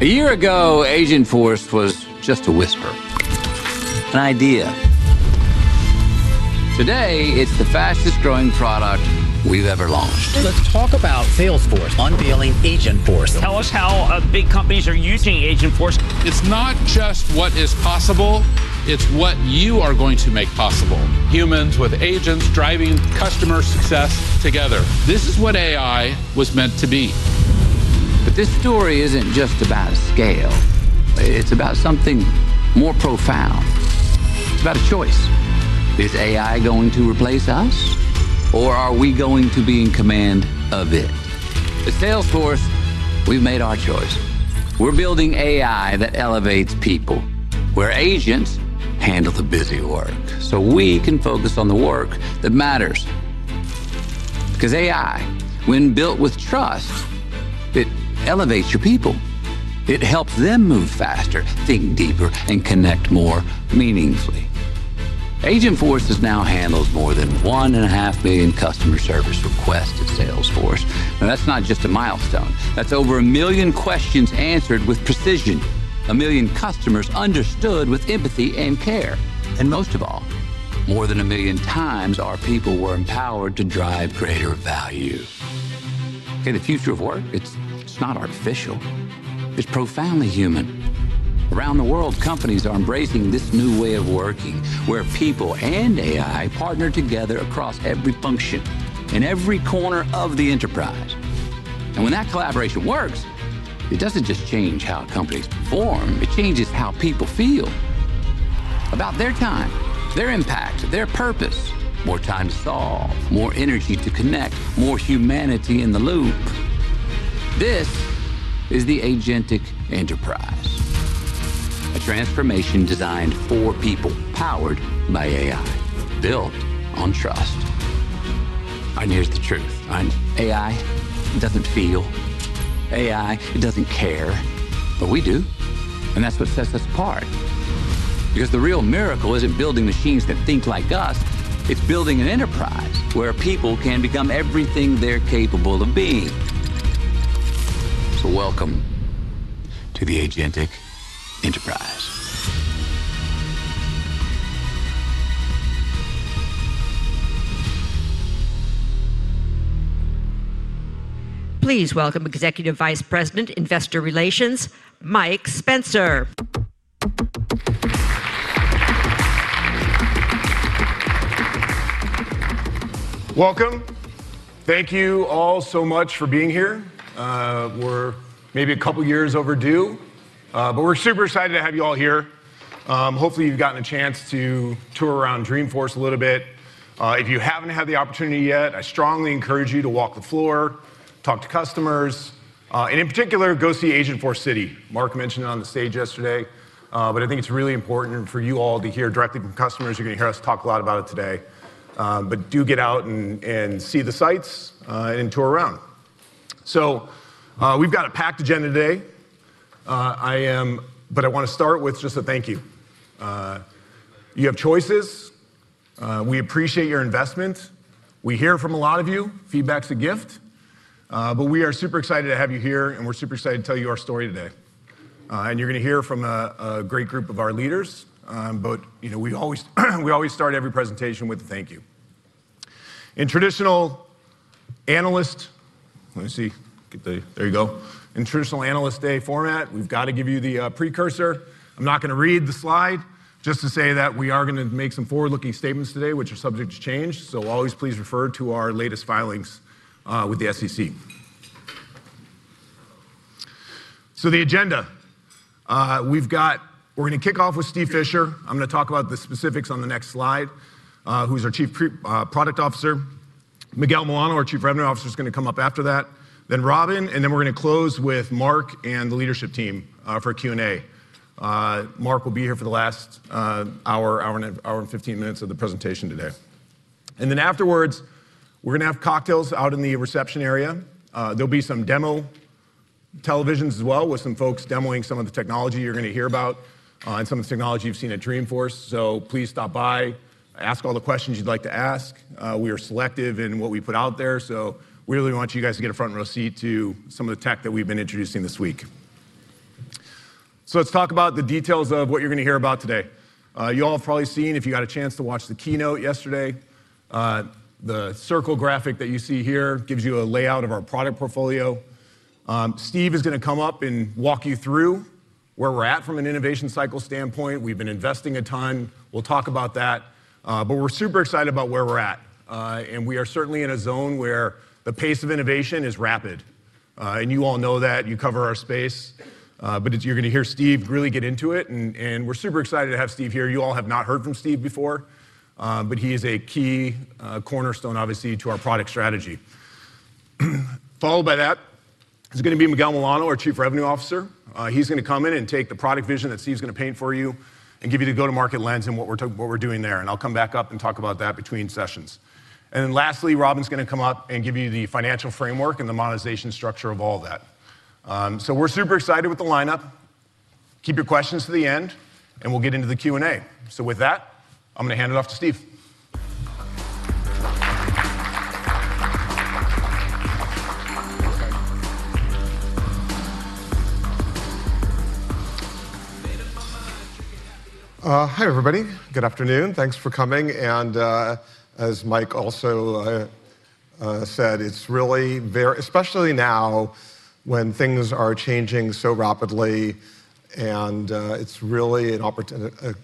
Agentforce is a growing business. A year ago, Agentforce was just a whisper, an idea. Today, it's the fastest growing product we've ever launched. Let's talk about Salesforce unveiling Agentforce. Tell us how big companies are using Agentforce. It's not just what is possible. It's what you are going to make possible. Humans with agents driving customer success together. This is what AI was meant to be. This story isn't just about scale. It's about something more profound. It's about a choice. Is AI going to replace us? Are we going to be in command of it? At Salesforce, we've made our choice. We're building AI that elevates people, where agents handle the busy work so we can focus on the work that matters. Because AI, when built with trust, elevates your people. It helps them move faster, think deeper, and connect more meaningfully. Agentforce has now handled more than 1.5 million customer service requests at Salesforce. That's not just a milestone. That's over a million questions answered with precision, a million customers understood with empathy and care. Most of all, more than a million times, our people were empowered to drive greater value. In the future of work, it's not artificial. It's profoundly human. Around the world, companies are embracing this new way of working, where people and AI partner together across every function, in every corner of the enterprise. When that collaboration works, it doesn't just change how companies perform. It changes how people feel about their time, their impact, their purpose. More time to solve, more energy to connect, more humanity in the loop. This is the agentic enterprise, a transformation designed for people, powered by AI, built on trust. Here's the truth. AI doesn't feel. AI doesn't care. We do. That's what sets us apart. The real miracle isn't building machines that think like us. It's building an enterprise where people can become everything they're capable of being. Welcome to the agentic enterprise. Please welcome Executive Vice President, Investor Relations, Mike Spencer. Welcome. Thank you all so much for being here. We're maybe a couple of years overdue, but we're super excited to have you all here. Hopefully, you've gotten a chance to tour around Dreamforce a little bit. If you haven't had the opportunity yet, I strongly encourage you to walk the floor, talk to customers, and in particular, go see Agentforce City. Marc mentioned it on the stage yesterday. I think it's really important for you all to hear directly from customers. You're going to hear us talk a lot about it today. Do get out and see the sites and tour around. We've got a packed agenda today, but I want to start with just a thank you. You have choices. We appreciate your investment. We hear from a lot of you. Feedback's a gift. We are super excited to have you here, and we're super excited to tell you our story today. You're going to hear from a great group of our leaders. We always start every presentation with a thank you. In traditional analyst day format, we've got to give you the precursor. I'm not going to read the slide, just to say that we are going to make some forward-looking statements today, which are subject to change. Always please refer to our latest filings with the SEC. The agenda: we're going to kick off with Steve Fisher. I'm going to talk about the specifics on the next slide, who is our Chief Product Officer. Miguel Milano, our Chief Revenue Officer, is going to come up after that. Then Robin. We're going to close with Marc and the leadership team for a Q&A. Marc will be here for the last hour, 1 hour and 15 minutes of the presentation today. Afterwards, we're going to have cocktails out in the reception area. There'll be some demo televisions as well, with some folks demoing some of the technology you're going to hear about and some of the technology you've seen at Dreamforce. Please stop by, ask all the questions you'd like to ask. We are selective in what we put out there. We really want you guys to get a front row seat to some of the tech that we've been introducing this week. Let's talk about the details of what you're going to hear about today. You all have probably seen, if you got a chance to watch the Keynote yesterday, the circle graphic that you see here gives you a layout of our product portfolio. Steve is going to come up and walk you through where we're at from an innovation cycle standpoint. We've been investing a ton. We'll talk about that. We are super excited about where we're at. We are certainly in a zone where the pace of innovation is rapid. You all know that. You cover our space. You're going to hear Steve really get into it. We are super excited to have Steve here. You all have not heard from Steve before. He is a key cornerstone, obviously, to our product strategy. Following that is going to be Miguel Milano, our Chief Revenue Officer. He's going to come in and take the product vision that Steve's going to paint for you and give you the go-to-market lens in what we're doing there. I'll come back up and talk about that between sessions. Lastly, Robin's going to come up and give you the financial framework and the monetization structure of all of that. We are super excited with the lineup. Keep your questions to the end. We'll get into the Q&A. With that, I'm going to hand it off to Steve. Hi, everybody. Good afternoon. Thanks for coming. As Mike also said, it's really very, especially now when things are changing so rapidly, it's really a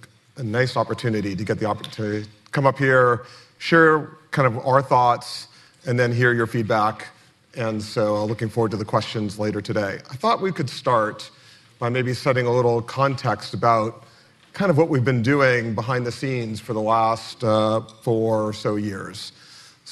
nice opportunity to get the opportunity to come up here, share kind of our thoughts, and then hear your feedback. Looking forward to the questions later today. I thought we could start by maybe setting a little context about kind of what we've been doing behind the scenes for the last four or so years.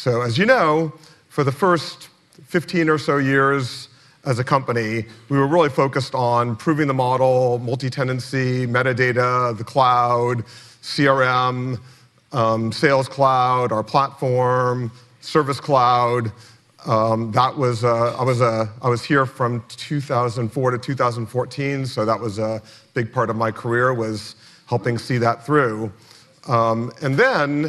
As you know, for the first 15 or so years as a company, we were really focused on proving the model, multi-tenancy, metadata, the cloud, CRM, Sales Cloud, our platform, Service Cloud. I was here from 2004 2014. That was a big part of my career, was helping see that through. That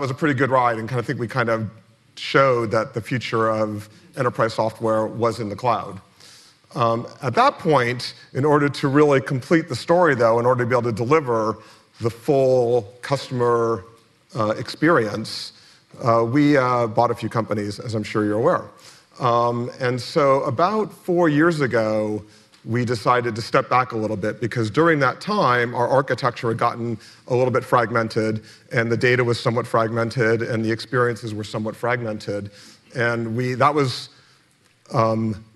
was a pretty good ride. I think we kind of showed that the future of enterprise software was in the cloud. At that point, in order to really complete the story, in order to be able to deliver the full customer experience, we bought a few companies, as I'm sure you're aware. About four years ago, we decided to step back a little bit. During that time, our architecture had gotten a little bit fragmented. The data was somewhat fragmented. The experiences were somewhat fragmented. That was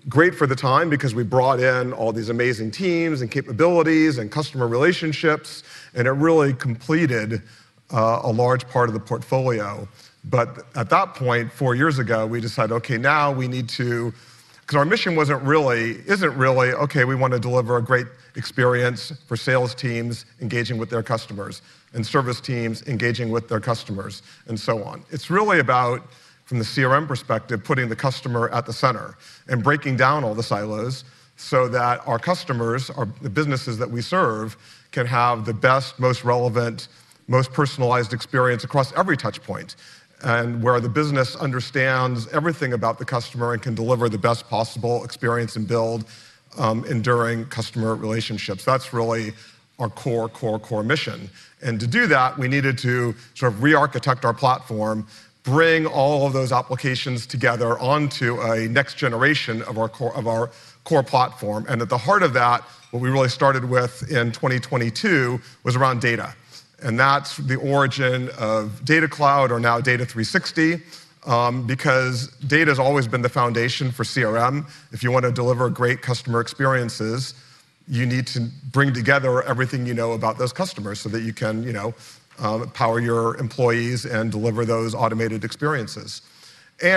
great for the time because we brought in all these amazing teams and capabilities and customer relationships. It really completed a large part of the portfolio. At that point, four years ago, we decided, Okay, now we need to, because our mission isn't really, Okay, we want to deliver a great experience for sales teams engaging with their customers and service teams engaging with their customers and so on. It's really about, from the CRM perspective, putting the customer at the center and breaking down all the silos so that our customers, the businesses that we serve, can have the best, most relevant, most personalized experience across every touchpoint, and where the business understands everything about the customer and can deliver the best possible experience and build enduring customer relationships. That's really our core, core, core mission. To do that, we needed to sort of re-architect our platform, bring all of those applications together onto a next generation of our core platform. At the heart of that, what we really started with in 2022 was around data. That's the origin of Data Cloud, or now Data 360. Data has always been the foundation for CRM. If you want to deliver great customer experiences, you need to bring together everything you know about those customers so that you can power your employees and deliver those automated experiences.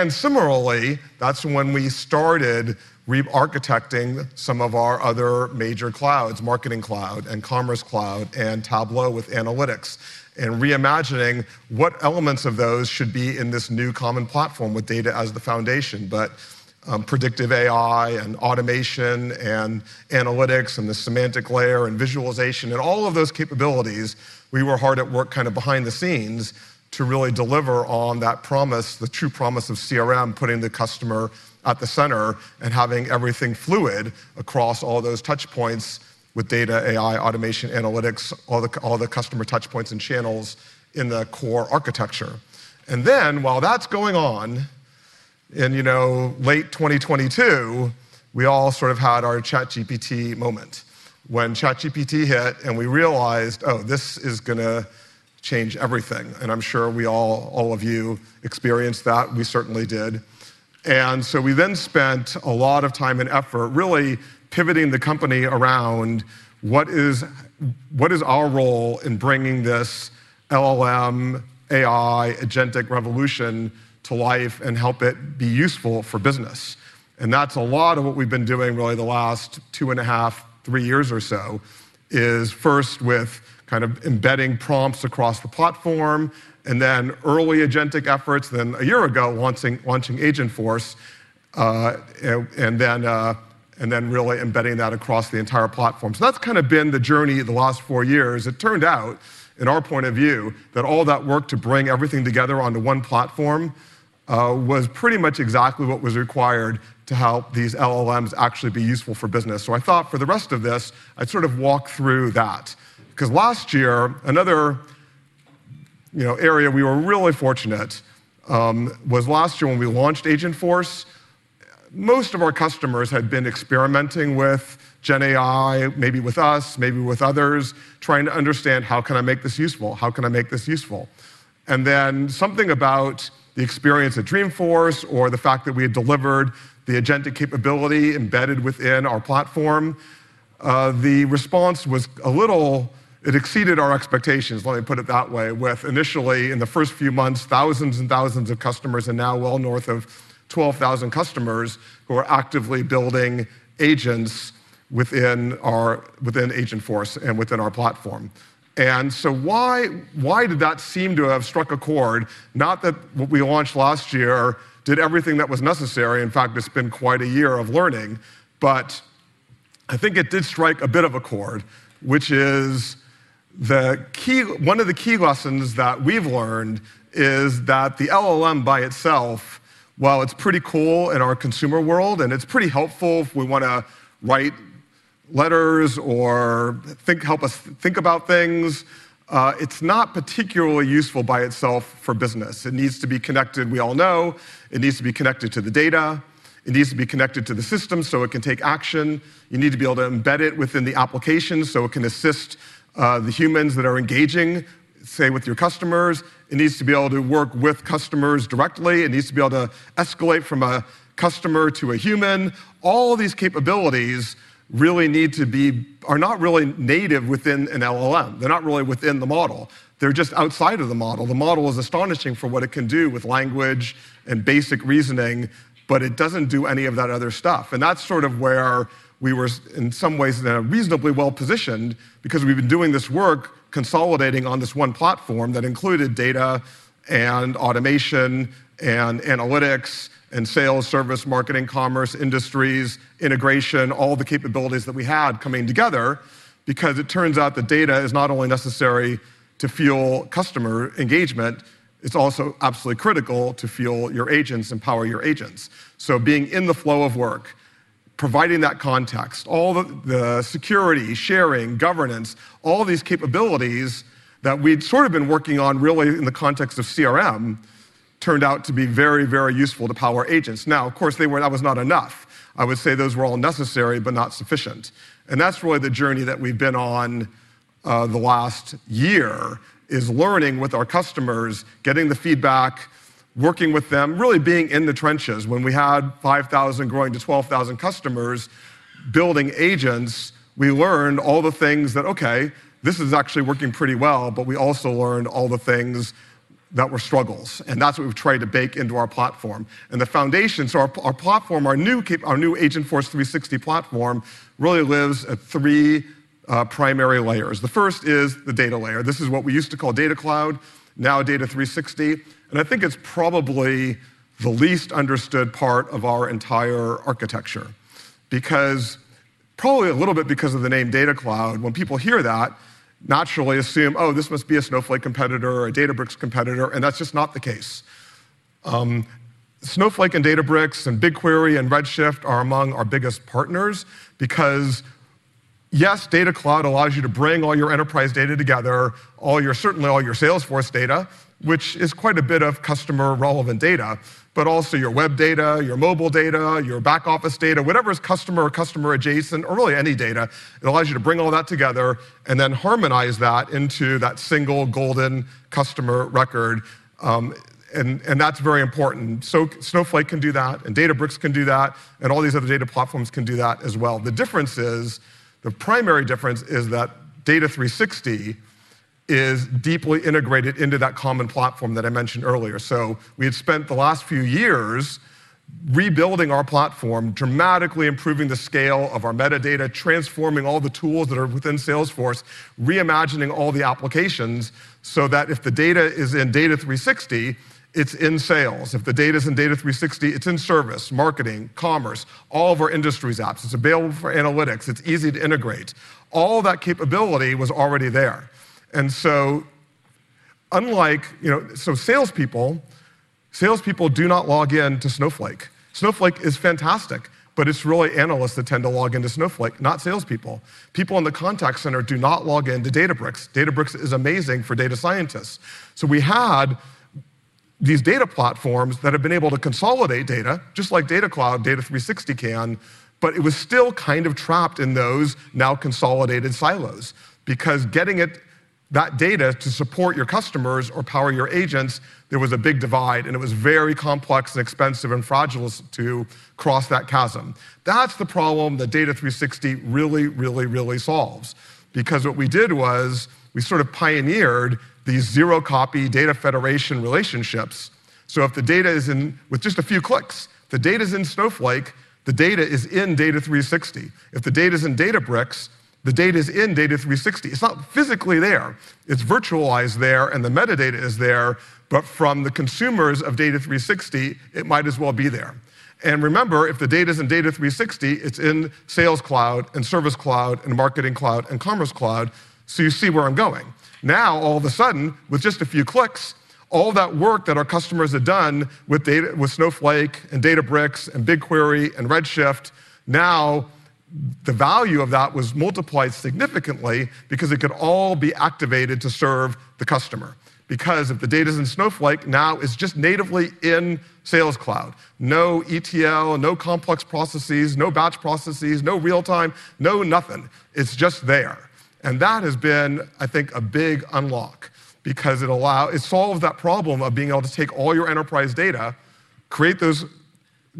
Similarly, that's when we started re-architecting some of our other major clouds, Marketing Cloud and Commerce Cloud and Tableau with analytics, and reimagining what elements of those should be in this new common platform with data as the foundation. Predictive AI and automation and analytics and the semantic layer and visualization and all of those capabilities, we were hard at work behind the scenes to really deliver on that promise, the true promise of CRM, putting the customer at the center and having everything fluid across all those touchpoints with data, AI, automation, analytics, all the customer touchpoints and channels in the core architecture. While that's going on, in late 2022, we all sort of had our ChatGPT moment, when ChatGPT hit and we realized, oh, this is going to change everything. I'm sure all of you experienced that. We certainly did. We then spent a lot of time and effort really pivoting the company around what is our role in bringing this LLM, AI, agentic revolution to life and help it be useful for business. That's a lot of what we've been doing really the last 2.5 years, 3 years or so, first with embedding prompts across the platform, and then early agentic efforts, then a year ago launching Agentforce, and then really embedding that across the entire platform. That's been the journey the last four years. It turned out, in our point of view, that all that work to bring everything together onto one platform was pretty much exactly what was required to help these LLMs actually be useful for business. I thought for the rest of this, I'd walk through that. Last year, another area we were really fortunate was last year when we launched Agentforce, most of our customers had been experimenting with Gen AI, maybe with us, maybe with others, trying to understand how can I make this useful? How can I make this useful? Something about the experience at Dreamforce or the fact that we had delivered the agentic capability embedded within our platform, the response was a little, it exceeded our expectations, let me put it that way, with initially, in the first few months, thousands and thousands of customers, and now well north of 12,000 customers who are actively building agents within Agentforce and within our platform. Why did that seem to have struck a chord? Not that what we launched last year did everything that was necessary. In fact, it's been quite a year of learning. I think it did strike a bit of a chord, which is one of the key lessons that we've learned is that the LLM by itself, while it's pretty cool in our consumer world and it's pretty helpful if we want to write letters or help us think about things, it's not particularly useful by itself for business. It needs to be connected, we all know. It needs to be connected to the data. It needs to be connected to the system so it can take action. You need to be able to embed it within the application so it can assist the humans that are engaging, say, with your customers. It needs to be able to work with customers directly. It needs to be able to escalate from a customer to a human. All of these capabilities really need to be not really native within an LLM. They're not really within the model. They're just outside of the model. The model is astonishing for what it can do with language and basic reasoning. It doesn't do any of that other stuff. That's sort of where we were, in some ways, reasonably well positioned. We've been doing this work, consolidating on this one platform that included data and automation and analytics and sales, service, marketing, commerce, industries, integration, all the capabilities that we had coming together. It turns out that data is not only necessary to fuel customer engagement, it's also absolutely critical to fuel your agents and power your agents. Being in the flow of work, providing that context, all the security, sharing, governance, all these capabilities that we'd sort of been working on really in the context of CRM turned out to be very, very useful to power agents. Of course, that was not enough. I would say those were all necessary, but not sufficient. That's really the journey that we've been on the last year, is learning with our customers, getting the feedback, working with them, really being in the trenches. When we had 5,000 growing to 12,000 customers building agents, we learned all the things that, Okay, this is actually working pretty well. We also learned all the things that were struggles. That's what we've tried to bake into our platform. The foundation, so our platform, our new Agentforce 360 platform really lives at three primary layers. The first is the data layer. This is what we used to call Data Cloud, now Data 360. I think it's probably the least understood part of our entire architecture, probably a little bit because of the name Data Cloud. When people hear that, they naturally assume, oh, this must be a Snowflake competitor or a Databricks competitor. That's just not the case. Snowflake and Databricks and BigQuery and Redshift are among our biggest partners. Yes, Data Cloud allows you to bring all your enterprise data together, certainly all your Salesforce data, which is quite a bit of customer relevant data, but also your web data, your mobile data, your back office data, whatever is customer or customer adjacent, or really any data. It allows you to bring all that together and then harmonize that into that single golden customer record. That's very important. Snowflake can do that. Databricks can do that. All these other data platforms can do that as well. The primary difference is that Data 360 is deeply integrated into that common platform that I mentioned earlier. We had spent the last few years rebuilding our platform, dramatically improving the scale of our metadata, transforming all the tools that are within Salesforce, reimagining all the applications so that if the data is in Data 360, it's in sales. If the data is in Data 360, it's in service, marketing, commerce, all of our industries apps. It's available for analytics. It's easy to integrate. All of that capability was already there. Salespeople do not log in to Snowflake. Snowflake is fantastic, but it's really analysts that tend to log into Snowflake, not salespeople. People in the contact center do not log into Databricks. Databricks is amazing for data scientists. We had these data platforms that have been able to consolidate data, just like Data Cloud, Data 360 can. It was still kind of trapped in those now consolidated silos. Getting that data to support your customers or power your agents, there was a big divide. It was very complex and expensive and fragile to cross that chasm. That's the problem that Data 360 really, really, really solves. Because what we did was we sort of pioneered these zero-copy data federation relationships. If the data is in, with just a few clicks, the data is in Snowflake, the data is in Data 360. If the data is in Databricks, the data is in Data 360. It's not physically there. It's virtualized there. The metadata is there. From the consumers of Data 360, it might as well be there. Remember, if the data is in Data 360, it's in Sales Cloud and Service Cloud and Marketing Cloud and Commerce Cloud. You see where I'm going. Now, all of a sudden, with just a few clicks, all that work that our customers had done with Snowflake and Databricks and BigQuery and Redshift, now the value of that was multiplied significantly because it could all be activated to serve the customer. If the data is in Snowflake, now it's just natively in Sales Cloud. No ETL, no complex processes, no batch processes, no real-time, no nothing. It's just there. That has been, I think, a big unlock because it solves that problem of being able to take all your enterprise data, create those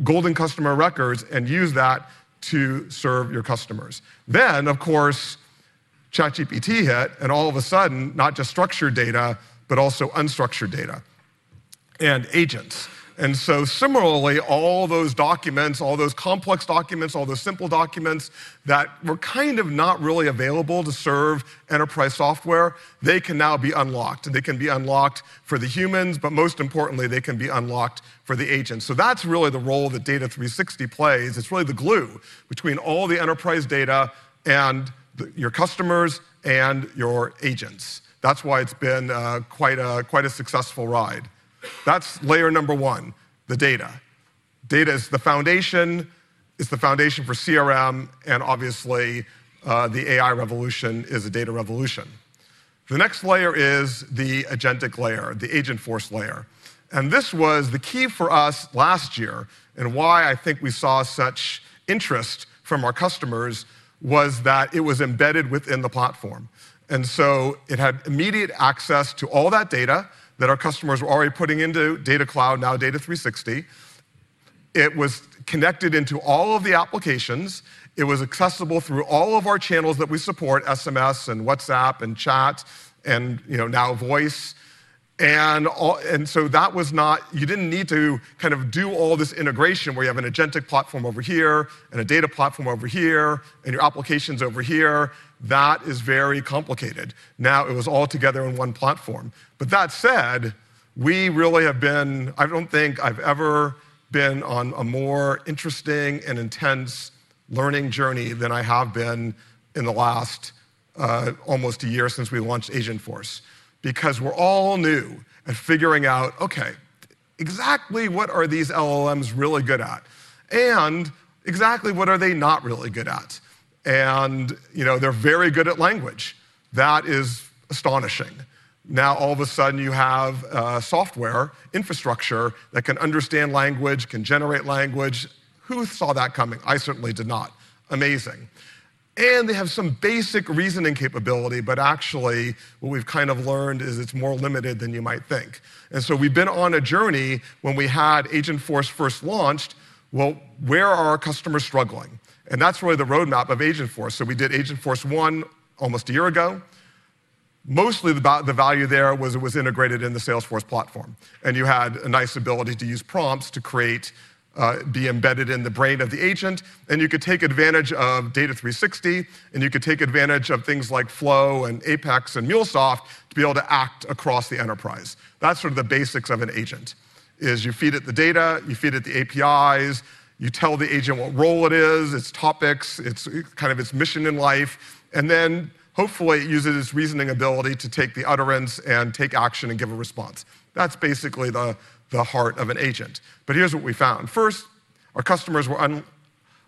golden customer records, and use that to serve your customers. Of course, ChatGPT hit. All of a sudden, not just structured data, but also unstructured data and agents. Similarly, all those documents, all those complex documents, all those simple documents that were kind of not really available to serve enterprise software, they can now be unlocked. They can be unlocked for the humans. Most importantly, they can be unlocked for the agents. That's really the role that Data 360 plays. It's really the glue between all the enterprise data and your customers and your agents. That's why it's been quite a successful ride. That's layer number one, the data. Data is the foundation. It's the foundation for CRM. Obviously, the AI revolution is a data revolution. The next layer is the agentic layer, the Agentforce layer. This was the key for us last year and why I think we saw such interest from our customers was that it was embedded within the platform. It had immediate access to all that data that our customers were already putting into Data Cloud, now Data 360. It was connected into all of the applications. It was accessible through all of our channels that we support, SMS and WhatsApp and chat and now voice. That was not, you didn't need to kind of do all this integration where you have an agentic platform over here and a data platform over here and your applications over here. That is very complicated. Now it was all together in one platform. That said, we really have been, I don't think I've ever been on a more interesting and intense learning journey than I have been in the last almost a year since we launched Agentforce. We're all new at figuring out, Okay, exactly what are these LLMs really good at? Exactly what are they not really good at? They're very good at language. That is astonishing. Now all of a sudden, you have software infrastructure that can understand language, can generate language. Who saw that coming? I certainly did not. Amazing. They have some basic reasoning capability. What we've kind of learned is it's more limited than you might think. We've been on a journey when we had Agentforce first launched. Where are our customers struggling? That's really the roadmap of Agentforce. We did Agentforce 1 almost a year ago. Mostly the value there was it was integrated in the Salesforce platform. You had a nice ability to use prompts to be embedded in the brain of the agent. You could take advantage of Data 360. You could take advantage of things like Flow and Apex and MuleSoft to be able to act across the enterprise. That's sort of the basics of an agent, you feed it the data. You feed it the APIs. You tell the agent what role it is, its topics, kind of its mission in life. Hopefully, it uses its reasoning ability to take the utterance and take action and give a response. That's basically the heart of an agent. Here's what we found. First, our customers were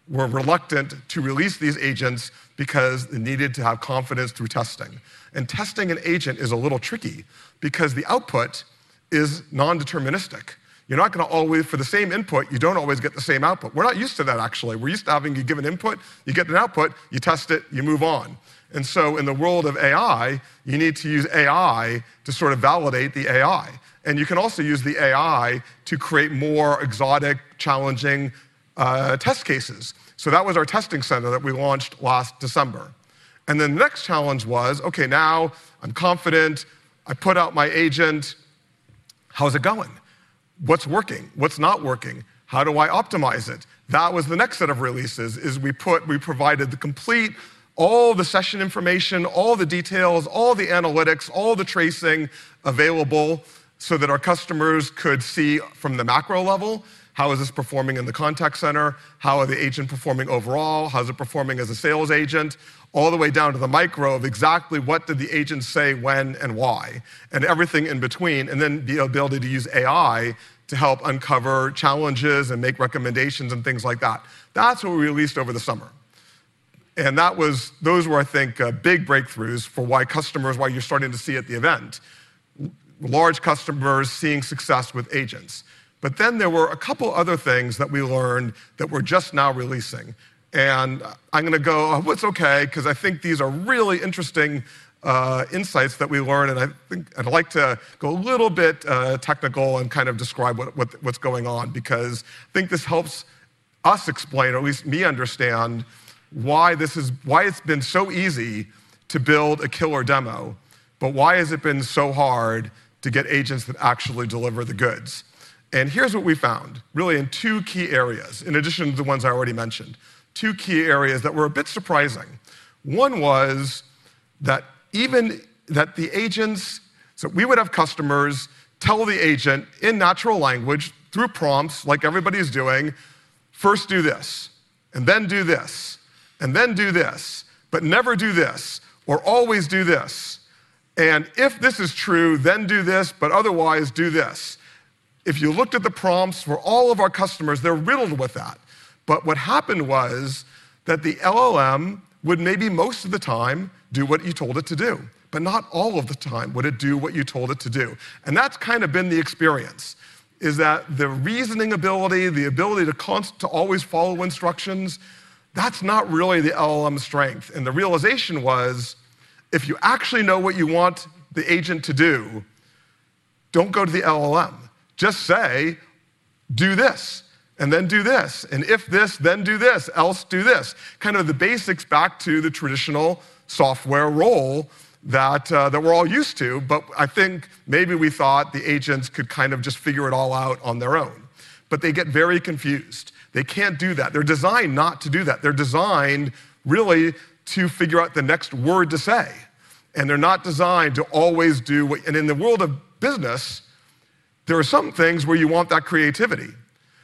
reluctant to release these agents because they needed to have confidence through testing. Testing an agent is a little tricky because the output is nondeterministic. You're not going to always, for the same input, you don't always get the same output. We're not used to that, actually. We're used to having you give an input, you get an output, you test it, you move on. In the world of AI, you need to use AI to sort of validate the AI. You can also use the AI to create more exotic, challenging test cases. That was our testing center that we launched last December. The next challenge was, Okay, now I'm confident. I put out my agent. How's it going? What's working? What's not working? How do I optimize it? That was the next set of releases, as we provided the complete, all the session information, all the details, all the analytics, all the tracing available so that our customers could see from the macro level, how is this performing in the contact center? How are the agents performing overall? How is it performing as a sales agent? All the way down to the micro of exactly what did the agent say when and why, and everything in between. Then the ability to use AI to help uncover challenges and make recommendations and things like that. That's what we released over the summer. Those were, I think, big breakthroughs for why customers, why you're starting to see at the event, large customers seeing success with agents. There were a couple of other things that we learned that we're just now releasing. I'm going to go, oh, it's Okay, because I think these are really interesting insights that we learned. I'd like to go a little bit technical and kind of describe what's going on, because I think this helps us explain, or at least me understand, why it's been so easy to build a killer demo, but why has it been so hard to get agents that actually deliver the goods? Here's what we found, really in two key areas, in addition to the ones I already mentioned, two key areas that were a bit surprising. One was that even that the agents, so we would have customers tell the agent in natural language through prompts, like everybody's doing, first do this, and then do this, and then do this, but never do this, or always do this. If this is true, then do this, but otherwise, do this. If you looked at the prompts for all of our customers, they're riddled with that. What happened was that the LLM would maybe most of the time do what you told it to do, but not all of the time would it do what you told it to do. That's kind of been the experience, that the reasoning ability, the ability to always follow instructions, that's not really the LLM's strength. The realization was, if you actually know what you want the agent to do, don't go to the LLM. Just say, do this, and then do this. If this, then do this. Else, do this. Kind of the basics back to the traditional software role that we're all used to. I think maybe we thought the agents could kind of just figure it all out on their own, but they get very confused. They can't do that. They're designed not to do that. They're designed really to figure out the next word to say. They're not designed to always do what you want. In the world of business, there are some things where you want that creativity,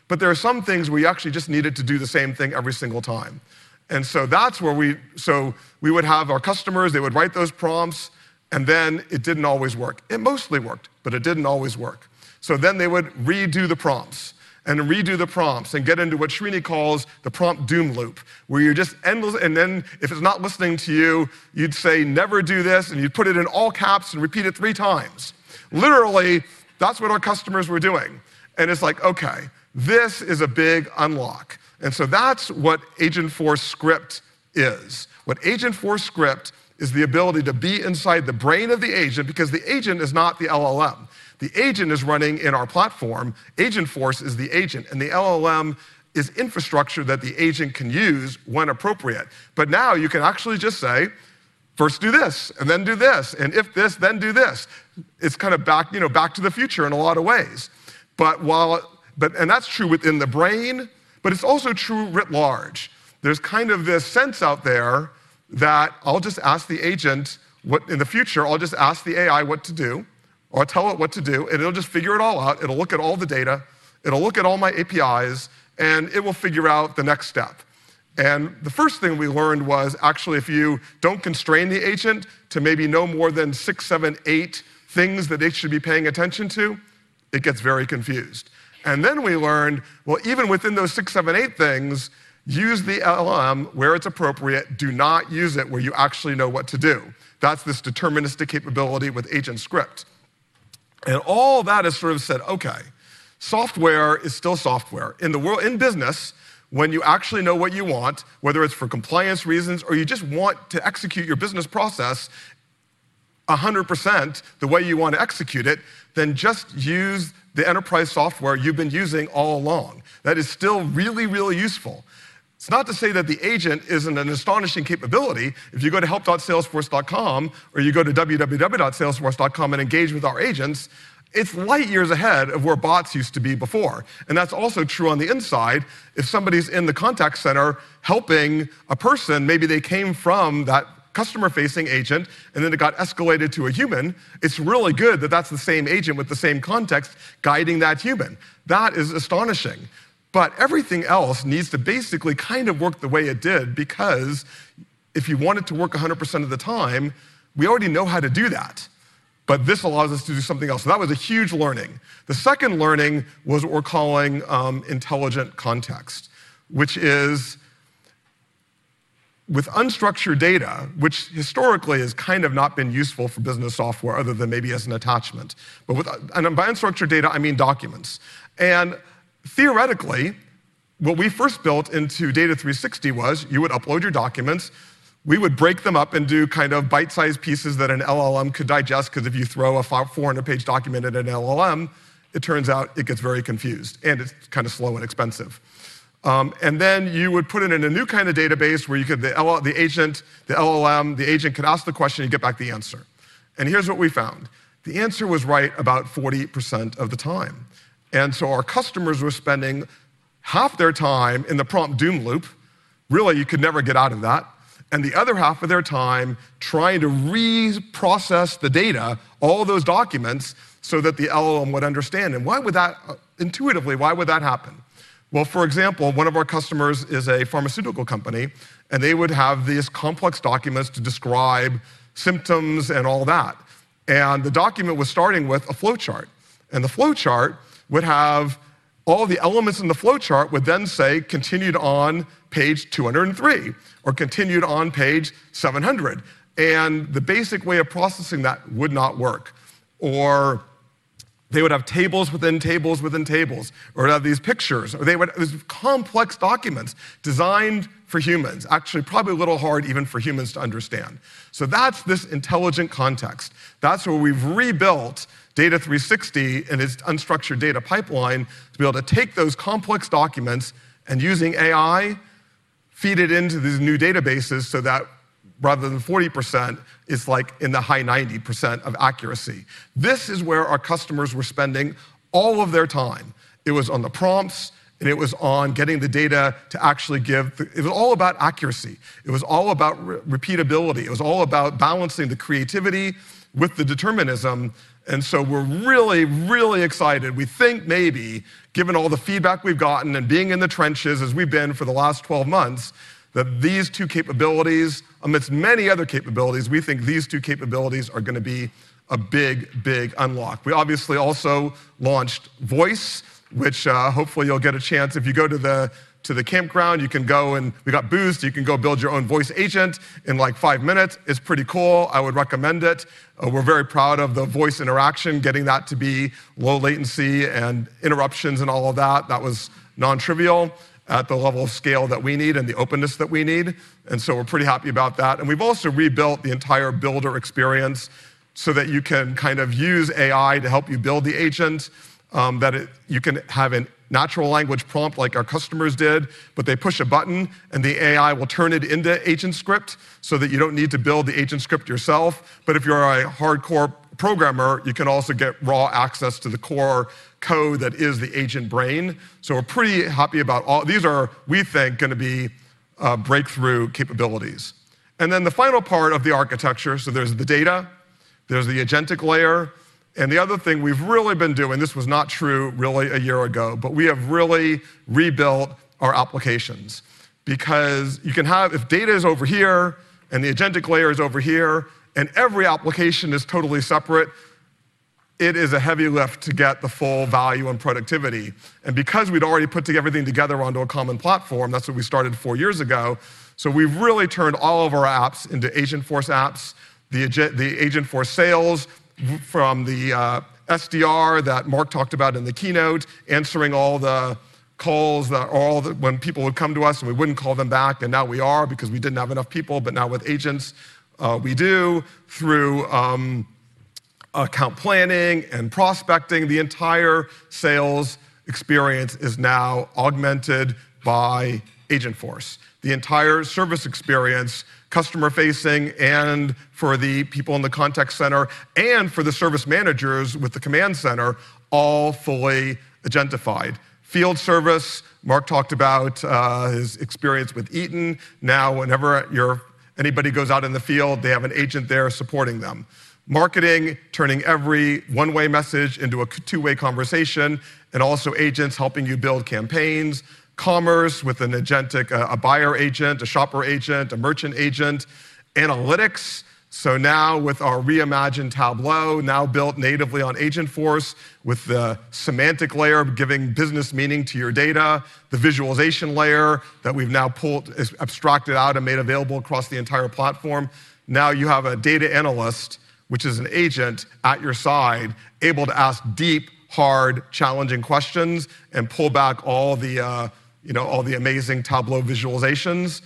but there are some things where you actually just need it to do the same thing every single time. That's where we would have our customers write those prompts. It didn't always work. It mostly worked, but it didn't always work. They would redo the prompts and redo the prompts and get into what Srini calls the prompt doom loop, where you just endlessly, and then if it's not listening to you, you'd say, never do this, and you'd put it in all caps and repeat it three times. Literally, that's what our customers were doing. It's like, Okay, this is a big unlock. That's what Agentforce script is. Agentforce script is the ability to be inside the brain of the agent, because the agent is not the LLM. The agent is running in our platform. Agentforce is the agent, and the LLM is infrastructure that the agent can use when appropriate. Now you can actually just say, first do this, and then do this. If this, then do this. It's kind of back to the future in a lot of ways. While that's true within the brain, it's also true writ large. There's kind of this sense out there that I'll just ask the agent in the future, I'll just ask the AI what to do, or I'll tell it what to do, and it'll just figure it all out. It'll look at all the data, it'll look at all my APIs, and it will figure out the next step. The first thing we learned was, actually, if you don't constrain the agent to maybe no more than six, seven, eight things that it should be paying attention to, it gets very confused. We learned, even within those six, seven, eight things, use the LLM where it's appropriate. Do not use it where you actually know what to do. That's this deterministic capability with Agent Script. All of that has sort of said, Okay, software is still software. In the world, in business, when you actually know what you want, whether it's for compliance reasons or you just want to execute your business process 100% the way you want to execute it, then just use the enterprise software you've been using all along. That is still really, really useful. It's not to say that the agent isn't an astonishing capability. If you go to help.salesforce.com or you go to www.salesforce.com and engage with our agents, it's light years ahead of where bots used to be before. That's also true on the inside. If somebody's in the contact center helping a person, maybe they came from that customer-facing agent, and then it got escalated to a human, it's really good that that's the same agent with the same context guiding that human. That is astonishing. Everything else needs to basically kind of work the way it did. If you want it to work 100% of the time, we already know how to do that. This allows us to do something else. That was a huge learning. The second learning was what we're calling intelligent context, which is with unstructured data, which historically has kind of not been useful for business software other than maybe as an attachment. By unstructured data, I mean documents. Theoretically, what we first built into Data 360 was you would upload your documents. We would break them up into kind of bite-sized pieces that an LLM could digest. If you throw a 400-page document in an LLM, it turns out it gets very confused. It's kind of slow and expensive. Then you would put it in a new kind of database where the agent, the LLM, the agent could ask the question and get back the answer. Here's what we found. The answer was right about 40% of the time. Our customers were spending half their time in the prompt doom loop. Really, you could never get out of that. The other half of their time was trying to reprocess the data, all those documents, so that the LLM would understand. Intuitively, why would that happen? For example, one of our customers is a pharmaceutical company. They would have these complex documents to describe symptoms and all that. The document was starting with a flowchart. The flowchart would have all the elements in the flowchart would then say, continued on page 203 or continued on page 700. The basic way of processing that would not work. They would have tables within tables within tables. They'd have these pictures. They would have these complex documents designed for humans, actually probably a little hard even for humans to understand. That's this intelligent context. That's where we've rebuilt Data 360 and its unstructured data pipeline to be able to take those complex documents and, using AI, feed it into these new databases so that rather than 40%, it's like in the high 90% of accuracy. This is where our customers were spending all of their time. It was on the prompts. It was on getting the data to actually give. It was all about accuracy. It was all about repeatability. It was all about balancing the creativity with the determinism. We're really, really excited. We think maybe, given all the feedback we've gotten and being in the trenches as we've been for the last 12 months, that these two capabilities, amidst many other capabilities, we think these two capabilities are going to be a big, big unlock. We obviously also launched Voice, which hopefully you'll get a chance. If you go to the campground, you can go, and we got boost. You can go build your own voice agent in like five minutes. It's pretty cool. I would recommend it. We're very proud of the voice interaction, getting that to be low latency and interruptions and all of that. That was non-trivial at the level of scale that we need and the openness that we need. We're pretty happy about that. We've also rebuilt the entire builder experience so that you can kind of use AI to help you build the agent, that you can have a natural language prompt like our customers did. They push a button, and the AI will turn it into Agent Script so that you don't need to build the Agent Script yourself. If you're a hardcore programmer, you can also get raw access to the core code that is the agent brain. We're pretty happy about these are, we think, going to be breakthrough capabilities. The final part of the architecture, so there's the data. There's the agentic layer. The other thing we've really been doing, this was not true really a year ago, but we have really rebuilt our applications. You can have, if data is over here and the agentic layer is over here and every application is totally separate, it is a heavy lift to get the full value and productivity. Because we'd already put everything together onto a common platform, that's what we started four years ago. We've really turned all of our apps into Agentforce apps, the Agentforce sales from the SDR that Marc talked about in the Keynote, answering all the calls or all the when people would come to us and we wouldn't call them back. We are because we didn't have enough people, but now with agents, we do. Through account planning and prospecting, the entire sales experience is now augmented by Agentforce. The entire service experience, customer-facing and for the people in the contact center and for the service managers with the command center, all fully agentified. Field Service, Marc talked about his experience with Eaton. Now whenever anybody goes out in the field, they have an agent there supporting them. Marketing, turning every one-way message into a two-way conversation, and also agents helping you build campaigns. Commerce with an agentic, a buyer agent, a shopper agent, a merchant agent. Analytics, so now with our reimagined Tableau, now built natively on Agentforce with the semantic layer giving business meaning to your data, the visualization layer that we've now pulled, abstracted out and made available across the entire platform. Now you have a data analyst, which is an agent at your side, able to ask deep, hard, challenging questions and pull back all the amazing Tableau visualizations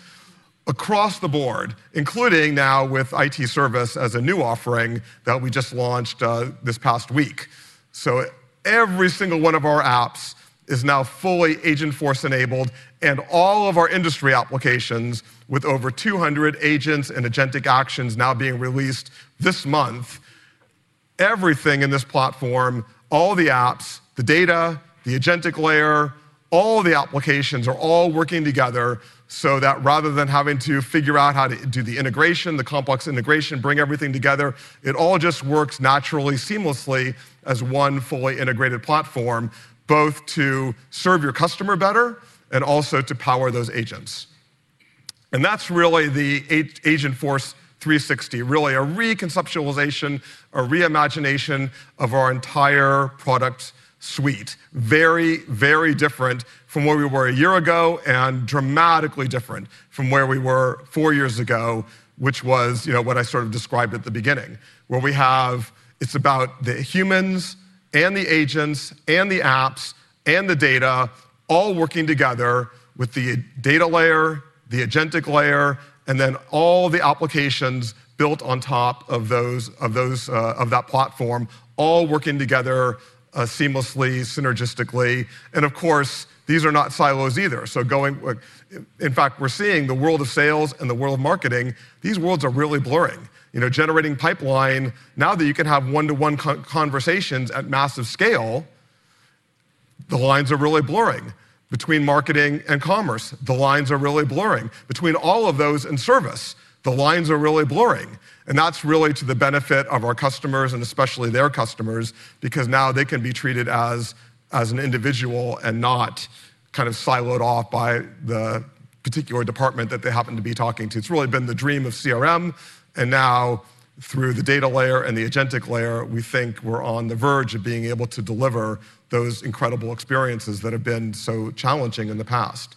across the board, including now with IT Service as a new offering that we just launched this past week. Every single one of our apps is now fully Agentforce enabled. All of our industry applications, with over 200 agents and agentic actions now being released this month, everything in this platform, all the apps, the data, the agentic layer, all the applications are all working together so that rather than having to figure out how to do the integration, the complex integration, bring everything together, it all just works naturally, seamlessly as one fully integrated platform, both to serve your customer better and also to power those agents. That's really the Agentforce 360, really a reconceptualization, a reimagination of our entire product suite. Very, very different from where we were a year ago and dramatically different from where we were four years ago, which was what I sort of described at the beginning, where we have, it's about the humans and the agents and the apps and the data all working together with the data layer, the agentic layer, and then all the applications built on top of that platform, all working together seamlessly, synergistically. These are not silos either. In fact, we're seeing the world of sales and the world of marketing, these worlds are really blurring. Generating pipeline, now that you can have one-to-one conversations at massive scale, the lines are really blurring between marketing and commerce, the lines are really blurring between all of those in service, the lines are really blurring. That's really to the benefit of our customers and especially their customers, because now they can be treated as an individual and not kind of siloed off by the particular department that they happen to be talking to. It's really been the dream of CRM. Now through the data layer and the agentic layer, we think we're on the verge of being able to deliver those incredible experiences that have been so challenging in the past.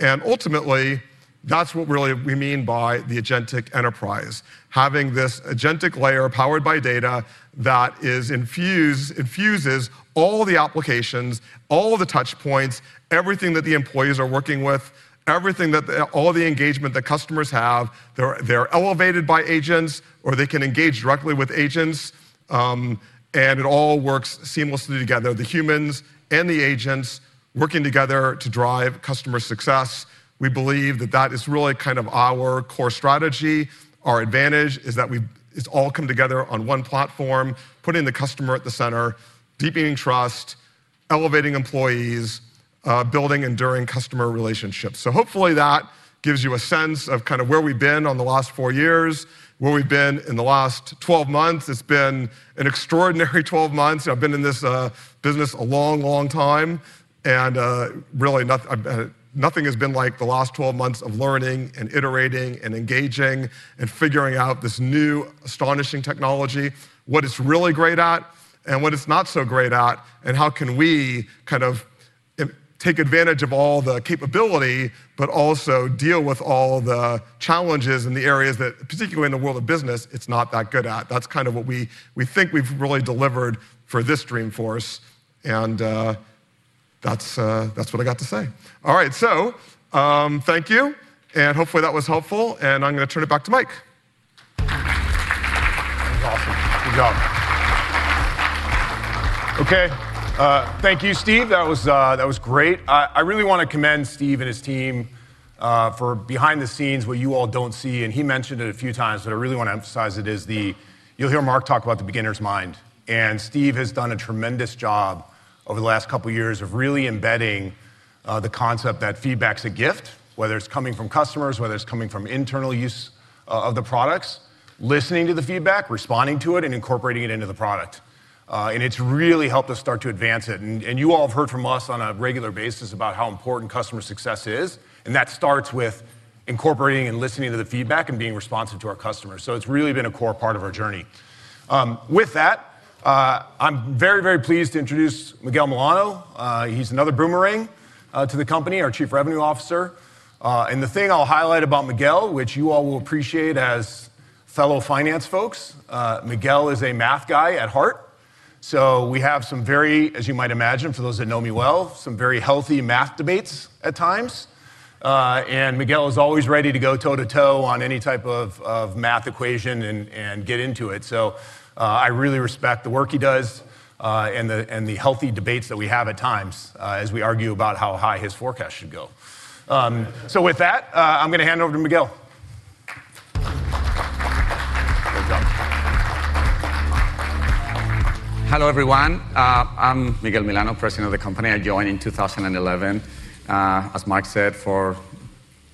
Ultimately, that's what we really mean by the agentic enterprise, having this agentic layer powered by data that infuses all the applications, all the touchpoints, everything that the employees are working with, all the engagement that customers have. They're elevated by agents, or they can engage directly with agents, and it all works seamlessly together, the humans and the agents working together to drive customer success. We believe that that is really kind of our core strategy. Our advantage is that it's all come together on one platform, putting the customer at the center, deepening trust, elevating employees, building enduring customer relationships. Hopefully, that gives you a sense of kind of where we've been on the last four years, where we've been in the last 12 months. It's been an extraordinary 12 months. I've been in this business a long, long time, and really, nothing has been like the last 12 months of learning and iterating and engaging and figuring out this new, astonishing technology, what it's really great at and what it's not so great at, and how can we kind of take advantage of all the capability, but also deal with all the challenges in the areas that, particularly in the world of business, it's not that good at. That's kind of what we think we've really delivered for this Dreamforce. That's what I got to say. All right. Thank you. Hopefully, that was helpful. I'm going to turn it back to Mike. That was awesome. Good job. Okay, thank you, Steve. That was great. I really want to commend Steve and his team for behind the scenes what you all don't see. He mentioned it a few times, but I really want to emphasize it is the, you'll hear Marc talk about the beginner's mind. Steve has done a tremendous job over the last couple of years of really embedding the concept that feedback's a gift, whether it's coming from customers, whether it's coming from internal use of the products, listening to the feedback, responding to it, and incorporating it into the product. It's really helped us start to advance it. You all have heard from us on a regular basis about how important customer success is. That starts with incorporating and listening to the feedback and being responsive to our customers. It's really been a core part of our journey. With that, I'm very, very pleased to introduce Miguel Milano. He's another boomerang to the company, our Chief Revenue Officer. The thing I'll highlight about Miguel, which you all will appreciate as fellow finance folks, Miguel is a math guy at heart. We have some very, as you might imagine, for those that know me well, some very healthy math debates at times. Miguel is always ready to go toe to toe on any type of math equation and get into it. I really respect the work he does and the healthy debates that we have at times as we argue about how high his forecast should go. With that, I'm going to hand over to Miguel. Great job. Hello, everyone. I'm Miguel Milano, President of the company. I joined in 2011. As Marc said,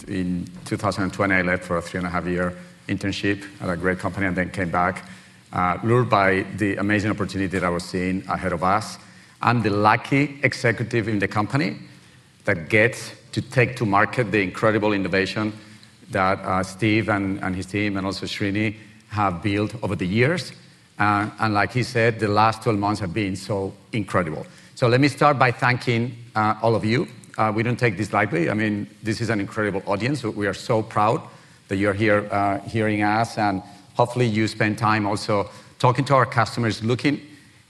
in 2020, I left for a 3.5 year internship at a great company and then came back, lured by the amazing opportunity that I was seeing ahead of us. I'm the lucky executive in the company that gets to take to market the incredible innovation that Steve and his team and also Srini have built over the years. Like he said, the last 12 months have been so incredible. Let me start by thanking all of you. We don't take this lightly. This is an incredible audience. We are so proud that you are here hearing us. Hopefully, you spend time also talking to our customers, looking,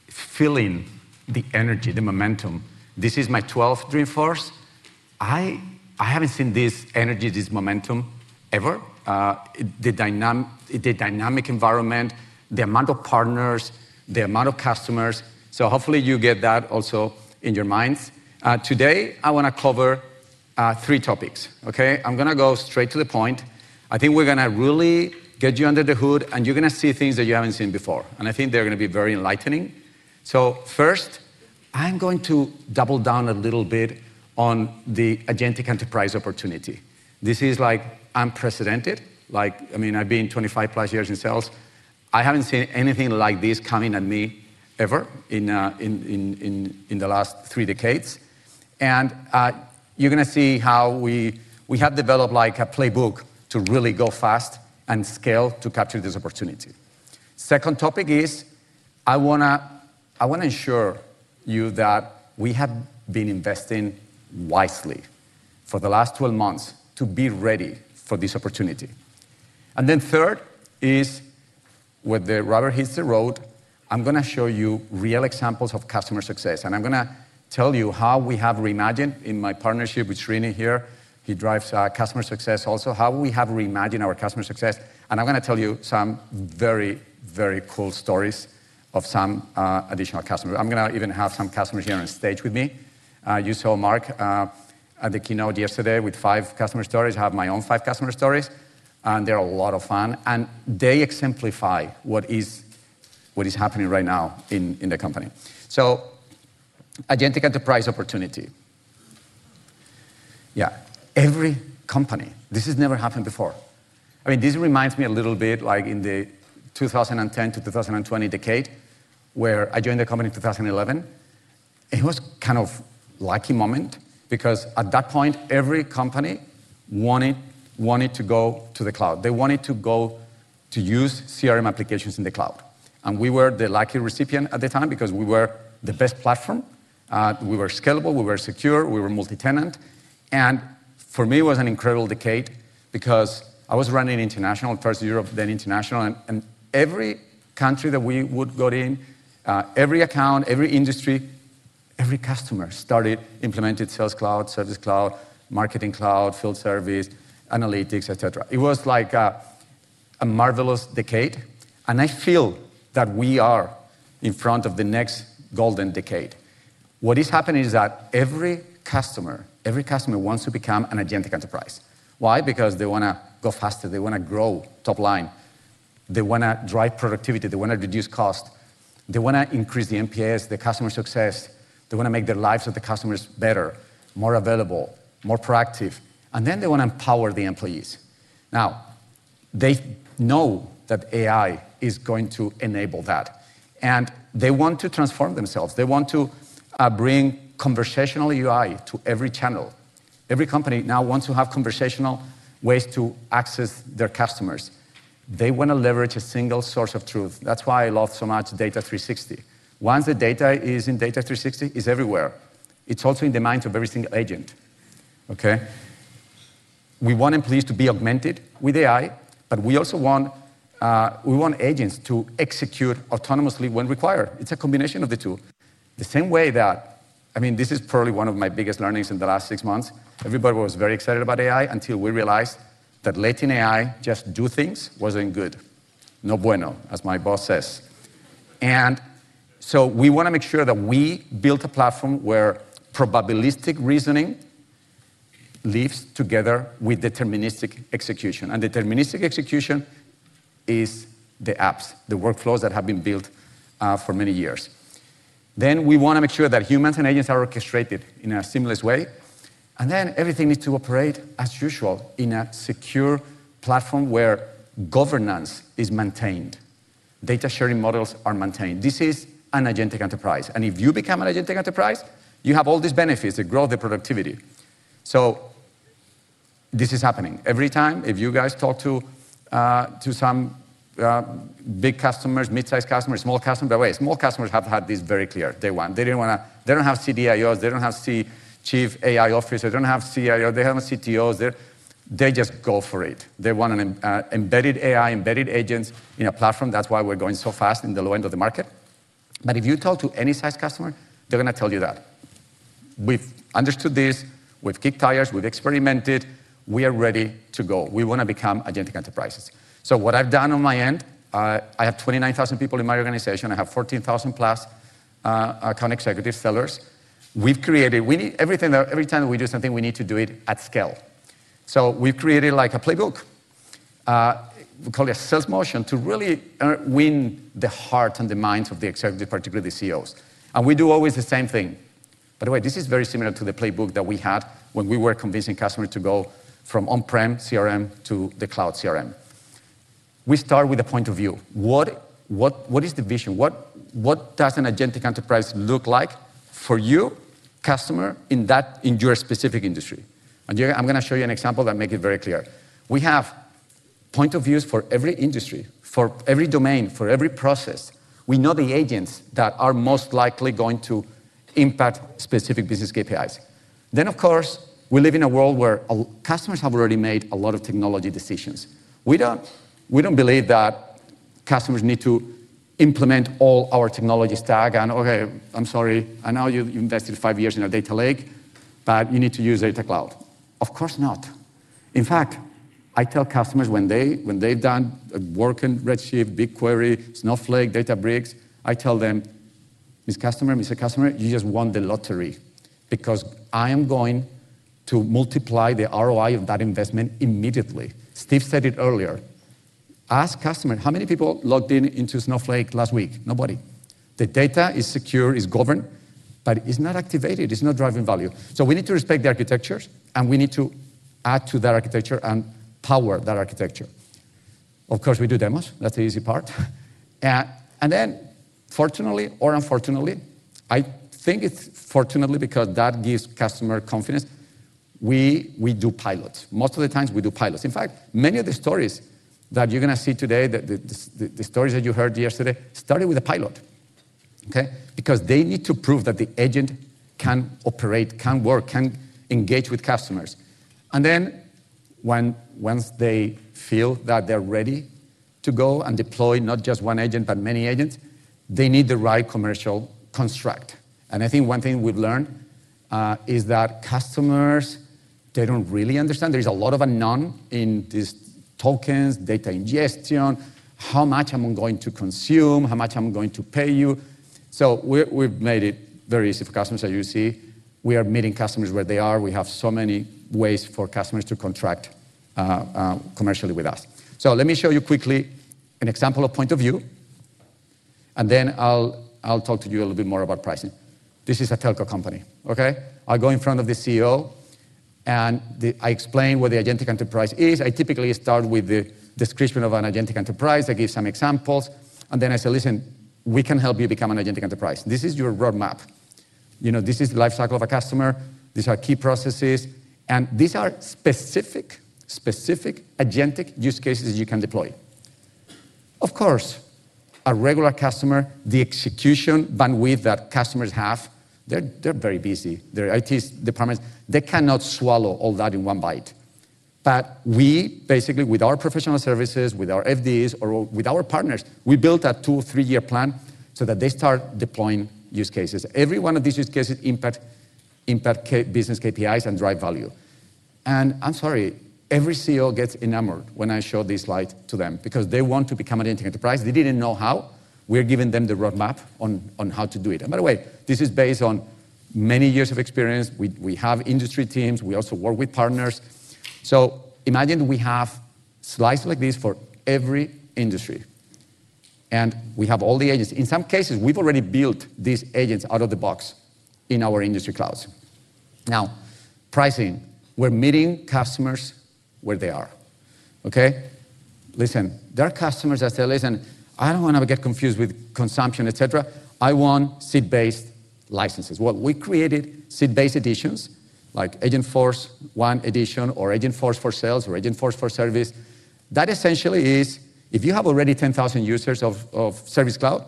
feeling the energy, the momentum. This is my 12th Dreamforce. I haven't seen this energy, this momentum ever, the dynamic environment, the amount of partners, the amount of customers. Hopefully, you get that also in your minds. Today, I want to cover three topics. Okay, I'm going to go straight to the point. I think we are going to really get you under the hood. You are going to see things that you haven't seen before. I think they are going to be very enlightening. First, I'm going to double down a little bit on the agentic enterprise opportunity. This is unprecedented. I've been 25+ years in sales. I haven't seen anything like this coming at me ever in the last three decades. You are going to see how we have developed a playbook to really go fast and scale to capture this opportunity. Second topic is I want to ensure you that we have been investing wisely for the last 12 months to be ready for this opportunity. Third is, with the Robert Hintze quote, I'm going to show you real examples of customer success. I'm going to tell you how we have reimagined in my partnership with Srini here. He drives customer success also. How we have reimagined our customer success. I'm going to tell you some very, very cool stories of some additional customers. I'm going to even have some customers here on stage with me. You saw Marc at the Keynote yesterday with five customer stories. I have my own five customer stories. They are a lot of fun. They exemplify what is happening right now in the company. Agentic enterprise opportunity. Every company, this has never happened before. This reminds me a little bit of the 2010 to 2020 decade where I joined the company in 2011. It was kind of a lucky moment. Because at that point, every company wanted to go to the cloud. They wanted to go to use CRM applications in the cloud. We were the lucky recipient at the time because we were the best platform. We were scalable, we were secure, we were multi-tenant. For me, it was an incredible decade because I was running International, first Europe, then International. Every country that we would go in, every account, every industry, every customer started implementing Sales Cloud, Service Cloud, Marketing Cloud, Field Service, Analytics, et cetera. It was like a marvelous decade. I feel that we are in front of the next golden decade. What is happening is that every customer, every customer wants to become an agentic enterprise. Why? Because they want to go faster, they want to grow top line, they want to drive productivity, they want to reduce cost, they want to increase the NPS, the customer success. They want to make the lives of the customers better, more available, more proactive. They want to empower the employees. Now, they know that AI is going to enable that. They want to transform themselves. They want to bring conversational UI to every channel. Every company now wants to have conversational ways to access their customers. They want to leverage a single source of truth. That's why I love so much Data 360. Once the data is in Data 360, it's everywhere. It's also in the minds of every single agent. We want employees to be augmented with AI, but we also want agents to execute autonomously when required. It's a combination of the two. This is probably one of my biggest learnings in the last six months. Everybody was very excited about AI until we realized that letting AI just do things wasn't good, no bueno, as my boss says. We want to make sure that we built a platform where probabilistic reasoning lives together with deterministic execution. Deterministic execution is the apps, the workflows that have been built for many years. We want to make sure that humans and agents are orchestrated in a seamless way. Everything needs to operate as usual in a secure platform where governance is maintained. Data sharing models are maintained. This is an agentic enterprise. If you become an agentic enterprise, you have all these benefits, the growth, the productivity. This is happening. Every time you guys talk to some big customers, mid-sized customers, small customers, by the way, small customers have had this very clear. They want, they don't have CIOs. They don't have Chief AI Officer. They don't have CIO. They don't have CTOs. They just go for it. They want embedded AI, embedded agents in a platform. That's why we're going so fast in the low end of the market. If you talk to any size customer, they're going to tell you that. We've understood this. We've kicked tires. We've experimented. We are ready to go. We want to become agentic enterprises. What I've done on my end, I have 29,000 people in my organization. I have 14,000 plus account executives, sellers. We've created, we need everything that every time we do something, we need to do it at scale. We've created like a playbook. We call it a sales motion to really win the hearts and the minds of the executives, particularly the CEOs. We do always the same thing. This is very similar to the playbook that we had when we were convincing customers to go from on-prem CRM to the cloud CRM. We start with a point of view. What is the vision? What does an agentic enterprise look like for you, customer, in your specific industry? I'm going to show you an example that makes it very clear. We have point of views for every industry, for every domain, for every process. We know the agents that are most likely going to impact specific business KPIs. Of course, we live in a world where customers have already made a lot of technology decisions. We don't believe that customers need to implement all our technology stack and, Okay, I'm sorry. I know you invested five years in a data lake. You need to use Data 360. Of course not. In fact, I tell customers when they've done work in Redshift, BigQuery, Snowflake, Databricks, I tell them, "Miss Customer, Mr. Customer, you just won the lottery." I am going to multiply the ROI of that investment immediately. Steve said it earlier. Ask customers, how many people logged in into Snowflake last week? Nobody. The data is secure, is governed. It's not activated. It's not driving value. We need to respect the architectures. We need to add to that architecture and power that architecture. Of course, we do demos. That's the easy part. Fortunately or unfortunately, I think it's fortunately because that gives customer confidence, we do pilots. Most of the times, we do pilots. In fact, many of the stories that you're going to see today, the stories that you heard yesterday, started with a pilot. Because they need to prove that the agent can operate, can work, can engage with customers. Once they feel that they're ready to go and deploy not just one agent, but many agents, they need the right commercial construct. I think one thing we've learned is that customers, they don't really understand. There is a lot of unknown in these tokens, data ingestion, how much am I going to consume, how much am I going to pay you. We've made it very easy for customers. As you see, we are meeting customers where they are. We have so many ways for customers to contract commercially with us. Let me show you quickly an example of point of view. Then I'll talk to you a little bit more about pricing. This is a telco company. I go in front of the CEO, and I explain what the agentic enterprise is. I typically start with the description of an agentic enterprise. I give some examples. I say, listen, we can help you become an agentic enterprise. This is your roadmap. This is the life cycle of a customer. These are key processes. These are specific, specific agentic use cases you can deploy. Of course, a regular customer, the execution bandwidth that customers have, they're very busy. Their IT departments, they cannot swallow all that in one bite. We basically, with our professional services, with our FDs, or with our partners, we built a two or three-year plan so that they start deploying use cases. Every one of these use cases impacts business KPIs and drives value. I'm sorry, every CEO gets enamored when I show this slide to them. They want to become an agentic enterprise. They didn't know how. We're giving them the roadmap on how to do it. By the way, this is based on many years of experience. We have industry teams. We also work with partners. Imagine we have slides like this for every industry. We have all the agents. In some cases, we've already built these agents out of the box in our industry clouds. Now, pricing, we're meeting customers where they are. There are customers that say, listen, I don't want to get confused with consumption, etc. I want seat-based licenses. We created seat-based editions, like Agentforce 1 Edition or Agentforce for Sales or Agentforce for Service. That essentially is, if you have already 10,000 users of Service Cloud,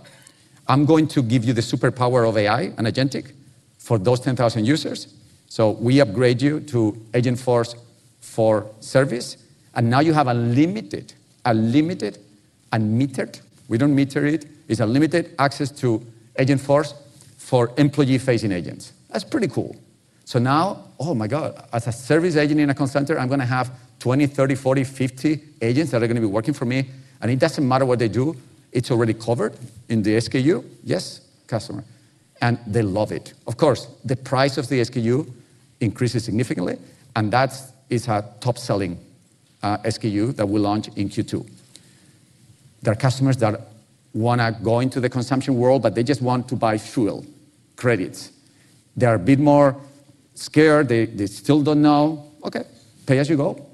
I'm going to give you the superpower of AI and agentic for those 10,000 users. We upgrade you to Agentforce for Service, and now you have unlimited, unlimited, unmetered. We don't meter it. It's unlimited access to Agentforce for employee-facing agents. That's pretty cool. Now, oh my god, as a service agent in a call center, I'm going to have 20, 30, 40, 50 agents that are going to be working for me. It doesn't matter what they do. It's already covered in the SKU. Yes, customer. They love it. Of course, the price of the SKU increases significantly, and that is a top-selling SKU that we launched in Q2. There are customers that want to go into the consumption world, but they just want to buy fuel, credits. They're a bit more scared. They still don't know. Okay, pay as you go.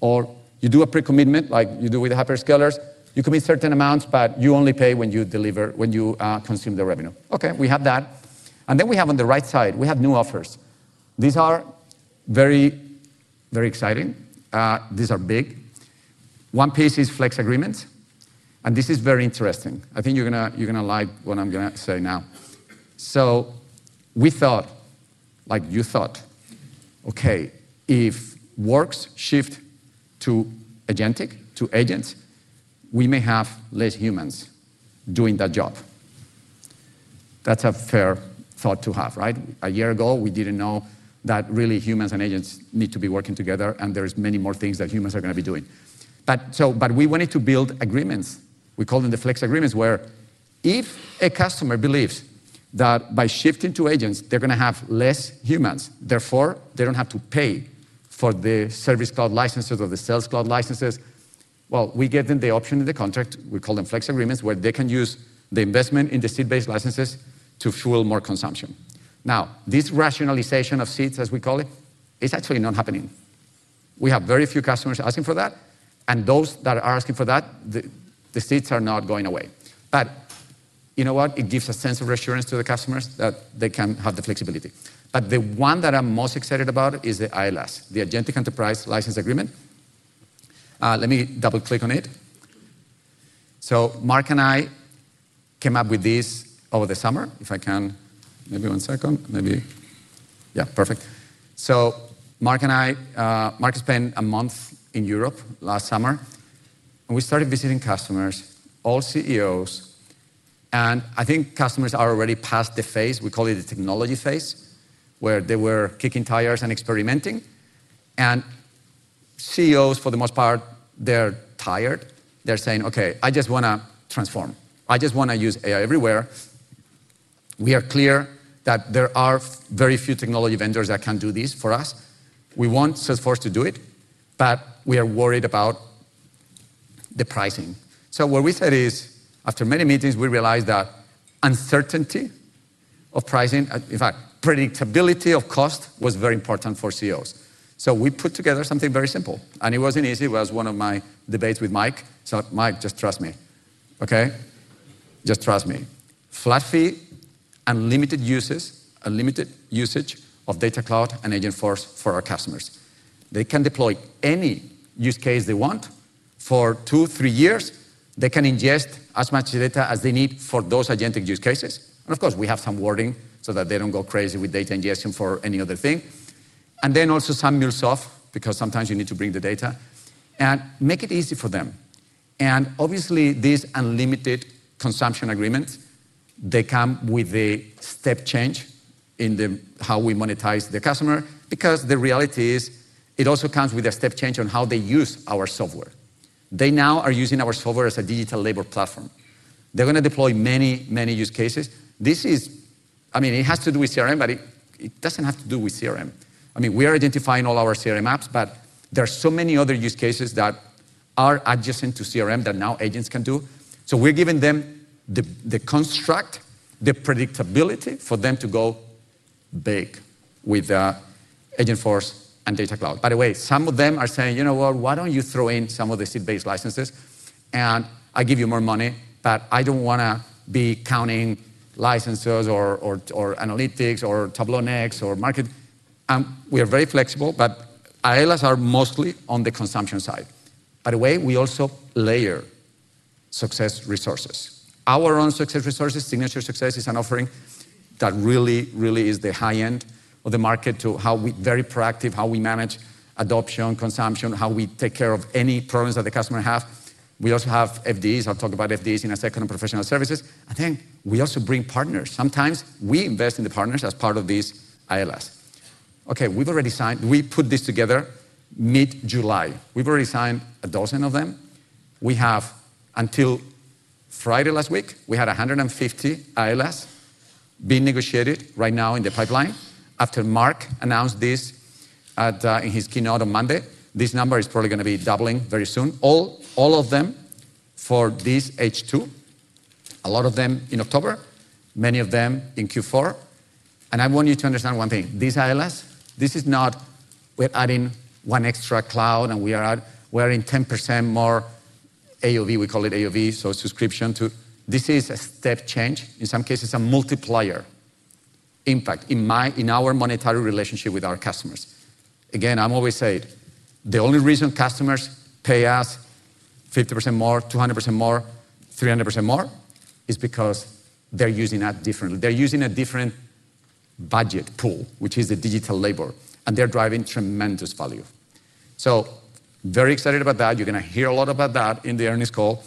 Or you do a pre-commitment, like you do with the hyperscalers. You commit certain amounts, but you only pay when you consume the revenue. Okay, we have that. On the right side, we have new offers. These are very, very exciting. These are big. One piece is flex agreements, and this is very interesting. I think you're going to like what I'm going to say now. We thought, like you thought, if works shift to agentic, to agents, we may have less humans doing that job. That's a fair thought to have, right? A year ago, we didn't know that really humans and agents need to be working together, and there's many more things that humans are going to be doing. We wanted to build agreements. We call them the flex agreements, where if a customer believes that by shifting to agents, they're going to have less humans, therefore they don't have to pay for the Service Cloud licenses or the Sales Cloud licenses, we give them the option in the contract. We call them flex agreements, where they can use the investment in the seat-based licenses to fuel more consumption. This rationalization of seats, as we call it, is actually not happening. We have very few customers asking for that, and those that are asking for that, the seats are not going away. You know what? It gives a sense of reassurance to the customers that they can have the flexibility. The one that I'm most excited about is the ILS, the Agentic Enterprise License Agreement. Let me double click on it. Mark and I came up with this over the summer. If I can, maybe one second, maybe. Yeah, perfect. Marc and I, Marc spent a month in Europe last summer. We started visiting customers, all CEOs. Customers are already past the phase, we call it the technology phase, where they were kicking tires and experimenting. CEOs, for the most part, they're tired. They're saying, Okay, I just want to transform. I just want to use AI everywhere. We are clear that there are very few technology vendors that can do this for us. We want Salesforce to do it. We are worried about the pricing. After many meetings, we realized that uncertainty of pricing, in fact, predictability of cost was very important for CEOs. We put together something very simple. It was not easy. It was one of my debates with Mike. Mike, just trust me. Okay? Just trust me. Flat fee, unlimited usage, unlimited usage of Data Cloud and Agentforce for our customers. They can deploy any use case they want for two, three years. They can ingest as much data as they need for those agentic use cases. Of course, we have some wording so that they do not go crazy with data ingestion for any other thing. Also, some MuleSoft because sometimes you need to bring the data and make it easy for them. Obviously, this unlimited consumption agreement comes with a step change in how we monetize the customer. The reality is, it also comes with a step change on how they use our software. They now are using our software as a digital labor platform. They are going to deploy many, many use cases. This is, I mean, it has to do with CRM, but it does not have to do with CRM. We are identifying all our CRM apps, but there are so many other use cases that are adjacent to CRM that now agents can do. We are giving them the construct, the predictability for them to go big with Agentforce and Data Cloud. By the way, some of them are saying, you know what? Why do you not throw in some of the seat-based licenses? I give you more money. I do not want to be counting licenses or analytics or Tableau Next or market. We are very flexible. ILS are mostly on the consumption side. By the way, we also layer success resources. Our own success resources, Signature Success, is an offering that really, really is the high end of the market to how we are very proactive, how we manage adoption, consumption, how we take care of any problems that the customer has. We also have FDs. I will talk about FDs in a second on professional services. We also bring partners. Sometimes we invest in the partners as part of this ILS. We have already signed. We put this together mid-July. We have already signed a dozen of them. Until Friday last week, we had 150 ILS being negotiated right now in the pipeline. After Marc announced this in his Keynote on Monday, this number is probably going to be doubling very soon, all of them for this H2, a lot of them in October, many of them in Q4. I want you to understand one thing. These ILS, this is not we're adding one extra cloud. We are not adding 10% more AOV. We call it AOV, so subscription too. This is a step change. In some cases, a multiplier impact in our monetary relationship with our customers. I always say it. The only reason customers pay us 50% more, 200% more, 300% more is because they're using that differently. They're using a different budget pool, which is the digital labor. They're driving tremendous value. Very excited about that. You're going to hear a lot about that in the earnings call.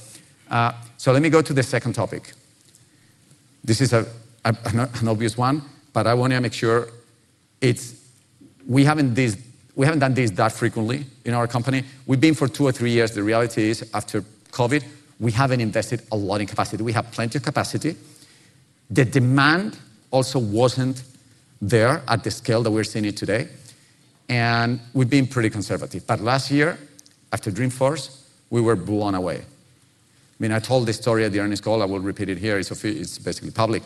Let me go to the second topic. This is an obvious one. I want to make sure we haven't done this that frequently in our company. We've been for two or three years. The reality is, after COVID, we haven't invested a lot in capacity. We have plenty of capacity. The demand also wasn't there at the scale that we're seeing it today. We've been pretty conservative. Last year, after Dreamforce, we were blown away. I told this story at the earnings call. I will repeat it here. It's basically public.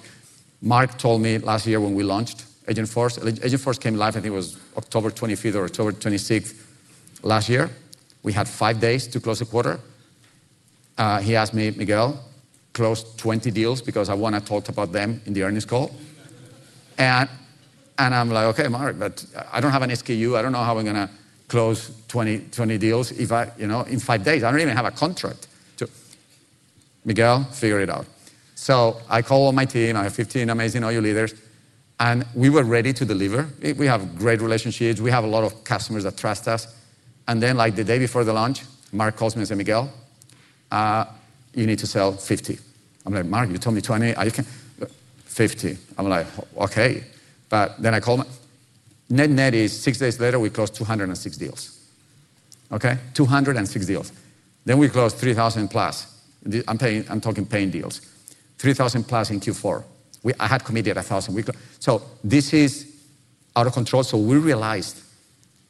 Marc told me last year when we launched Agentforce. Agentforce came live, I think it was October 25 or October 26 last year. We had five days to close a quarter. He asked me, Miguel, close 20 deals because I want to talk about them in the earnings call. I'm like, Okay, Marc. I don't have an SKU. I don't know how I'm going to close 20 deals in five days. I don't even have a contract too. Miguel, figure it out. I called my team. I have 15 amazing OU leaders. We were ready to deliver. We have great relationships. We have a lot of customers that trust us. The day before the launch, Marc calls me and says, Miguel, you need to sell 50. I'm like, Marc, you told me 20. I can't 50. I'm like, Okay. I called. Net-net is, six days later, we closed 206 deals. Okay, 206 deals. Then we closed 3,000+. I'm talking paying deals, 3,000+ in Q4. I had committed 1,000. This is out of control. We realized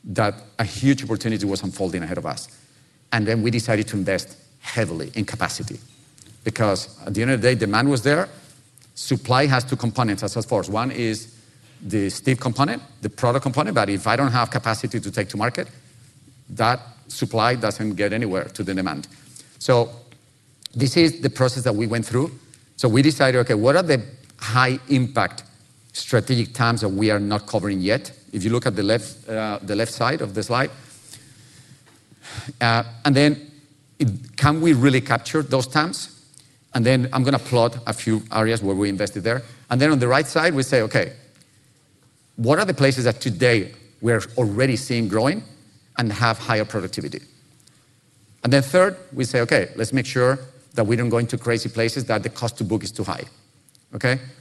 that a huge opportunity was unfolding ahead of us. We decided to invest heavily in capacity because, at the end of the day, demand was there. Supply has two components at Salesforce. One is the Steve component, the product component. If I don't have capacity to take to market, that supply doesn't get anywhere to the demand. This is the process that we went through. We decided, Okay, what are the high-impact strategic times that we are not covering yet? If you look at the left side of the slide, can we really capture those times? I'm going to plot a few areas where we invested there. On the right side, we say, Okay, what are the places that today we're already seeing growing and have higher productivity? Third, we say, Okay, let's make sure that we don't go into crazy places where the cost to book is too high.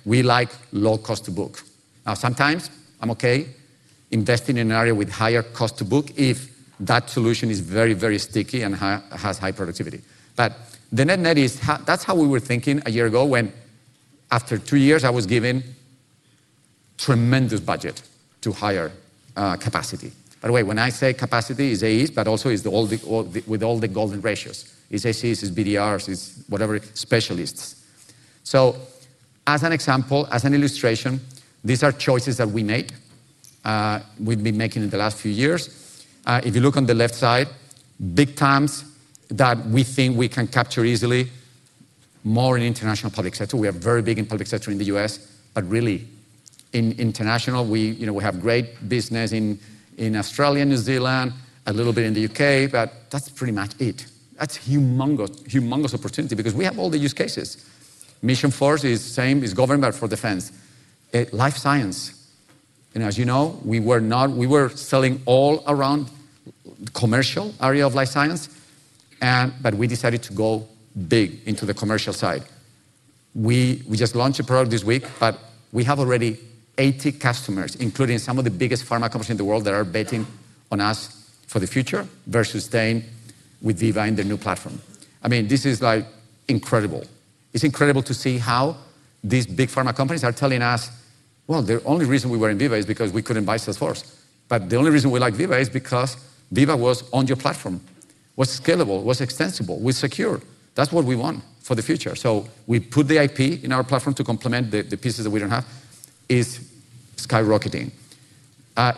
We like low cost to book. Sometimes I'm Okay investing in an area with higher cost to book if that solution is very, very sticky and has high productivity. The net-net is, that's how we were thinking a year ago when, after two years, I was given a tremendous budget to hire capacity. By the way, when I say capacity, it's ACEs, but also with all the golden ratios. It's ACEs, it's BDRs, it's whatever, specialists. As an example, as an illustration, these are choices that we made, we've been making in the last few years. If you look on the left side, big times that we think we can capture easily, more in international public sector. We are very big in public sector in the U.S., but really, in international, we have great business in Australia, New Zealand, a little bit in the U.K. That's pretty much it. That's humongous, humongous opportunity because we have all the use cases. Missionforce is the same. It's government, but for defense. Life Sciences, as you know, we were selling all around the commercial area of Life Sciences. We decided to go big into the commercial side. We just launched a product this week, but we have already 80 customers, including some of the biggest pharma companies in the world, that are betting on us for the future versus staying with Veeva in their new platform. I mean, this is incredible. It's incredible to see how these big pharma companies are telling us, the only reason we were in Veeva is because we couldn't buy Salesforce. The only reason we like Viva is because Viva was on your platform, was scalable, was extensible, was secure. That's what we want for the future. We put the IP in our platform to complement the pieces that we don't have. It's skyrocketing.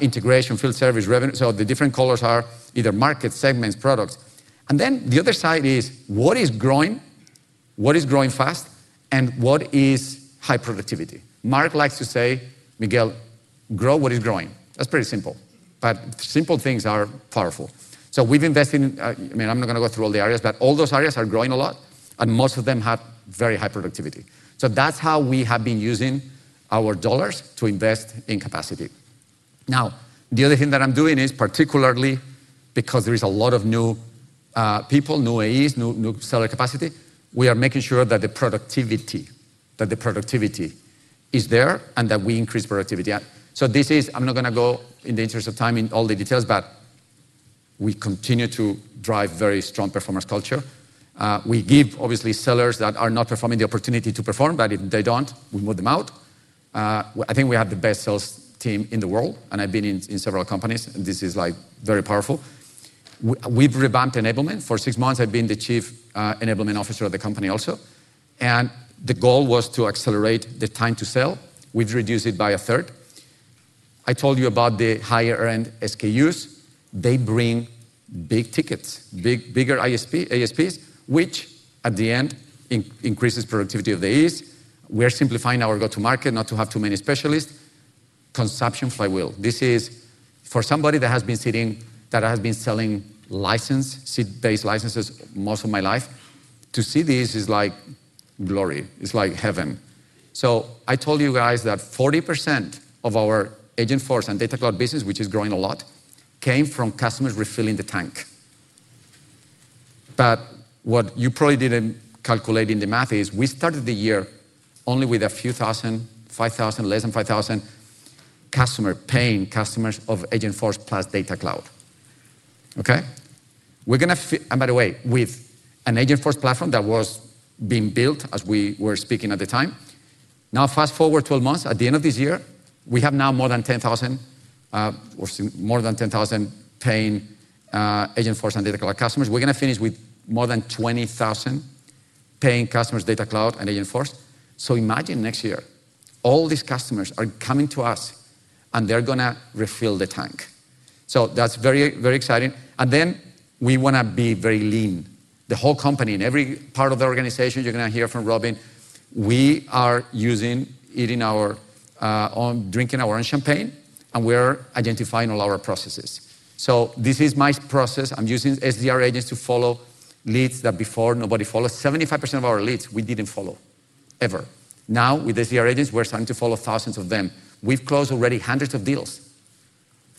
Integration, field service, revenue. The different colors are either markets, segments, products. The other side is, what is growing? What is growing fast? What is high productivity? Marc likes to say, Miguel, grow what is growing. That's pretty simple. Simple things are powerful. We've invested in, I mean, I'm not going to go through all the areas. All those areas are growing a lot. Most of them have very high productivity. That's how we have been using our dollars to invest in capacity. The other thing that I'm doing is, particularly because there is a lot of new people, new AEs, new seller capacity, we are making sure that the productivity is there and that we increase productivity. I'm not going to go in the interest of time in all the details. We continue to drive very strong performance culture. We give, obviously, sellers that are not performing the opportunity to perform. If they don't, we move them out. I think we have the best sales team in the world. I've been in several companies. This is very powerful. We've revamped enablement. For six months, I've been the Chief Enablement Officer of the company also. The goal was to accelerate the time to sell. We've reduced it by a third. I told you about the higher-end SKUs. They bring big tickets, bigger ISPs, which at the end increases productivity of the AEs. We're simplifying our go-to-market, not to have too many specialists. Consumption flywheel. This is for somebody that has been sitting, that has been selling license, seat-based licenses most of my life. To see this is like glory. It's like heaven. I told you guys that 40% of our Agentforce and Data Cloud business, which is growing a lot, came from customers refilling the tank. What you probably didn't calculate in the math is, we started the year only with a few thousand, 5,000, less than 5,000 customers, paying customers of Agentforce plus Data Cloud. By the way, with an Agentforce platform that was being built as we were speaking at the time, now fast forward 12 months. At the end of this year, we have now more than 10,000, more than 10,000 paying Agentforce and Data Cloud customers. We're going to finish with more than 20,000 paying customers, Data Cloud and Agentforce. Imagine next year, all these customers are coming to us, and they're going to refill the tank. That's very, very exciting. We want to be very lean. The whole company, in every part of the organization, you're going to hear from Robin, we are eating our own, drinking our own champagne. We are identifying all our processes. This is my process. I'm using SDR agents to follow leads that before nobody followed. 75% of our leads, we didn't follow ever. Now, with SDR agents, we're starting to follow thousands of them. We've closed already hundreds of deals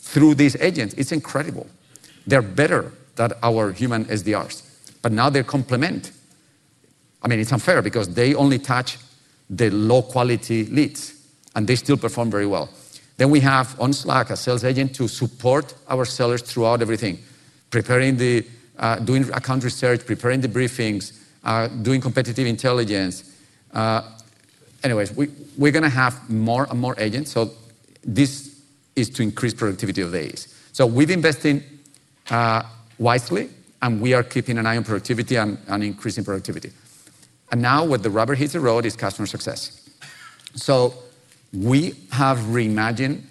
through these agents. It's incredible. They're better than our human SDRs. Now they complement. I mean, it's unfair because they only touch the low-quality leads, and they still perform very well. We have on Slack a sales agent to support our sellers throughout everything, preparing the, doing account research, preparing the briefings, doing competitive intelligence. We're going to have more and more agents. This is to increase productivity of the AEs. We've invested wisely and we are keeping an eye on productivity and increasing productivity. Now, what Robert Hintze wrote is customer success. We have reimagined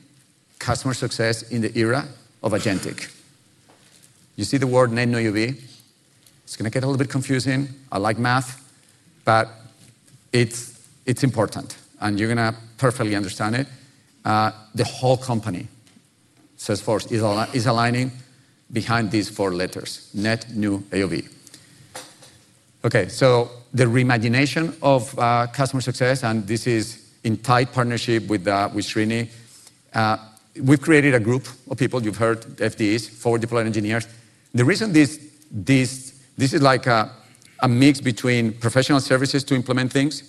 customer success in the era of agentic. You see the word net new AOV? It's going to get a little bit confusing. I like math, but it's important, and you're going to perfectly understand it. The whole company, Salesforce, is aligning behind these four letters: net new AOV. The reimagination of customer success, and this is in tight partnership with Srini, we've created a group of people. You've heard FDs, forward deploy engineers. The reason this is like a mix between professional services to implement things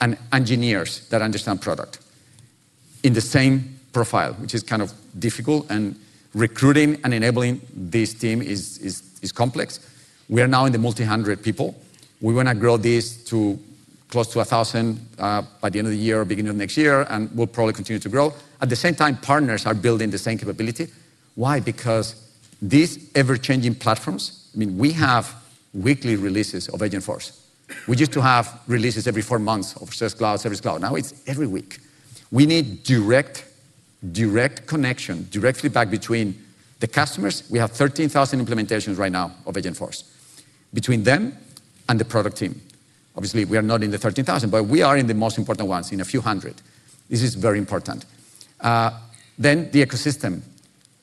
and engineers that understand product in the same profile, which is kind of difficult. Recruiting and enabling this team is complex. We are now in the multi-hundred people. We want to grow this to close to 1,000 by the end of the year, beginning of next year, and we'll probably continue to grow. At the same time, partners are building the same capability. Why? Because these ever-changing platforms, I mean, we have weekly releases of Agentforce. We used to have releases every four months of Sales Cloud, Service Cloud. Now it's every week. We need direct connection, direct feedback between the customers. We have 13,000 implementations right now of Agentforce between them and the product team. Obviously, we are not in the 13,000, but we are in the most important ones, in a few hundred. This is very important. The ecosystem.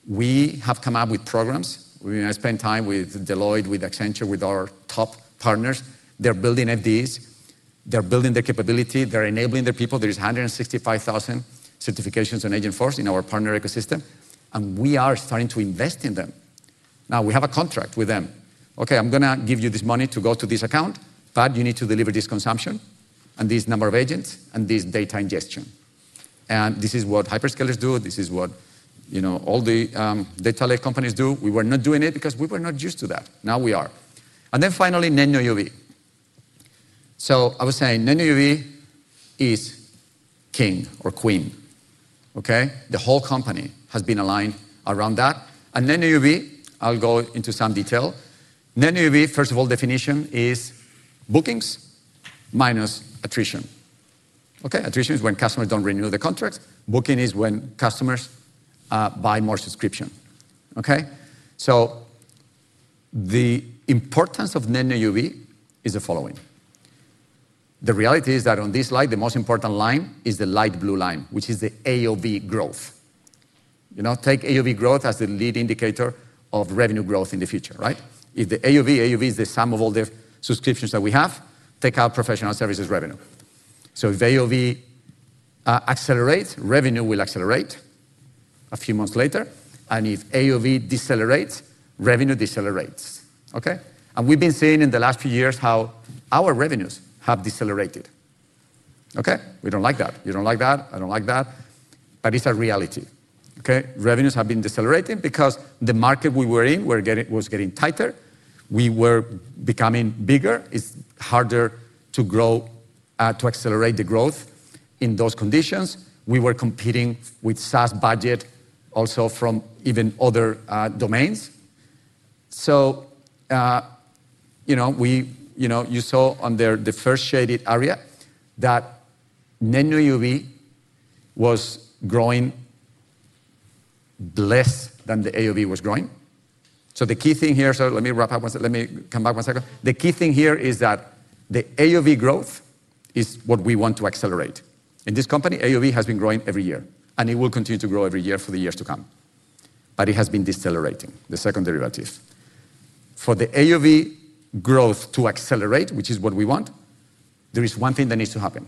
We have come up with programs. We spend time with Deloitte, with Accenture, with our top partners. They're building these, they're building their capability. They're enabling their people. There are 165,000 certifications on Agentforce in our partner ecosystem. We are starting to invest in them. Now we have a contract with them. Okay, I'm going to give you this money to go to this account, but you need to deliver this consumption and this number of agents and this data ingestion. This is what hyperscalers do. This is what all the data-led companies do. We were not doing it because we were not used to that. Now we are. Finally, NNUV. I would say NNUV is king or queen. Okay? The whole company has been aligned around that. NNUV, I'll go into some detail. NNUV, first of all, definition is bookings minus attrition. Okay? Attrition is when customers don't renew the contracts. Booking is when customers buy more subscription. Okay? The importance of NNUV is the following. The reality is that on this line, the most important line is the light blue line, which is the AUV growth. Take AUV growth as the lead indicator of revenue growth in the future, right? If the AUV is the sum of all the subscriptions that we have, take out professional services revenue. If AUV accelerates, revenue will accelerate a few months later. If AUV decelerates, revenue decelerates. Okay? We've been seeing in the last few years how our revenues have decelerated. Okay? We don't like that. You don't like that. I don't like that. It's a reality. Okay? Revenues have been decelerating because the market we were in was getting tighter. We were becoming bigger. It's harder to grow, to accelerate the growth in those conditions. We were competing with SaaS budget also from even other domains. You saw under the first shaded area that NNUV was growing less than the AUV was growing. The key thing here, let me wrap up. Let me come back one second. The key thing here is that the AUV growth is what we want to accelerate. In this company, AUV has been growing every year, and it will continue to grow every year for the years to come. It has been decelerating, the second derivative. For the AUV growth to accelerate, which is what we want, there is one thing that needs to happen.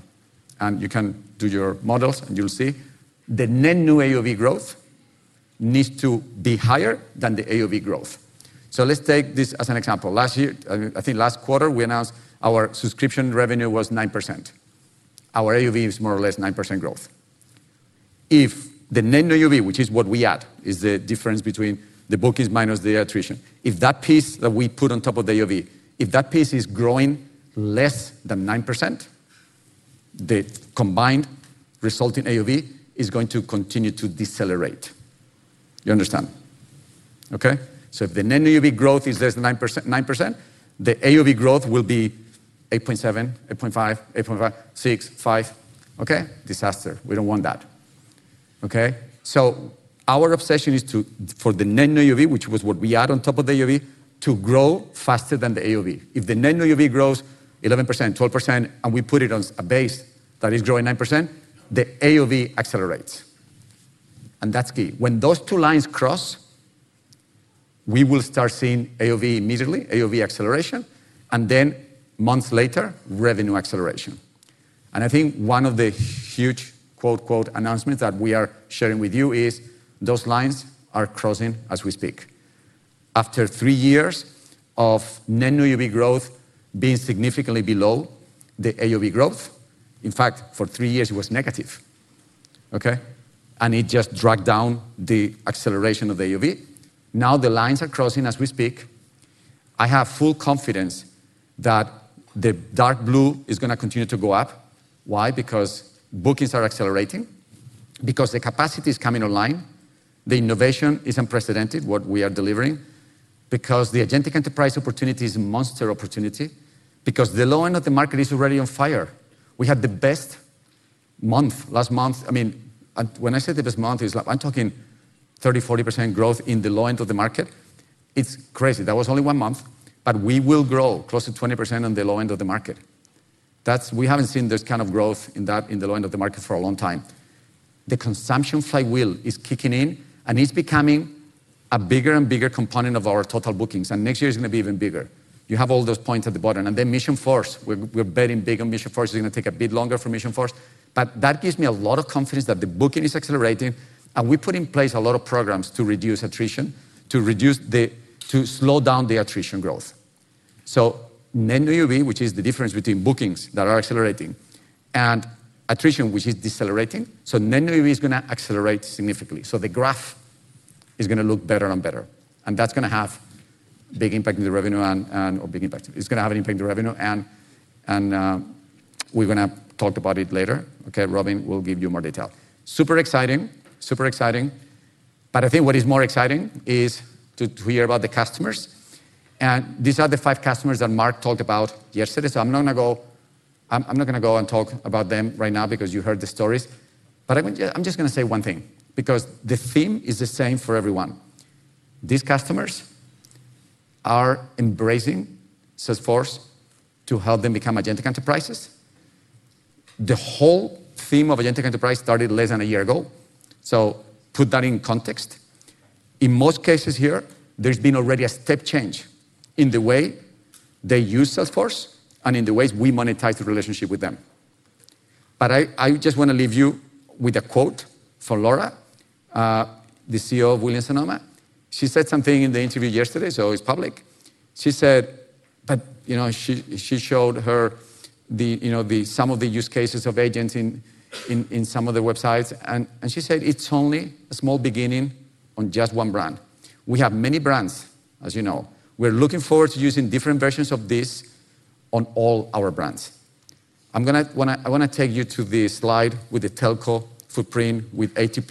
You can do your models, and you'll see. The NNUV growth needs to be higher than the AUV growth. Let's take this as an example. Last year, I think last quarter, we announced our subscription revenue was 9%. Our AUV is more or less 9% growth. If the NNUV, which is what we add, is the difference between the bookings minus the attrition, if that piece that we put on top of the AUV, if that piece is growing less than 9%, the combined resulting AUV is going to continue to decelerate. You understand? Okay? If the NNUV growth is less than 9%, the AUV growth will be 8.7%, 8.5%, 8.5%, 6.5%. Disaster. We don't want that. Our obsession is for the NNUV, which was what we add on top of the AUV, to grow faster than the AUV. If the NNUV grows 11%, 12%, and we put it on a base that is growing 9%, the AUV accelerates. That's key. When those two lines cross, we will start seeing AUV immediately, AUV acceleration, and then months later, revenue acceleration. I think one of the huge quote-unquote announcements that we are sharing with you is those lines are crossing as we speak. After three years of NNUV growth being significantly below the AUV growth, in fact, for three years, it was negative. It just dragged down the acceleration of the AUV. Now the lines are crossing as we speak. I have full confidence that the dark blue is going to continue to go up. Why? Because bookings are accelerating, because the capacity is coming online, the innovation is unprecedented, what we are delivering, because the agentic enterprise opportunity is a monster opportunity, because the low end of the market is already on fire. We had the best month last month. When I say the best month, I'm talking 30%, 40% growth in the low end of the market. It's crazy. That was only one month, but we will grow close to 20% on the low end of the market. We haven't seen this kind of growth in the low end of the market for a long time. The consumption flywheel is kicking in, and it's becoming a bigger and bigger component of our total bookings. Next year is going to be even bigger. You have all those points at the bottom. We are betting big on Agentforce. It's going to take a bit longer for Agentforce, but that gives me a lot of confidence that the booking is accelerating. We put in place a lot of programs to reduce attrition, to slow down the attrition growth. NNUV, which is the difference between bookings that are accelerating and attrition, which is decelerating, is going to accelerate significantly. The graph is going to look better and better. That's going to have a big impact in the revenue and a big impact. It's going to have an impact in the revenue. We're going to talk about it later. Robin will give you more detail. Super exciting, super exciting. What is more exciting is to hear about the customers. These are the five customers that Marc talked about yesterday. I'm not going to go and talk about them right now because you heard the stories. I'm just going to say one thing because the theme is the same for everyone. These customers are embracing Salesforce to help them become agentic enterprises. The whole theme of agentic enterprise started less than a year ago. Put that in context. In most cases here, there's been already a step change in the way they use Salesforce and in the ways we monetize the relationship with them. I just want to leave you with a quote from Laura, the CEO of Williams-Sonoma. She said something in the interview yesterday, so it's public. She said, you know she showed her some of the use cases of agents in some of the websites. She said, it's only a small beginning on just one brand. We have many brands, as you know. We're looking forward to using different versions of this on all our brands. I want to take you to this slide with the telco footprint with 80+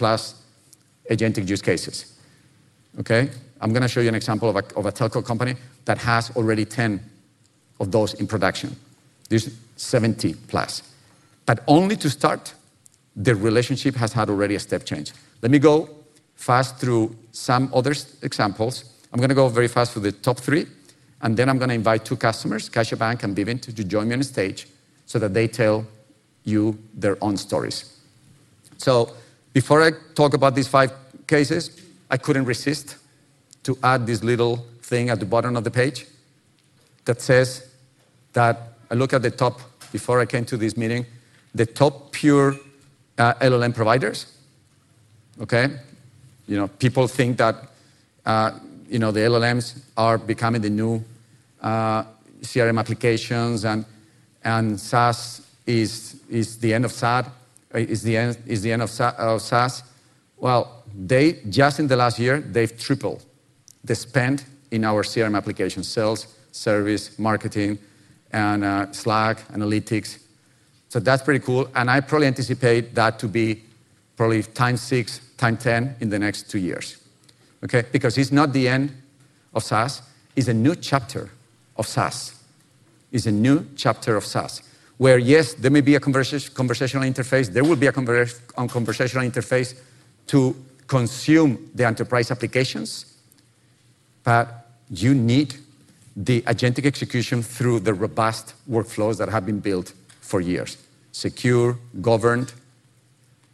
agentic use cases. I'm going to show you an example of a telco company that has already 10 of those in production. There's 70+. Only to start, the relationship has had already a step change. Let me go fast through some other examples. I'm going to go very fast through the top three. I am going to invite two customers, CaixaBank and Vivint, to join me on the stage so that they tell you their own stories. Before I talk about these five cases, I could not resist adding this little thing at the bottom of the page that says that I looked at the top before I came to this meeting, the top pure LLM providers. People think that the LLMs are becoming the new CRM applications, and SaaS is the end of SaaS. Just in the last year, they have tripled the spend in our CRM applications, sales, service, marketing, and Slack, analytics. That is pretty cool. I probably anticipate that to be probably times 6, times 10 in the next two years. It is not the end of SaaS. It is a new chapter of SaaS. It is a new chapter of SaaS where, yes, there may be a conversational interface. There will be a conversational interface to consume the enterprise applications. You need the agentic execution through the robust workflows that have been built for years. Secure, governed.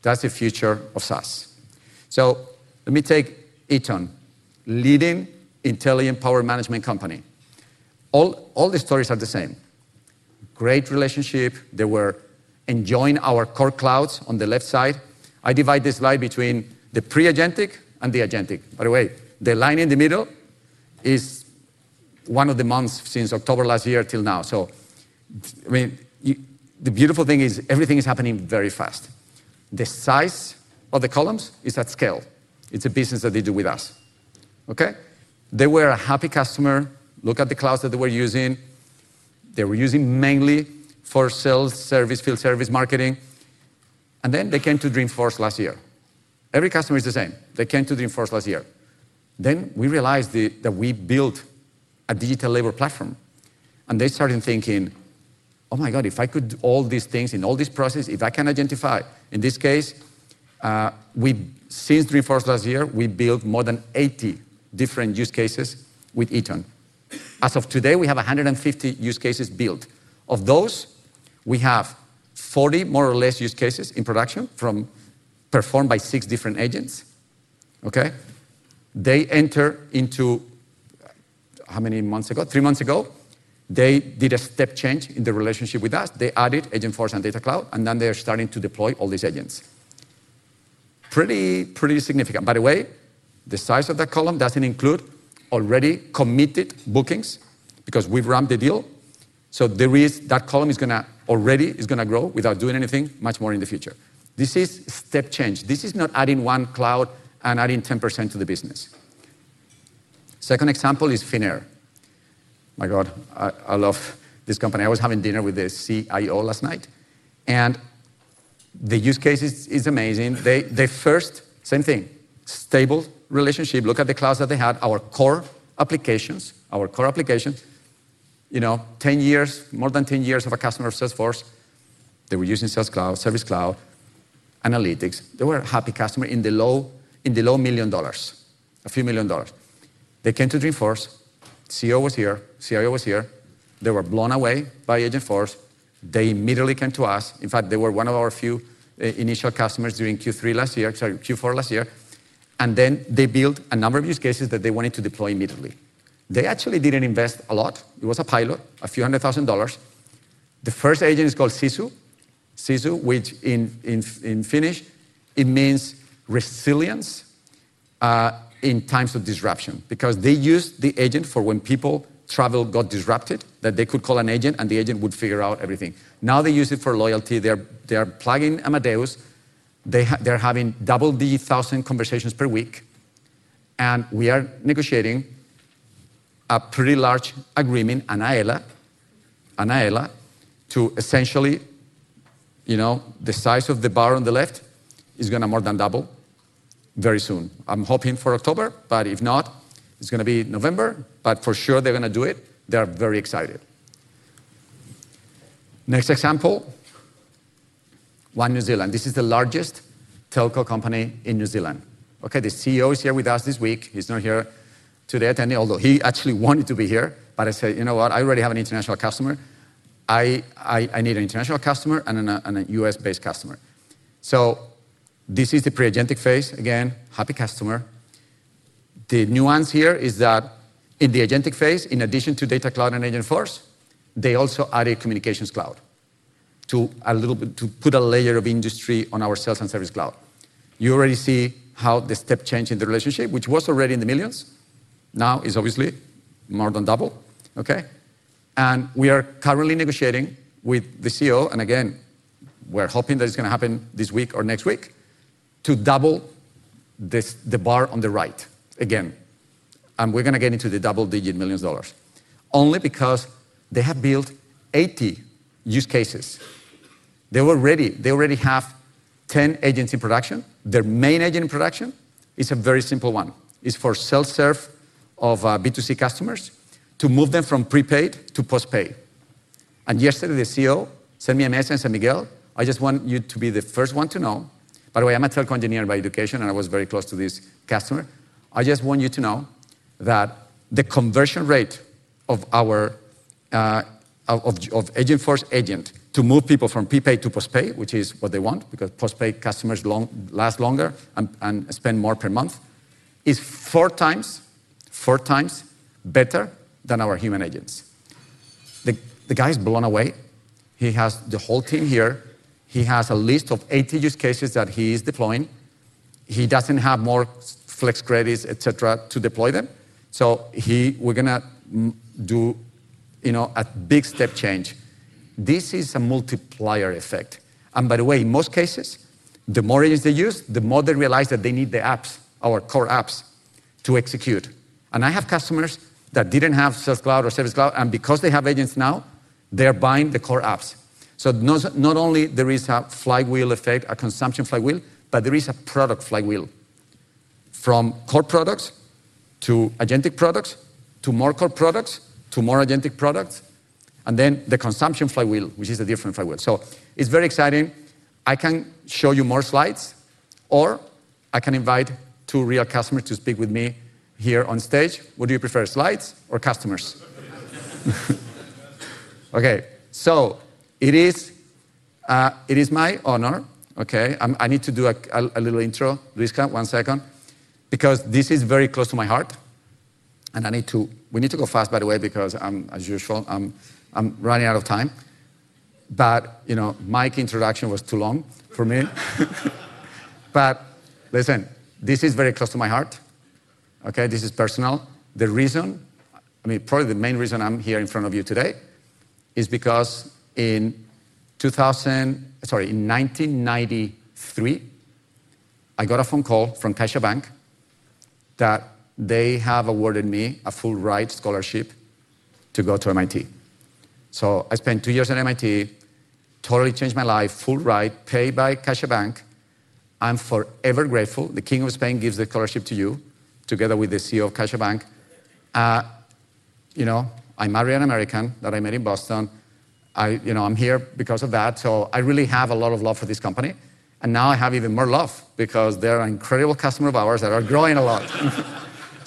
That is the future of SaaS. Let me take Eaton, leading intelligent power management company. All the stories are the same. Great relationship. They were enjoying our core clouds on the left side. I divide this slide between the pre-agentic and the agentic. By the way, the line in the middle is one of the months since October last year till now. The beautiful thing is everything is happening very fast. The size of the columns is at scale. It is a business that they do with us. They were a happy customer. Look at the clouds that they were using. They were using mainly for sales, service, field service, marketing. They came to Dreamforce last year. Every customer is the same. They came to Dreamforce last year. We realized that we built a digital labor platform. They started thinking, oh my god, if I could do all these things in all this process, if I can identify in this case, since Dreamforce last year, we built more than 80 different use cases with Eaton. As of today, we have 150 use cases built. Of those, we have 40 more or less use cases in production performed by six different agents. They entered into, how many months ago? Three months ago, they did a step change in the relationship with us. They added Agentforce and Data Cloud. They are starting to deploy all these agents. Pretty significant. By the way, the size of that column does not include already committed bookings because we have ramped the deal. That column is going to already grow without doing anything much more in the future. This is a step change. This is not adding one cloud and adding 10% to the business. Second example is Finnair. My god, I love this company. I was having dinner with the CIO last night, and the use case is amazing. The first, same thing, stable relationship. Look at the clouds that they had, our core applications. Our core applications, 10 years, more than 10 years of a customer of Salesforce. They were using Sales Cloud, Service Cloud, analytics. They were a happy customer in the low million dollars, a few million dollars. They came to Dreamforce. CEO was here. CIO was here. They were blown away by Agentforce. They immediately came to us. In fact, they were one of our few initial customers during Q4 last year. They built a number of use cases that they wanted to deploy immediately. They actually didn't invest a lot. It was a pilot, a few hundred thousand dollars. The first agent is called Sisu. Sisu, which in Finnish, means resilience in times of disruption because they used the agent for when people travel got disrupted, that they could call an agent, and the agent would figure out everything. Now they use it for loyalty. They are plugging Amadeus. They're having double D thousand conversations per week. We are negotiating a pretty large agreement, an AELA, to essentially the size of the bar on the left is going to more than double very soon. I'm hoping for October. If not, it's going to be November. For sure, they're going to do it. They are very excited. Next example, One New Zealand. This is the largest telco company in New Zealand. The CEO is here with us this week. He's not here today attending, although he actually wanted to be here. I said, you know what? I already have an international customer. I need an international customer and a U.S.-based customer. This is the pre-agentic phase. Again, happy customer. The nuance here is that in the agentic phase, in addition to Data Cloud and Agentforce, they also added Communications Cloud to put a layer of industry on our Sales and Service Cloud. You already see how the step change in the relationship, which was already in the millions, now is obviously more than double. We are currently negotiating with the CEO. Again, we're hoping that it's going to happen this week or next week to double the bar on the right again. We're going to get into the double-digit millions of dollars only because they have built 80 use cases. They already have 10 agents in production. Their main agent in production is a very simple one. It's for self-serve of B2C customers to move them from prepaid to postpaid. Yesterday, the CEO sent me a message and said, Miguel, I just want you to be the first one to know. By the way, I'm a telco engineer by education, and I was very close to this customer. I just want you to know that the conversion rate of Agentforce agent to move people from prepaid to postpaid, which is what they want because postpaid customers last longer and spend more per month, is four times better than our human agents. The guy is blown away. He has the whole team here. He has a list of 80 use cases that he is deploying. He doesn't have more flex credits, etc., to deploy them. We're going to do a big step change. This is a multiplier effect. In most cases, the more agents they use, the more they realize that they need the apps, our core apps, to execute. I have customers that didn't have Sales Cloud or Service Cloud. Because they have agents now, they are buying the core apps. Not only is there a flywheel effect, a consumption flywheel, but there is a product flywheel from core products to agentic products to more core products to more agentic products. The consumption flywheel is a different flywheel. It's very exciting. I can show you more slides, or I can invite two real customers to speak with me here on stage. What do you prefer, slides or customers? It is my honor. I need to do a little intro, Luiska, one second, because this is very close to my heart. We need to go fast, by the way, because I'm, as usual, running out of time. Mike's introduction was too long for me. This is very close to my heart. This is personal. The reason, I mean, probably the main reason I'm here in front of you today is because in 2000, sorry, in 1993, I got a phone call from CaixaBank that they have awarded me a full-ride scholarship to go to MIT. I spent two years at MIT. Totally changed my life, full ride, paid by CaixaBank. I'm forever grateful. The King of Spain gives the scholarship to you, together with the CEO of CaixaBank. I'm an American that I met in Boston. I'm here because of that. I really have a lot of love for this company. I have even more love because they're an incredible customer of ours that are growing a lot.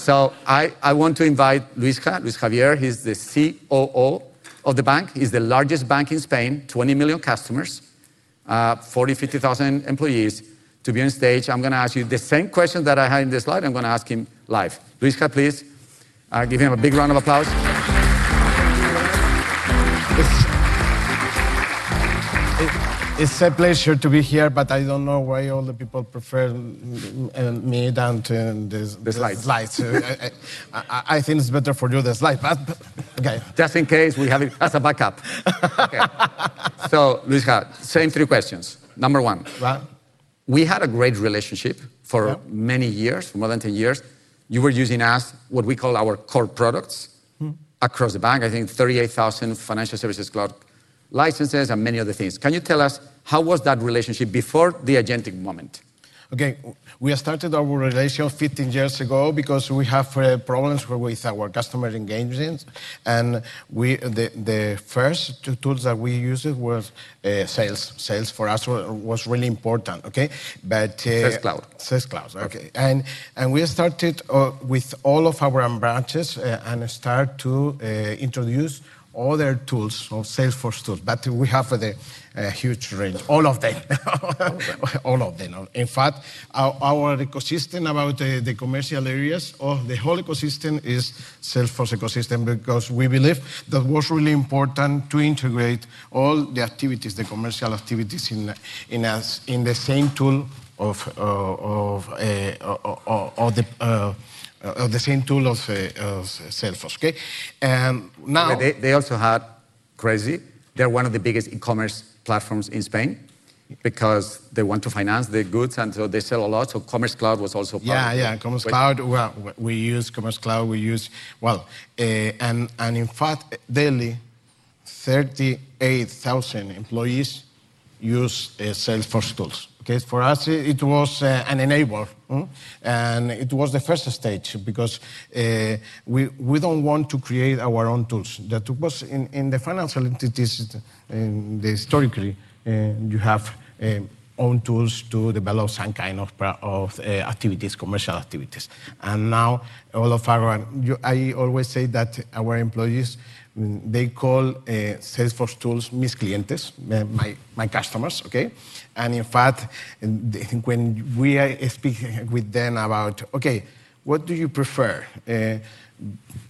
I want to invite Luiska, Luis Javier. He's the COO of the bank. It's the largest bank in Spain, 20 million customers, 40,000, 50,000 employees. To be on stage, I'm going to ask you the same question that I had in this slide. I'm going to ask him live. Luiska, please give him a big round of applause. It's a pleasure to be here. I don't know why all the people prefer me than to. The slides. The slides. I think it's better for you, the slides. Just in case, we have it as a backup. Luiska, same three questions. Number one, we had a great relationship for many years, for more than 10 years. You were using us, what we call our core products, across the bank, I think 38,000 Financial Service Cloud licenses and many other things. Can you tell us how was that relationship before the agentic moment? Okay, we started our relationship 15 years ago because we have problems with our customer engagement. The first two tools that we used were Sales. Sales for us was really important. Okay, but. Sales Cloud. Sales Cloud. We started with all of our branches and started to introduce other tools, Salesforce tools. We have a huge range, all of them. In fact, our ecosystem about the commercial areas of the whole ecosystem is Salesforce ecosystem because we believe that it was really important to integrate all the activities, the commercial activities in the same tool of Salesforce. Okay? Now. They also had CaixaBank. They're one of the biggest e-commerce platforms in Spain because they want to finance the goods, and they sell a lot. Commerce Cloud was also part of it. Yeah, yeah, Commerce Cloud. We use Commerce Cloud. In fact, daily, 38,000 employees use Salesforce tools. For us, it was an enabler. It was the first stage because we don't want to create our own tools. In the financial entities, historically, you have owned tools to develop some kind of activities, commercial activities. Now all of our, I always say that our employees, they call Salesforce tools misclientes, my customers. I think when we speak with them about, Okay, what do you prefer,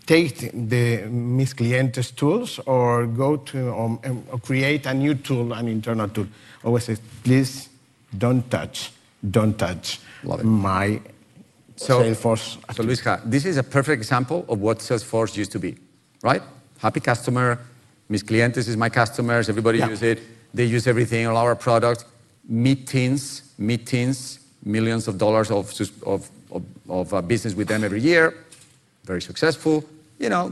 take the misclientes tools or go to create a new tool, an internal tool? I always say, please don't touch, don't touch. Love it. My Salesforce tools. This is a perfect example of what Salesforce used to be, right? Happy customer. Misclientes is my customers. Everybody uses it. They use everything, all our products. Meetings, millions of dollars of business with them every year, very successful,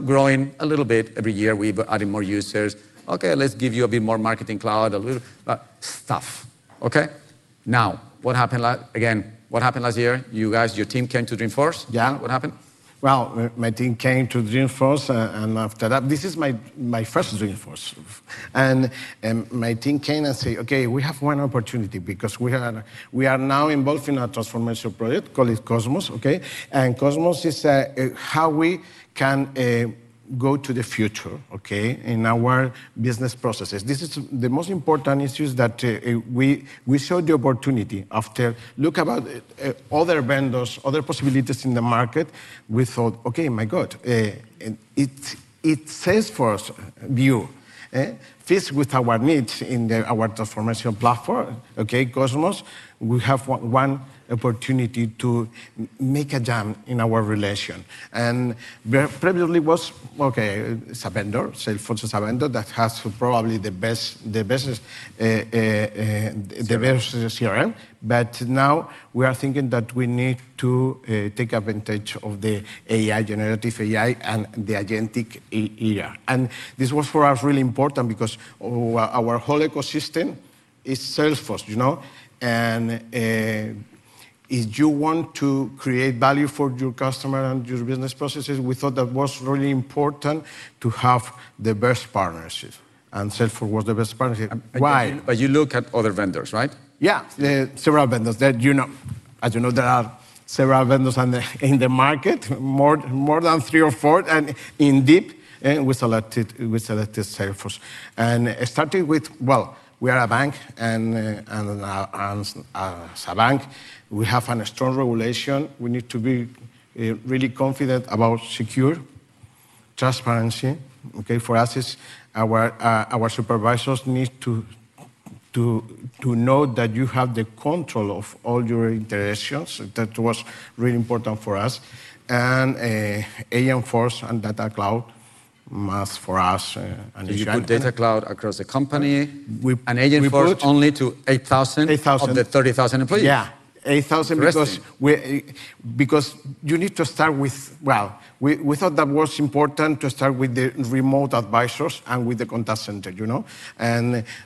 growing a little bit every year. We've added more users. Okay, let's give you a bit more Marketing Cloud, a little stuff. Okay? Now, what happened again? What happened last year? You guys, your team came to Dreamforce. Yeah. What happened? My team came to Dreamforce. After that, this is my first Dreamforce. My team came and said, Okay, we have one opportunity because we are now involved in a transformational project called Cosmos. Okay? Cosmos is how we can go to the future, Okay, in our business processes. The most important issue is that we saw the opportunity after looking at other vendors, other possibilities in the market. We thought, Okay, my god, it's Salesforce's view, fits with our needs in our transformational platform, Okay, Cosmos. We have one opportunity to make a jam in our relation. Previously, it was, Okay, it's a vendor, Salesforce is a vendor that has probably the best CRM. Now we are thinking that we need to take advantage of the AI, generative AI, and the agentic. This was for us really important because our whole ecosystem is Salesforce. If you want to create value for your customer and your business processes, we thought that it was really important to have diverse partnerships. Salesforce was the best partnership. You looked at other vendors, right? Yeah, several vendors. As you know, there are several vendors in the market, more than three or four. In deep, we selected Salesforce. It started with, we are a bank. As a bank, we have a strong regulation. We need to be really confident about secure transparency. For us, our supervisors need to know that you have the control of all your interactions. That was really important for us. Agentforce and Data Cloud must, for us. Did you put Data 360 across the company? We put. Agentforce only to 8,000 of the 30,000 employees? Yeah, 8,000 because you need to start with, we thought that it was important to start with the remote advisors and with the contact center.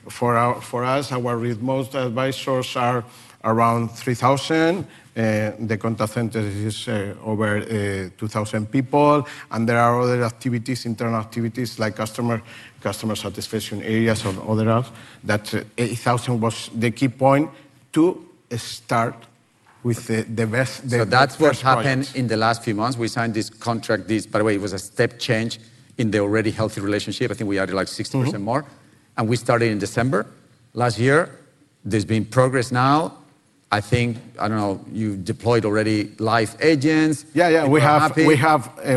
For us, our remote advisors are around 3,000. The contact center is over 2,000 people. There are other activities, internal activities like customer satisfaction areas or other apps. That 8,000 was the key point to start with the best. That's what's happened in the last few months. We signed this contract, by the way, it was a step change in the already healthy relationship. I think we added like 60% more, and we started in December last year. There's been progress now. I think, I don't know, you've deployed already live agents. Yeah, we have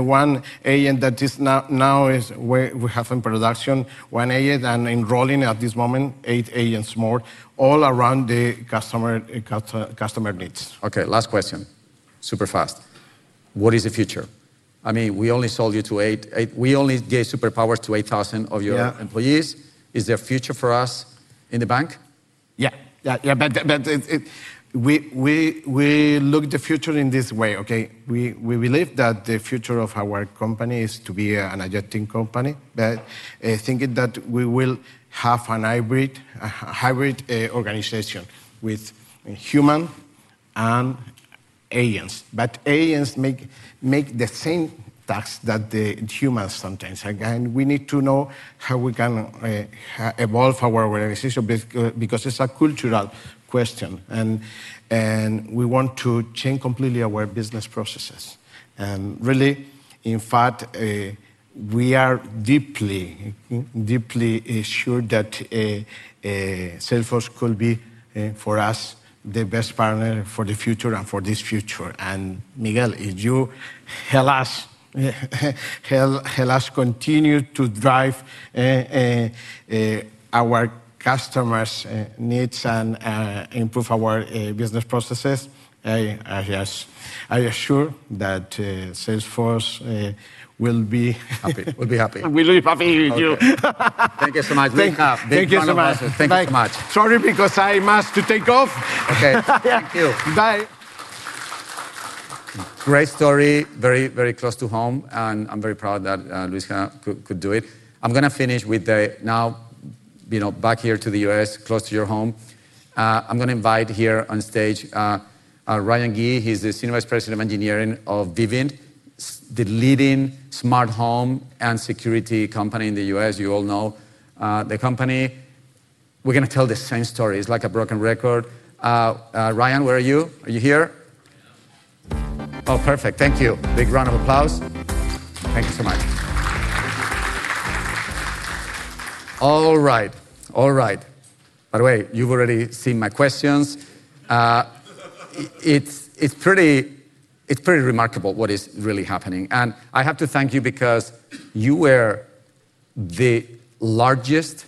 one agent that is now in production, one agent, and enrolling at this moment eight agents more, all around the customer needs. Okay, last question, super fast. What is the future? I mean, we only sold you to eight. We only gave superpowers to 8,000 of your employees. Is there a future for us in the bank? Yeah, yeah, we look at the future in this way. Okay? We believe that the future of our company is to be an agentic company. I think that we will have a hybrid organization with human and agents. Agents make the same tasks that the humans sometimes. We need to know how we can evolve our organization because it's a cultural question. We want to change completely our business processes. In fact, we are deeply, deeply sure that Salesforce could be, for us, the best partner for the future and for this future. Miguel, if you help us continue to drive our customers' needs and improve our business processes, I assure that Salesforce will be happy. We'll be happy. We'll be happy with you. Thank you so much, Luiska. Thank you so much. Thank you so much. Sorry, because I must take off. Okay, thank you. Bye. Great story, very, very close to home. I'm very proud that Luiska could do it. I'm going to finish with the now, you know, back here to the U.S., close to your home. I'm going to invite here on stage Ryan Gee. He's the Senior Vice President of Engineering of Vivint, the leading smart home and security company in the U.S. You all know the company. We're going to tell the same story. It's like a broken record. Ryan, where are you? Are you here? I am. Oh, perfect. Thank you. Big round of applause. Thank you so much. All right, all right. By the way, you've already seen my questions. It's pretty remarkable what is really happening. I have to thank you because you took the largest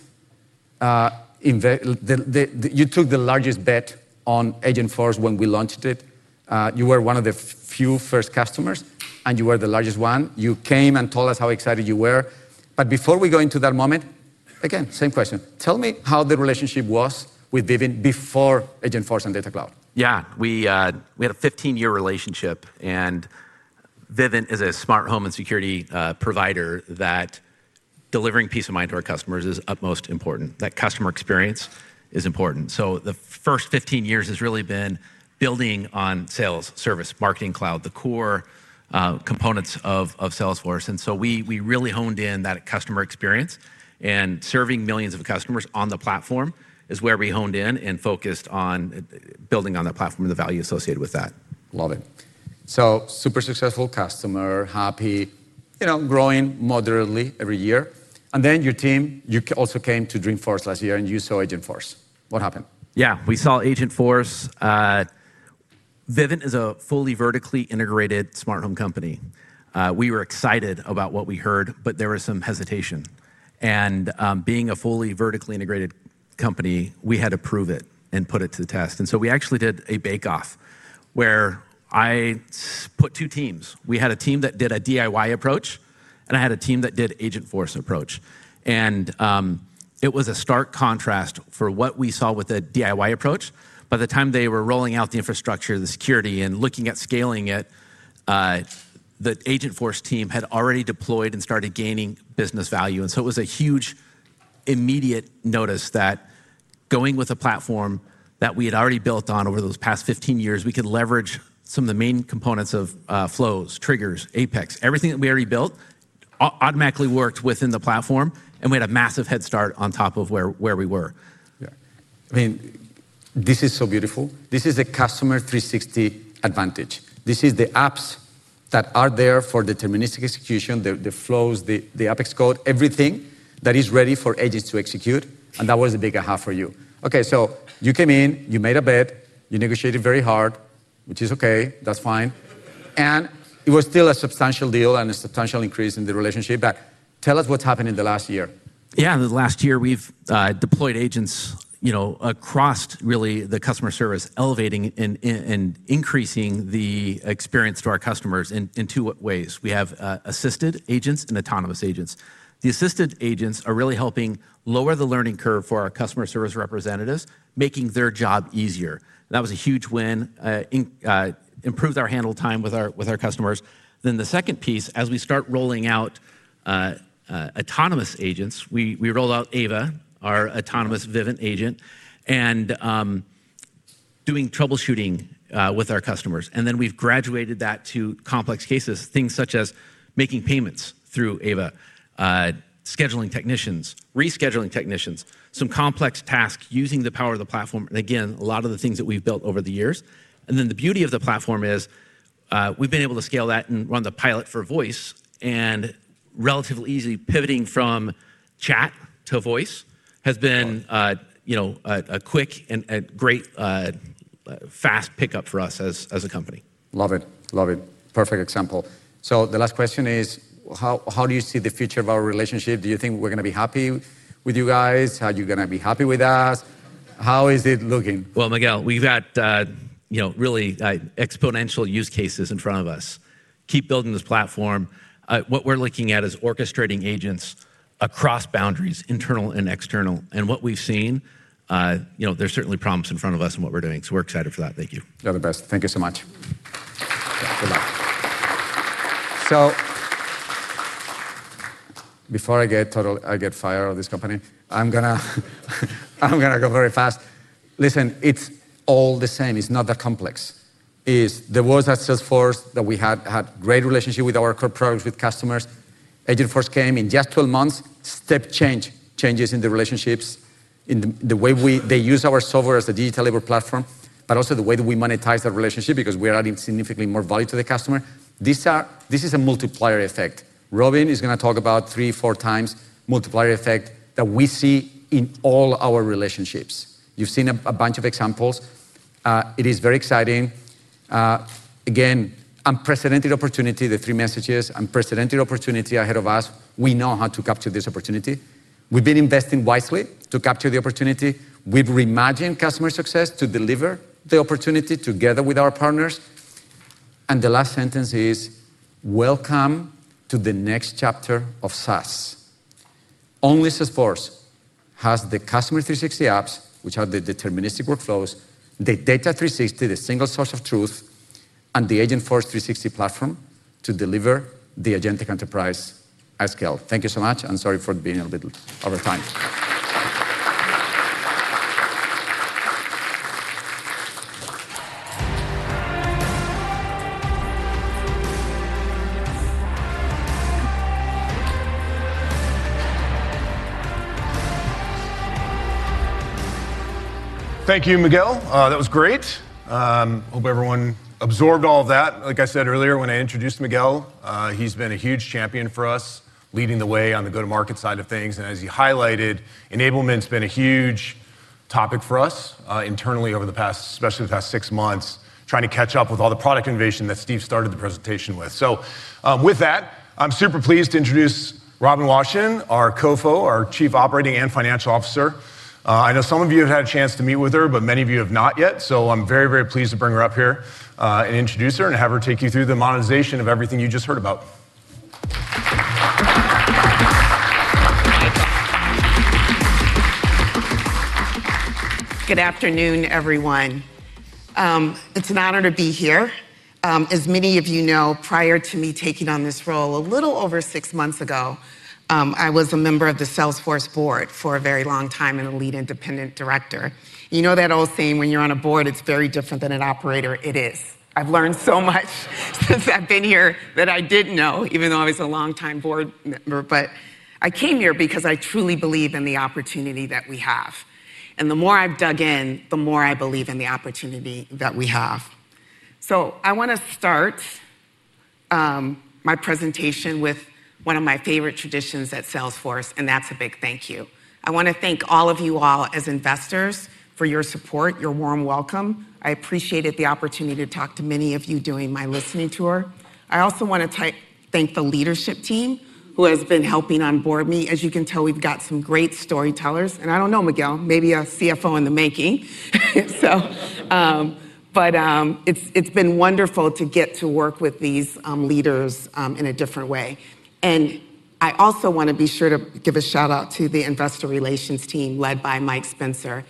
bet on Agentforce when we launched it. You were one of the first customers, and you were the largest one. You came and told us how excited you were. Before we go into that moment, again, same question. Tell me how the relationship was with Vivint before Agentforce and Data Cloud. Yeah, we had a 15-year relationship. Vivint is a smart home and security provider that delivering peace of mind to our customers is utmost important. That customer experience is important. The first 15 years has really been building on Sales, Service, Marketing Cloud, the core components of Salesforce. We really honed in that customer experience. Serving millions of customers on the platform is where we honed in and focused on building on that platform and the value associated with that. Love it. Super successful customer, happy, you know, growing moderately every year. Your team also came to Dreamforce last year, and you saw Agentforce. What happened? Yeah, we saw Agentforce. Vivint is a fully vertically integrated smart home company. We were excited about what we heard. There was some hesitation. Being a fully vertically integrated company, we had to prove it and put it to the test. We actually did a bake-off where I put two teams. We had a team that did a DIY approach, and I had a team that did the Agentforce approach. It was a stark contrast for what we saw with the DIY approach. By the time they were rolling out the infrastructure, the security, and looking at scaling it, the Agentforce team had already deployed and started gaining business value. It was a huge immediate notice that going with a platform that we had already built on over those past 15 years, we could leverage some of the main components of flows, triggers, Apex. Everything that we already built automatically worked within the platform, and we had a massive head start on top of where we were. Yeah, I mean, this is so beautiful. This is the Customer 360 advantage. This is the apps that are there for deterministic execution, the flows, the Apex code, everything that is ready for agents to execute. That was the big aha for you. Okay, you came in, you made a bet, you negotiated very hard, which is Okay, that's fine. It was still a substantial deal and a substantial increase in the relationship. Tell us what's happened in the last year. Yeah, in the last year, we've deployed agents across really the customer service, elevating and increasing the experience to our customers in two ways. We have assisted agents and autonomous agents. The assisted agents are really helping lower the learning curve for our customer service representatives, making their job easier. That was a huge win, improved our handle time with our customers. The second piece, as we start rolling out autonomous agents, we rolled out Ava, our autonomous Vivint agent, and doing troubleshooting with our customers. We've graduated that to complex cases, things such as making payments through Ava, scheduling technicians, rescheduling technicians, some complex tasks using the power of the platform. A lot of the things that we've built over the years. The beauty of the platform is we've been able to scale that and run the pilot for voice. Relatively easy, pivoting from chat to voice has been a quick and great fast pickup for us as a company. Love it, love it. Perfect example. The last question is, how do you see the future of our relationship? Do you think we're going to be happy with you guys? Are you going to be happy with us? How is it looking? Miguel, we've got really exponential use cases in front of us. Keep building this platform. What we're looking at is orchestrating agents across boundaries, internal and external. What we've seen, there's certainly promise in front of us in what we're doing. We're excited for that. Thank you. You're the best. Thank you so much. Before I get fired out of this company, I'm going to go very fast. Listen, it's all the same. It's not that complex. It's the worlds at Salesforce that we had had a great relationship with our core products, with customers. Agentforce came in just 12 months, step change, changes in the relationships, in the way they use our software as a digital labor platform, but also the way that we monetize that relationship because we are adding significantly more value to the customer. This is a multiplier effect. Robin is going to talk about three, four times multiplier effect that we see in all our relationships. You've seen a bunch of examples. It is very exciting. Again, unprecedented opportunity, the three messages, unprecedented opportunity ahead of us. We know how to capture this opportunity. We've been investing wisely to capture the opportunity. We've reimagined customer success to deliver the opportunity together with our partners. The last sentence is, welcome to the next chapter of SaaS. Only Salesforce has the Customer 360 apps, which are the deterministic workflows, the Data 360, the single source of truth, and the Agentforce 360 platform to deliver the agentic enterprise at scale. Thank you so much. Sorry for being a little overtime. Thank you, Miguel. That was great. Hope everyone absorbed all of that. Like I said earlier, when I introduced Miguel, he's been a huge champion for us, leading the way on the go-to-market side of things. As you highlighted, enablement's been a huge topic for us internally over the past, especially the past six months, trying to catch up with all the product innovation that Steve started the presentation with. With that, I'm super pleased to introduce Robin Washington, our COO and CFO, our Chief Operating and Financial Officer. I know some of you have had a chance to meet with her, but many of you have not yet. I'm very, very pleased to bring her up here and introduce her and have her take you through the monetization of everything you just heard about. Good afternoon, everyone. It's an honor to be here. As many of you know, prior to me taking on this role a little over six months ago, I was a member of the Salesforce board for a very long time and a Lead Independent Director. You know that old saying, when you're on a board, it's very different than an operator. It is. I've learned so much since I've been here that I didn't know, even though I was a longtime board member. I came here because I truly believe in the opportunity that we have. The more I've dug in, the more I believe in the opportunity that we have. I want to start my presentation with one of my favorite traditions at Salesforce, and that's a big thank you. I want to thank all of you all as investors for your support, your warm welcome. I appreciated the opportunity to talk to many of you during my listening tour. I also want to thank the leadership team who has been helping onboard me. As you can tell, we've got some great storytellers. I don't know, Miguel, maybe a CFO in the making. It's been wonderful to get to work with these leaders in a different way. I also want to be sure to give a shout-out to the Investor Relations team led by Mike Spencer.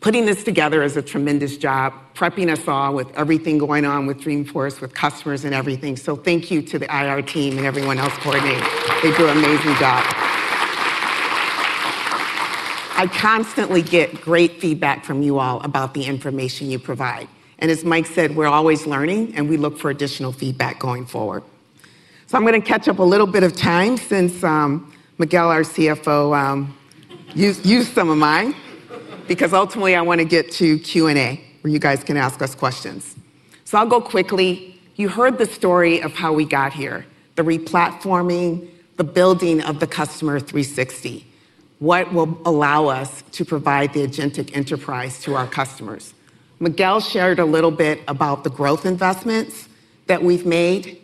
Putting this together is a tremendous job, prepping us all with everything going on with Dreamforce, with customers and everything. Thank you to the IR team and everyone else coordinating. They do an amazing job. I constantly get great feedback from you all about the information you provide. As Mike said, we're always learning. We look for additional feedback going forward. I'm going to catch up a little bit of time since Miguel, our CFO, used some of mine because ultimately, I want to get to Q&A where you guys can ask us questions. I'll go quickly. You heard the story of how we got here, the replatforming, the building of the Customer 360, what will allow us to provide the agentic enterprise to our customers. Miguel shared a little bit about the growth investments that we've made,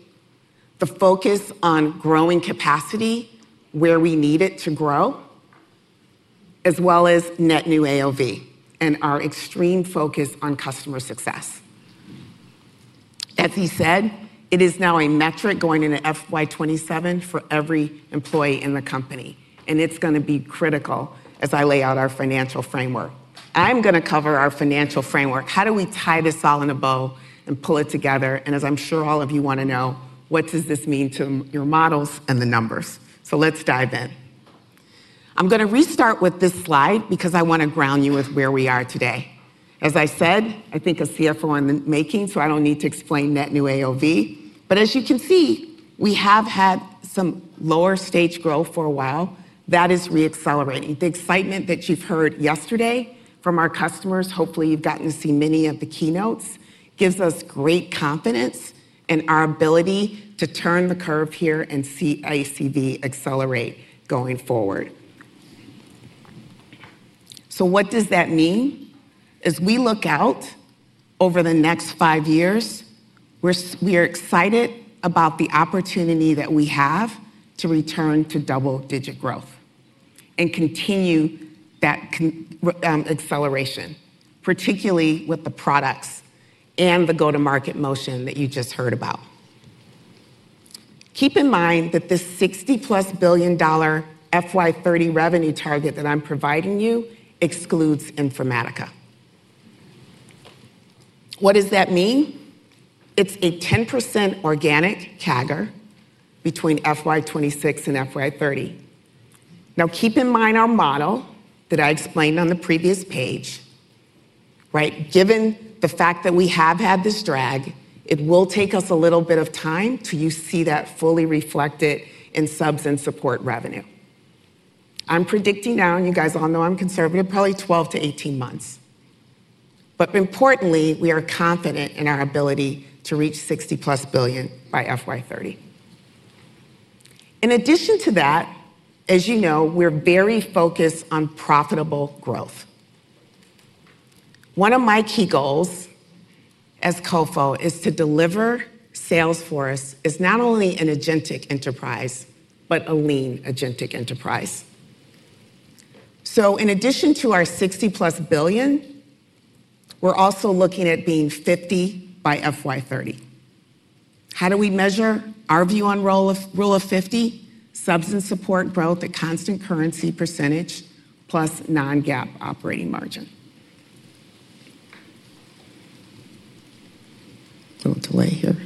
the focus on growing capacity where we need it to grow, as well as net new AOV and our extreme focus on customer success. As he said, it is now a metric going into FY 2027 for every employee in the company. It's going to be critical as I lay out our financial framework. I'm going to cover our financial framework. How do we tie this all in a bow and pull it together? As I'm sure all of you want to know, what does this mean to your models and the numbers? Let's dive in. I'm going to restart with this slide because I want to ground you with where we are today. As I said, I think a CFO in the making, so I don't need to explain net new AOV. As you can see, we have had some lower stage growth for a while. That is reaccelerating. The excitement that you've heard yesterday from our customers, hopefully, you've gotten to see many of the Keynotes, gives us great confidence in our ability to turn the curve here and see ICV accelerate going forward. What does that mean? As we look out over the next five years, we are excited about the opportunity that we have to return to double-digit growth and continue that acceleration, particularly with the products and the go-to-market motion that you just heard about. Keep in mind that this $60+ billion FY 2030 revenue target that I'm providing you excludes Informatica. What does that mean? It's a 10% organic CAGR between FY 2026 and FY 2030. Now, keep in mind our model that I explained on the previous page. Given the fact that we have had this drag, it will take us a little bit of time till you see that fully reflected in subs and support revenue. I'm predicting now, and you guys all know I'm conservative, probably 12 to 18 months. Importantly, we are confident in our ability to reach $60+ billion by FY 2030. In addition to that, as you know, we're very focused on profitable growth. One of my key goals as CFO is to deliver Salesforce as not only an agentic enterprise but a lean agentic enterprise. In addition to our $60+ billion, we're also looking at being 50 by FY 2030. How do we measure our view on the rule of 50? Subs and support growth at constant currency percentage plus non-GAAP operating margin. Don't delay here.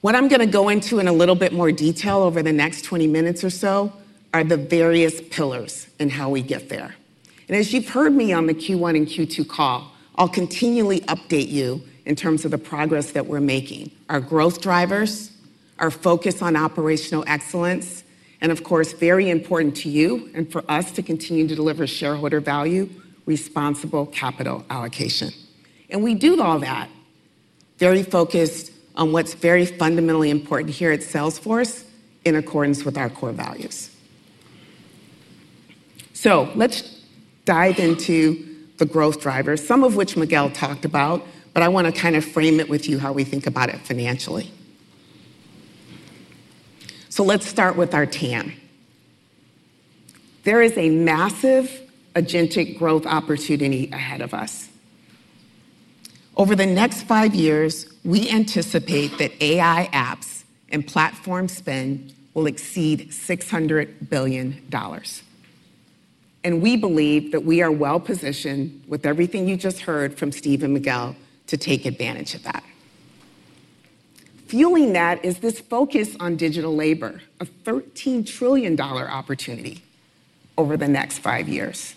What I'm going to go into in a little bit more detail over the next 20 minutes or so are the various pillars in how we get there. As you've heard me on the Q1 and Q2 call, I'll continually update you in terms of the progress that we're making, our growth drivers, our focus on operational excellence, and of course, very important to you and for us to continue to deliver shareholder value, responsible capital allocation. We do all that very focused on what's very fundamentally important here at Salesforce in accordance with our core values. Let's dive into the growth drivers, some of which Miguel talked about. I want to kind of frame it with you how we think about it financially. Let's start with our TAM. There is a massive agentic growth opportunity ahead of us. Over the next five years, we anticipate that AI apps and platform spend will exceed $600 billion. We believe that we are well positioned with everything you just heard from Steve and Miguel to take advantage of that. Fueling that is this focus on digital labor, a $13 trillion opportunity over the next five years.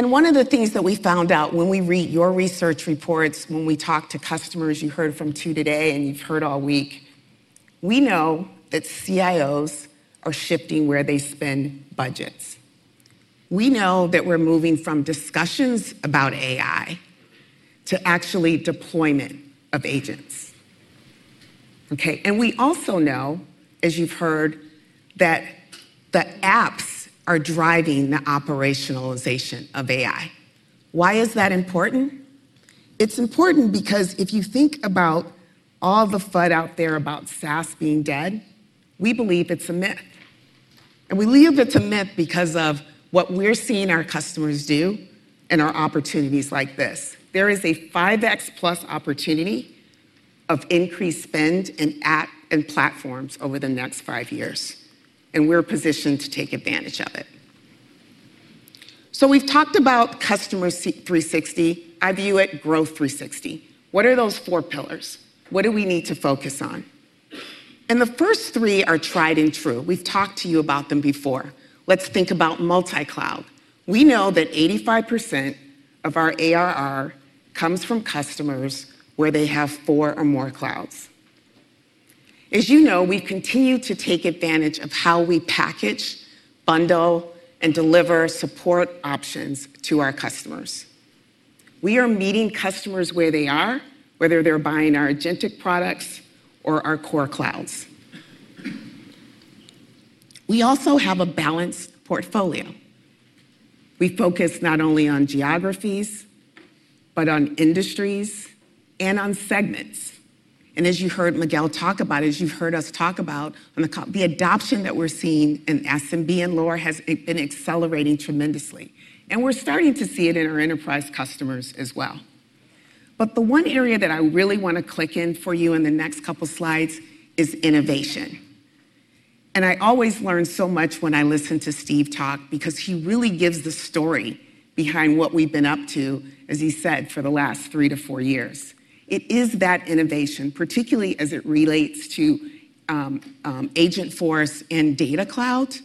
One of the things that we found out when we read your research reports, when we talk to customers you heard from too today and you've heard all week, we know that CIOs are shifting where they spend budgets. We know that we're moving from discussions about AI to actually deployment of agents. We also know, as you've heard, that the apps are driving the operationalization of AI. Why is that important? It's important because if you think about all the FUD out there about SaaS being dead, we believe it's a myth. We believe it's a myth because of what we're seeing our customers do and our opportunities like this. There is a 5x plus opportunity of increased spend in app and platforms over the next five years. We're positioned to take advantage of it. We've talked about Customer 360. I view it growth 360. What are those four pillars? What do we need to focus on? The first three are tried and true. We've talked to you about them before. Let's think about multi-cloud. We know that 85% of our ARR comes from customers where they have four or more clouds. As you know, we continue to take advantage of how we package, bundle, and deliver support options to our customers. We are meeting customers where they are, whether they're buying our agentic products or our core clouds. We also have a balanced portfolio. We focus not only on geographies, but on industries and on segments. As you heard Miguel talk about, as you've heard us talk about, the adoption that we're seeing in SMB and lower has been accelerating tremendously. We're starting to see it in our enterprise customers as well. The one area that I really want to click in for you in the next couple of slides is innovation. I always learn so much when I listen to Steve talk because he really gives the story behind what we've been up to, as he said, for the last three to four years. It is that innovation, particularly as it relates to Agentforce and Data Cloud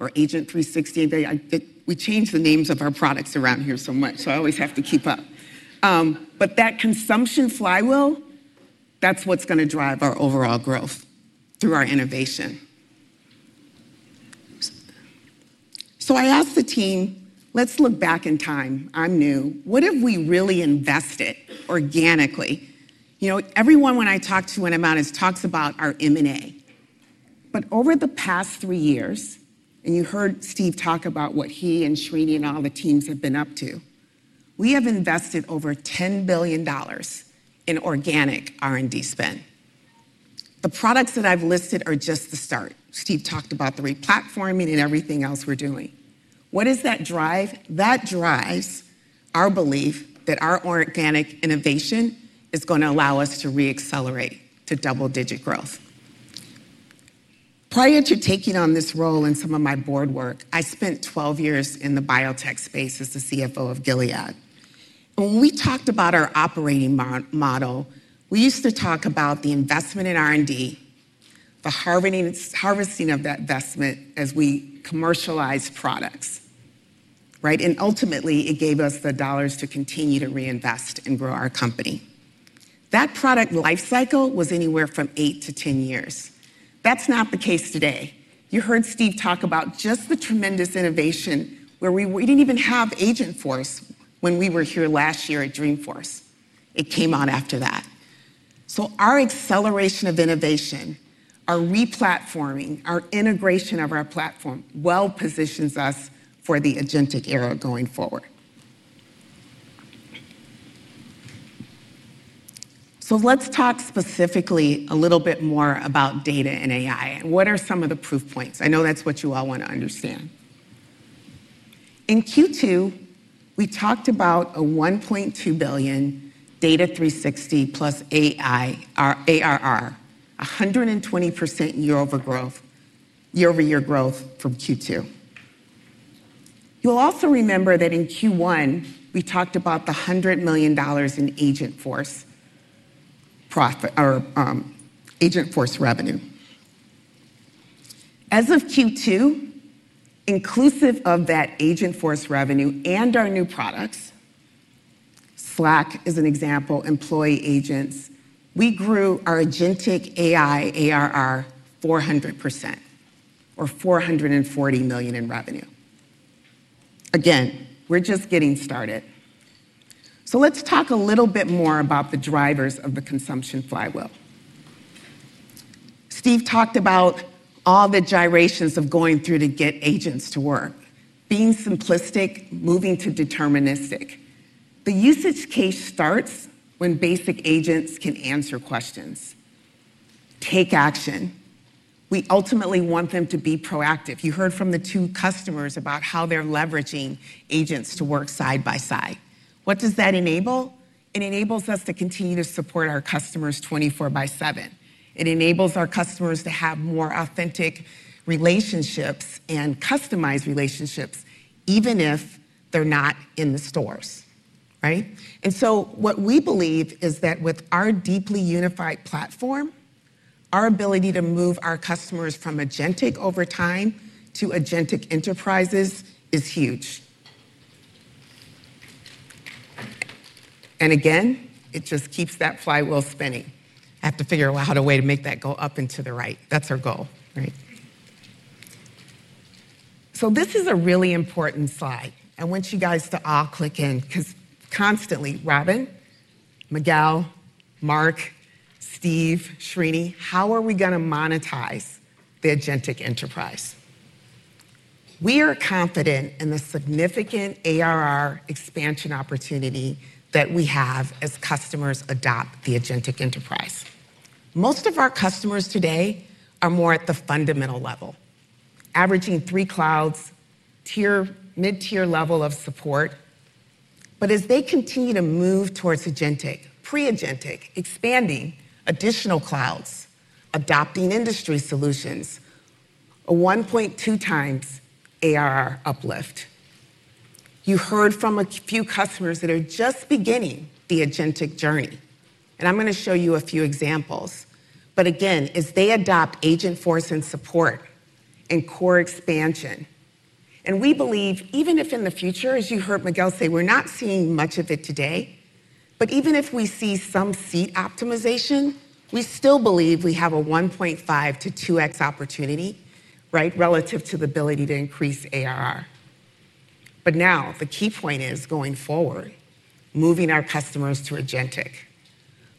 or Agent 360. We change the names of our products around here so much. I always have to keep up. That consumption flywheel, that's what's going to drive our overall growth through our innovation. I asked the team, let's look back in time. I'm new. What have we really invested organically? Everyone when I talk to when I'm on is talks about our M&A. Over the past three years, and you heard Steve talk about what he and Srini and all the teams have been up to, we have invested over $10 billion in organic R&D spend. The products that I've listed are just the start. Steve talked about the replatforming and everything else we're doing. What does that drive? That drives our belief that our organic innovation is going to allow us to reaccelerate to double-digit growth. Prior to taking on this role in some of my board work, I spent 12 years in the biotech space as the CFO of Gilead. When we talked about our operating model, we used to talk about the investment in R&D, the harvesting of that investment as we commercialized products. Ultimately, it gave us the dollars to continue to reinvest and grow our company. That product lifecycle was anywhere from 8 years to 10 years. That's not the case today. You heard Steve talk about just the tremendous innovation where we didn't even have Agentforce when we were here last year at Dreamforce. It came on after that. Our acceleration of innovation, our replatforming, our integration of our platform well positions us for the agentic era going forward. Let's talk specifically a little bit more about data and AI. What are some of the proof points? I know that's what you all want to understand. In Q2, we talked about a $1.2 billion Data 360 plus AI, our ARR, 120% year-over-year growth from Q2. You'll also remember that in Q1, we talked about the $100 million in Agentforce revenue. As of Q2, inclusive of that Agentforce revenue and our new products, Slack is an example, employee agents, we grew our agentic AI ARR 400% or $440 million in revenue. Again, we're just getting started. Let's talk a little bit more about the drivers of the consumption flywheel. Steve talked about all the gyrations of going through to get agents to work, being simplistic, moving to deterministic. The usage case starts when basic agents can answer questions, take action. We ultimately want them to be proactive. You heard from the two customers about how they're leveraging agents to work side by side. What does that enable? It enables us to continue to support our customers 24 by 7. It enables our customers to have more authentic relationships and customized relationships even if they're not in the stores. What we believe is that with our deeply unified platform, our ability to move our customers from agentic over time to agentic enterprises is huge. It just keeps that flywheel spinning. I have to figure out a way to make that go up and to the right. That's our goal. This is a really important slide. I want you guys to all click in because constantly, Robin, Miguel, Marc, Steve, Srini, how are we going to monetize the agentic enterprise? We are confident in the significant ARR expansion opportunity that we have as customers adopt the agentic enterprise. Most of our customers today are more at the fundamental level, averaging three clouds, mid-tier level of support. As they continue to move towards agentic, pre-agentic, expanding additional clouds, adopting industry solutions, a 1.2x ARR uplift. You heard from a few customers that are just beginning the agentic journey. I'm going to show you a few examples. As they adopt Agentforce and support and core expansion, and we believe even if in the future, as you heard Miguel say, we're not seeing much of it today, but even if we see some seat optimization, we still believe we have a 1.5x-2x opportunity relative to the ability to increase ARR. The key point is going forward, moving our customers to agentic,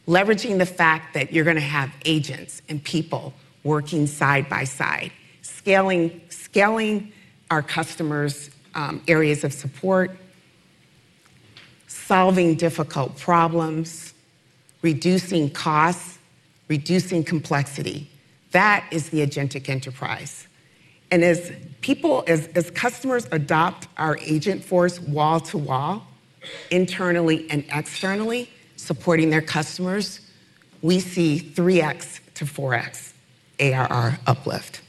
leveraging the fact that you're going to have agents and people working side by side, scaling our customers' areas of support, solving difficult problems, reducing costs, reducing complexity. That is the agentic enterprise. As customers adopt our Agentforce wall to wall, internally and externally, supporting their customers, we see 3x-4x ARR uplift.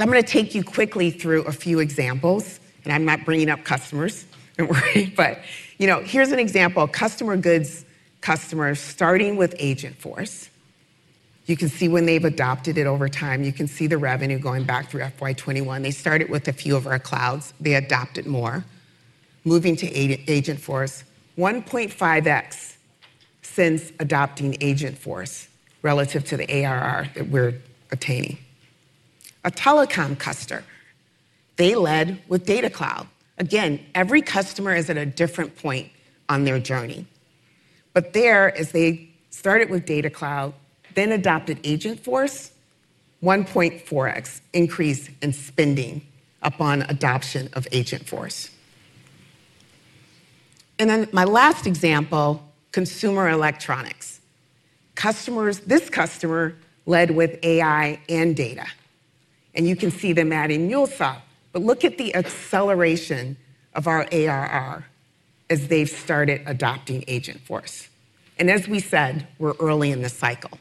I'm going to take you quickly through a few examples. I'm not bringing up customers. Don't worry. Here's an example, consumer goods customers starting with Agentforce. You can see when they've adopted it over time. You can see the revenue going back through fiscal year 2021. They started with a few of our clouds. They adopted more, moving to Agentforce, 1.5x since adopting Agentforce relative to the ARR that we're attaining. A telecom customer, they led with Data Cloud. Every customer is at a different point on their journey. There, as they started with Data Cloud, then adopted Agentforce, 1.4x increase in spending upon adoption of Agentforce. My last example, consumer electronics. This customer led with AI and data. You can see them adding MuleSoft, but look at the acceleration of our ARR as they've started adopting Agentforce. As we said, we're early in the cycle.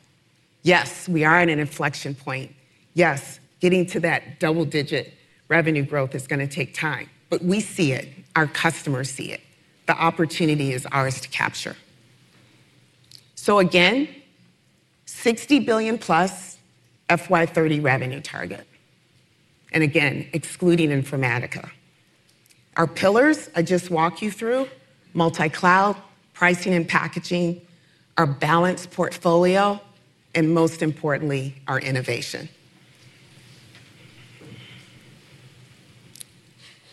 Yes, we are at an inflection point. Yes, getting to that double-digit revenue growth is going to take time. We see it. Our customers see it. The opportunity is ours to capture. Again, $60 billion+ FY 2030 revenue target, excluding Informatica. Our pillars I just walked you through: multi-cloud, pricing and packaging, our balanced portfolio, and most importantly, our innovation.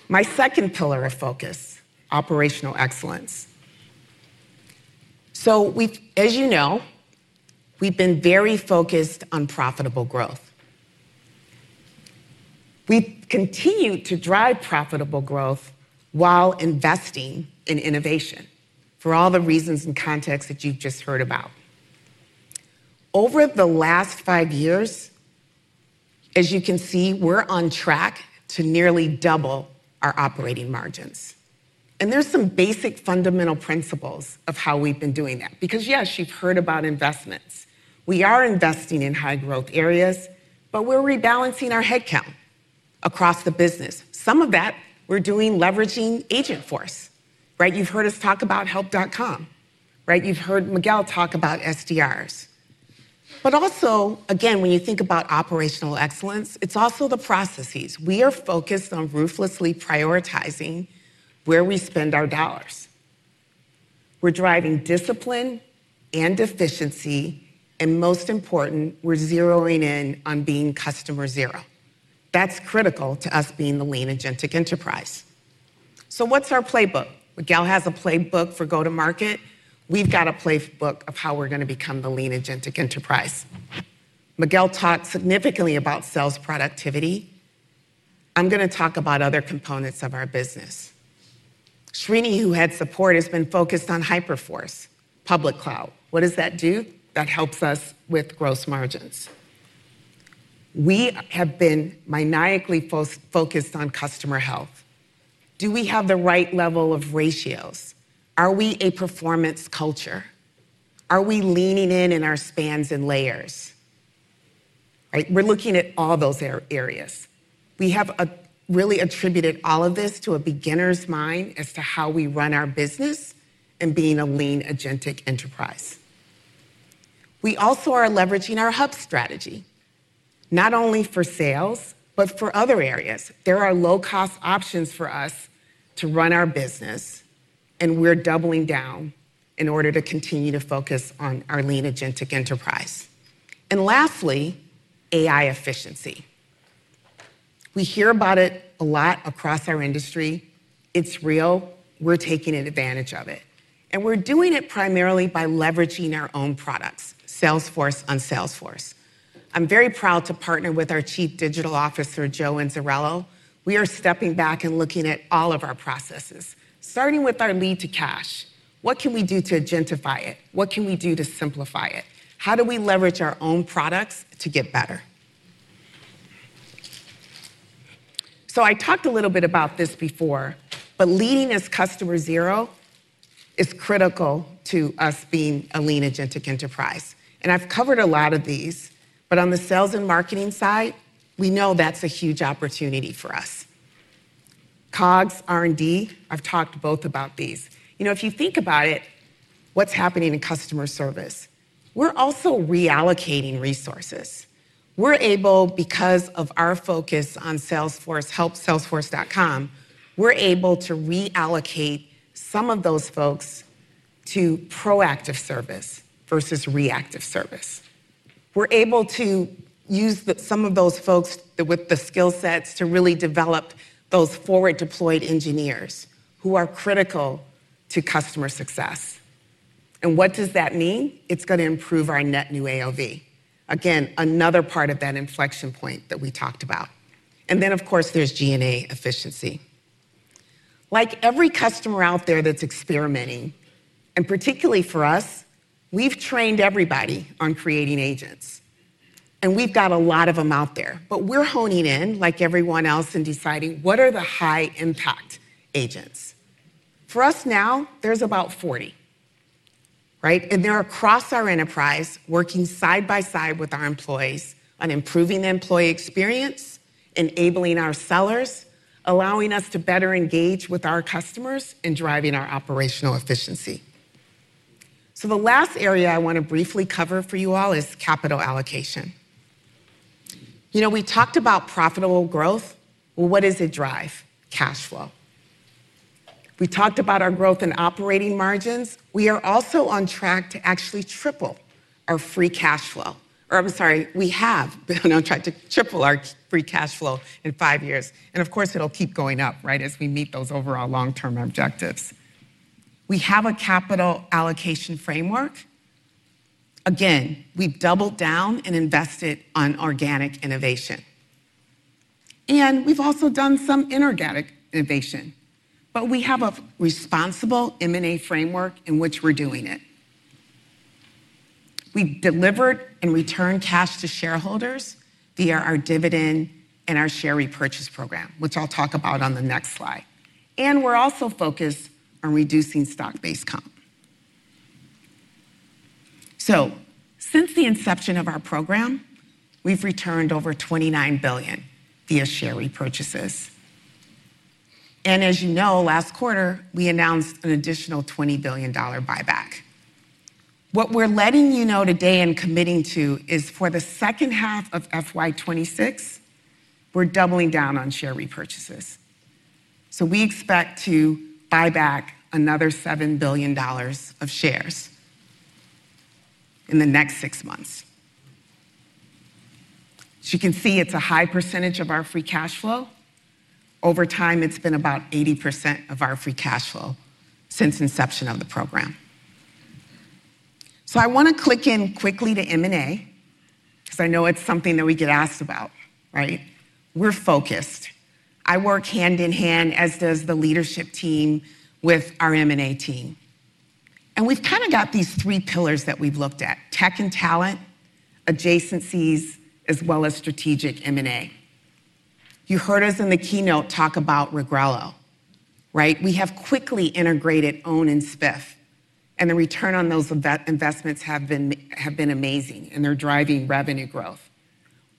My second pillar of focus, operational excellence. As you know, we've been very focused on profitable growth. We've continued to drive profitable growth while investing in innovation for all the reasons and contexts that you've just heard about. Over the last five years, as you can see, we're on track to nearly double our operating margins. There are some basic fundamental principles of how we've been doing that because, yes, you've heard about investments. We are investing in high-growth areas, but we're rebalancing our headcount across the business. Some of that we're doing leveraging Agentforce. You've heard us talk about help.com. You've heard Miguel talk about SDRs. When you think about operational excellence, it's also the processes. We are focused on ruthlessly prioritizing where we spend our dollars. We're driving discipline and efficiency. Most important, we're zeroing in on being customer zero. That's critical to us being the lean agentic enterprise. What's our playbook? Miguel has a playbook for go-to-market. We've got a playbook of how we're going to become the lean agentic enterprise. Miguel talked significantly about sales productivity. I'm going to talk about other components of our business. Srini, who had support, has been focused on Hyperforce, public cloud. What does that do? That helps us with gross margins. We have been maniacally focused on customer health. Do we have the right level of ratios? Are we a performance culture? Are we leaning in in our spans and layers? We're looking at all those areas. We have really attributed all of this to a beginner's mind as to how we run our business and being a lean agentic enterprise. We also are leveraging our hub strategy, not only for sales, but for other areas. There are low-cost options for us to run our business. We're doubling down in order to continue to focus on our lean agentic enterprise. Lastly, AI efficiency. We hear about it a lot across our industry. It's real. We're taking advantage of it. We're doing it primarily by leveraging our own products, Salesforce on Salesforce. I'm very proud to partner with our Chief Digital Officer, Joan Zirello. We are stepping back and looking at all of our processes, starting with our lead to cash. What can we do to agentify it? What can we do to simplify it? How do we leverage our own products to get better? I talked a little bit about this before. Leading as customer zero is critical to us being a lean agentic enterprise. I've covered a lot of these. On the sales and marketing side, we know that's a huge opportunity for us. COGS, R&D, I've talked both about these. If you think about it, what's happening in customer service? We're also reallocating resources. We're able, because of our focus on Salesforce, help Salesforce, we're able to reallocate some of those folks to proactive service versus reactive service. We're able to use some of those folks with the skill sets to really develop those forward-deployed engineers who are critical to customer success. What does that mean? It's going to improve our net new AOV, again, another part of that inflection point that we talked about. Of course, there's G&A efficiency. Like every customer out there that's experimenting, and particularly for us, we've trained everybody on creating agents. We've got a lot of them out there. We're honing in, like everyone else, and deciding what are the high-impact agents. For us now, there's about 40. They're across our enterprise, working side by side with our employees on improving the employee experience, enabling our sellers, allowing us to better engage with our customers, and driving our operational efficiency. The last area I want to briefly cover for you all is capital allocation. We talked about profitable growth. What does it drive? Cash flow. We talked about our growth in operating margins. We are also on track to actually triple our free cash flow. I'm sorry, we have been on track to triple our free cash flow in five years. Of course, it'll keep going up as we meet those overall long-term objectives. We have a capital allocation framework. We've doubled down and invested on organic innovation. We've also done some inorganic innovation. We have a responsible M&A framework in which we're doing it. We delivered and returned cash to shareholders via our dividend and our share repurchase program, which I'll talk about on the next slide. We're also focused on reducing stock-based comp. Since the inception of our program, we've returned over $29 billion via share repurchases. As you know, last quarter, we announced an additional $20 billion buyback. What we're letting you know today and committing to is for the second half of FY 2026, we're doubling down on share repurchases. We expect to buy back another $7 billion of shares in the next six months. As you can see, it's a high percentage of our free cash flow. Over time, it's been about 80% of our free cash flow since inception of the program. I want to click in quickly to M&A because I know it's something that we get asked about. We're focused. I work hand in hand, as does the leadership team, with our M&A team. We've got these three pillars that we've looked at: tech and talent, adjacencies, as well as strategic M&A. You heard us in the Keynote talk about Regrello. We have quickly integrated Own and Spiff. The return on those investments have been amazing, and they're driving revenue growth.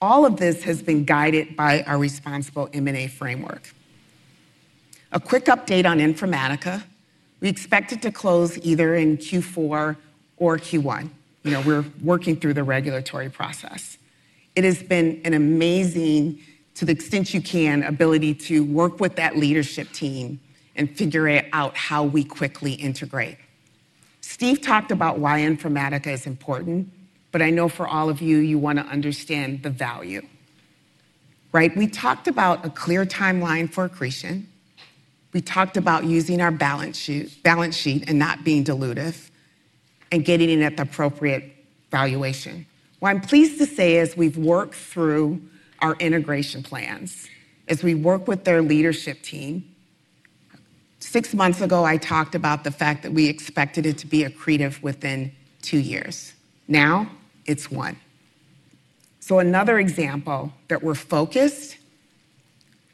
All of this has been guided by our responsible M&A framework. A quick update on Informatica. We expect it to close either in Q4 or Q1. We're working through the regulatory process. It has been an amazing, to the extent you can, ability to work with that leadership team and figure out how we quickly integrate. Steve talked about why Informatica is important. I know for all of you, you want to understand the value. We talked about a clear timeline for accretion. We talked about using our balance sheet and not being dilutive and getting in at the appropriate valuation. What I'm pleased to say is we've worked through our integration plans as we work with their leadership team. Six months ago, I talked about the fact that we expected it to be accretive within two years. Now it's one. Another example that we're focused,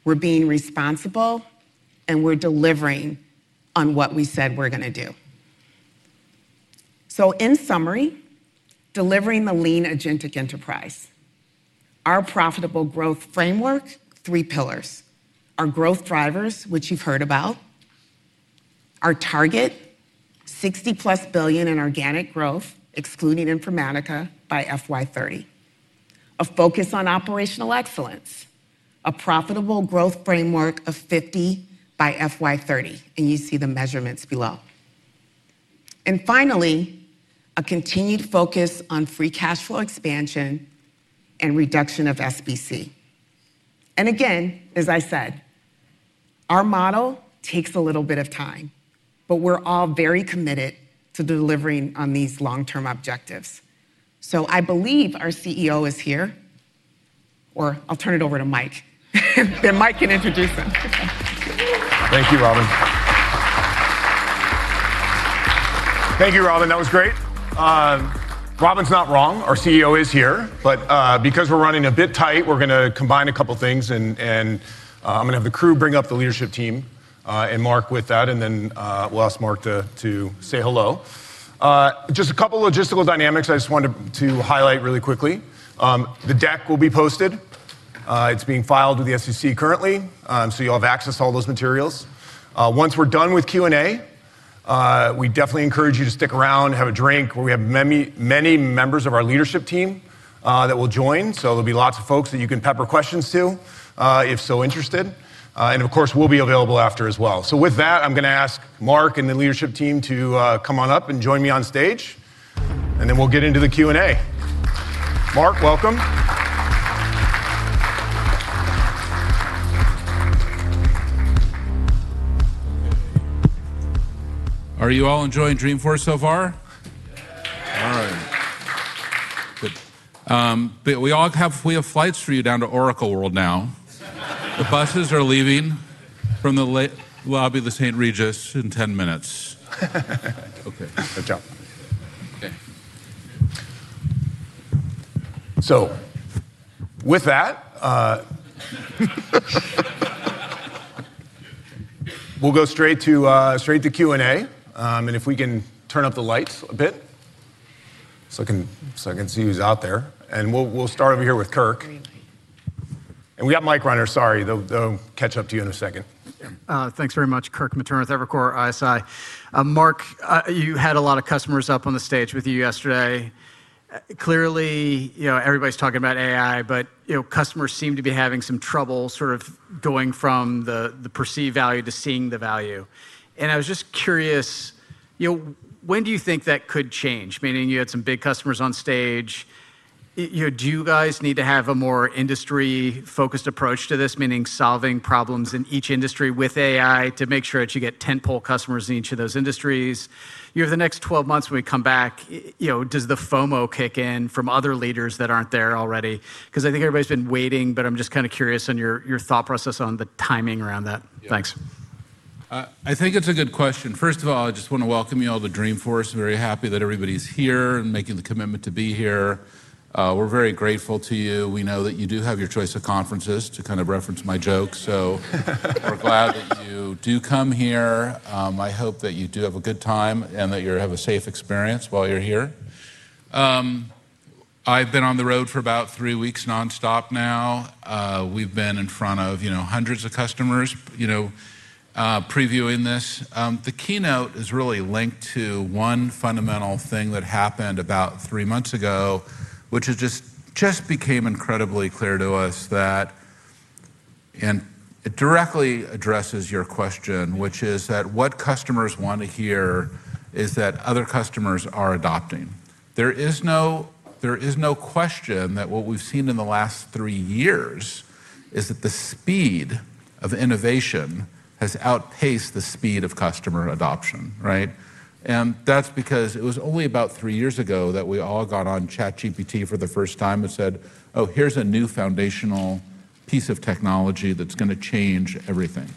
we're being responsible, and we're delivering on what we said we're going to do. In summary, delivering the lean agentic enterprise, our profitable growth framework, three pillars, our growth drivers, which you've heard about, our target, $60+ billion in organic growth, excluding Informatica by FY 2030, a focus on operational excellence, a profitable growth framework of 50% by FY 2030. You see the measurements below. Finally, a continued focus on free cash flow expansion and reduction of SBC. As I said, our model takes a little bit of time. We're all very committed to delivering on these long-term objectives. I believe our CEO is here. I'll turn it over to Mike, and Mike can introduce them. Thank you, Robin. That was great. Robin's not wrong. Our CEO is here. Because we're running a bit tight, we're going to combine a couple of things. I'm going to have the crew bring up the leadership team and Marc with that. Then we'll ask Marc to say hello. Just a couple of logistical dynamics I wanted to highlight really quickly. The deck will be posted. It's being filed with the SEC currently, so you'll have access to all those materials. Once we're done with Q&A, we definitely encourage you to stick around, have a drink. We have many members of our leadership team that will join, so there'll be lots of folks that you can pepper questions to, if so interested. Of course, we'll be available after as well. With that, I'm going to ask Marc and the leadership team to come on up and join me on stage. Then we'll get into the Q&A. Marc, welcome. Thank you. Are you all enjoying Dreamforce so far? Yes. All right. Good. We have flights for you down to Oracle World now. The buses are leaving from the lobby of the St. Regis in 10 minutes. Okay. Good job. With that, we'll go straight to Q&A. If we can turn up the lights a bit so I can see who's out there. We'll start over here with Kirk. We got Mike running. Sorry, they'll catch up to you in a second. Thanks very much, Kirk Materne with Evercore ISI. Marc, you had a lot of customers up on the stage with you yesterday. Clearly, everybody's talking about AI. Customers seem to be having some trouble sort of going from the perceived value to seeing the value. I was just curious, when do you think that could change? Meaning you had some big customers on stage. Do you guys need to have a more industry-focused approach to this, meaning solving problems in each industry with AI to make sure that you get tentpole customers in each of those industries? Over the next 12 months, when we come back, does the FOMO kick in from other leaders that aren't there already? I think everybody's been waiting. I'm just kind of curious on your thought process on the timing around that. Thanks. I think it's a good question. First of all, I just want to welcome you all to Dreamforce. I'm very happy that everybody's here and making the commitment to be here. We're very grateful to you. We know that you do have your choice of conferences, to kind of reference my joke. We're glad that you do come here. I hope that you do have a good time and that you have a safe experience while you're here. I've been on the road for about three weeks nonstop now. We've been in front of hundreds of customers previewing this. The Keynote is really linked to one fundamental thing that happened about three months ago, which just became incredibly clear to us, and it directly addresses your question, which is that what customers want to hear is that other customers are adopting. There is no question that what we've seen in the last three years is that the speed of innovation has outpaced the speed of customer adoption. That's because it was only about three years ago that we all got on ChatGPT for the first time and said, oh, here's a new foundational piece of technology that's going to change everything.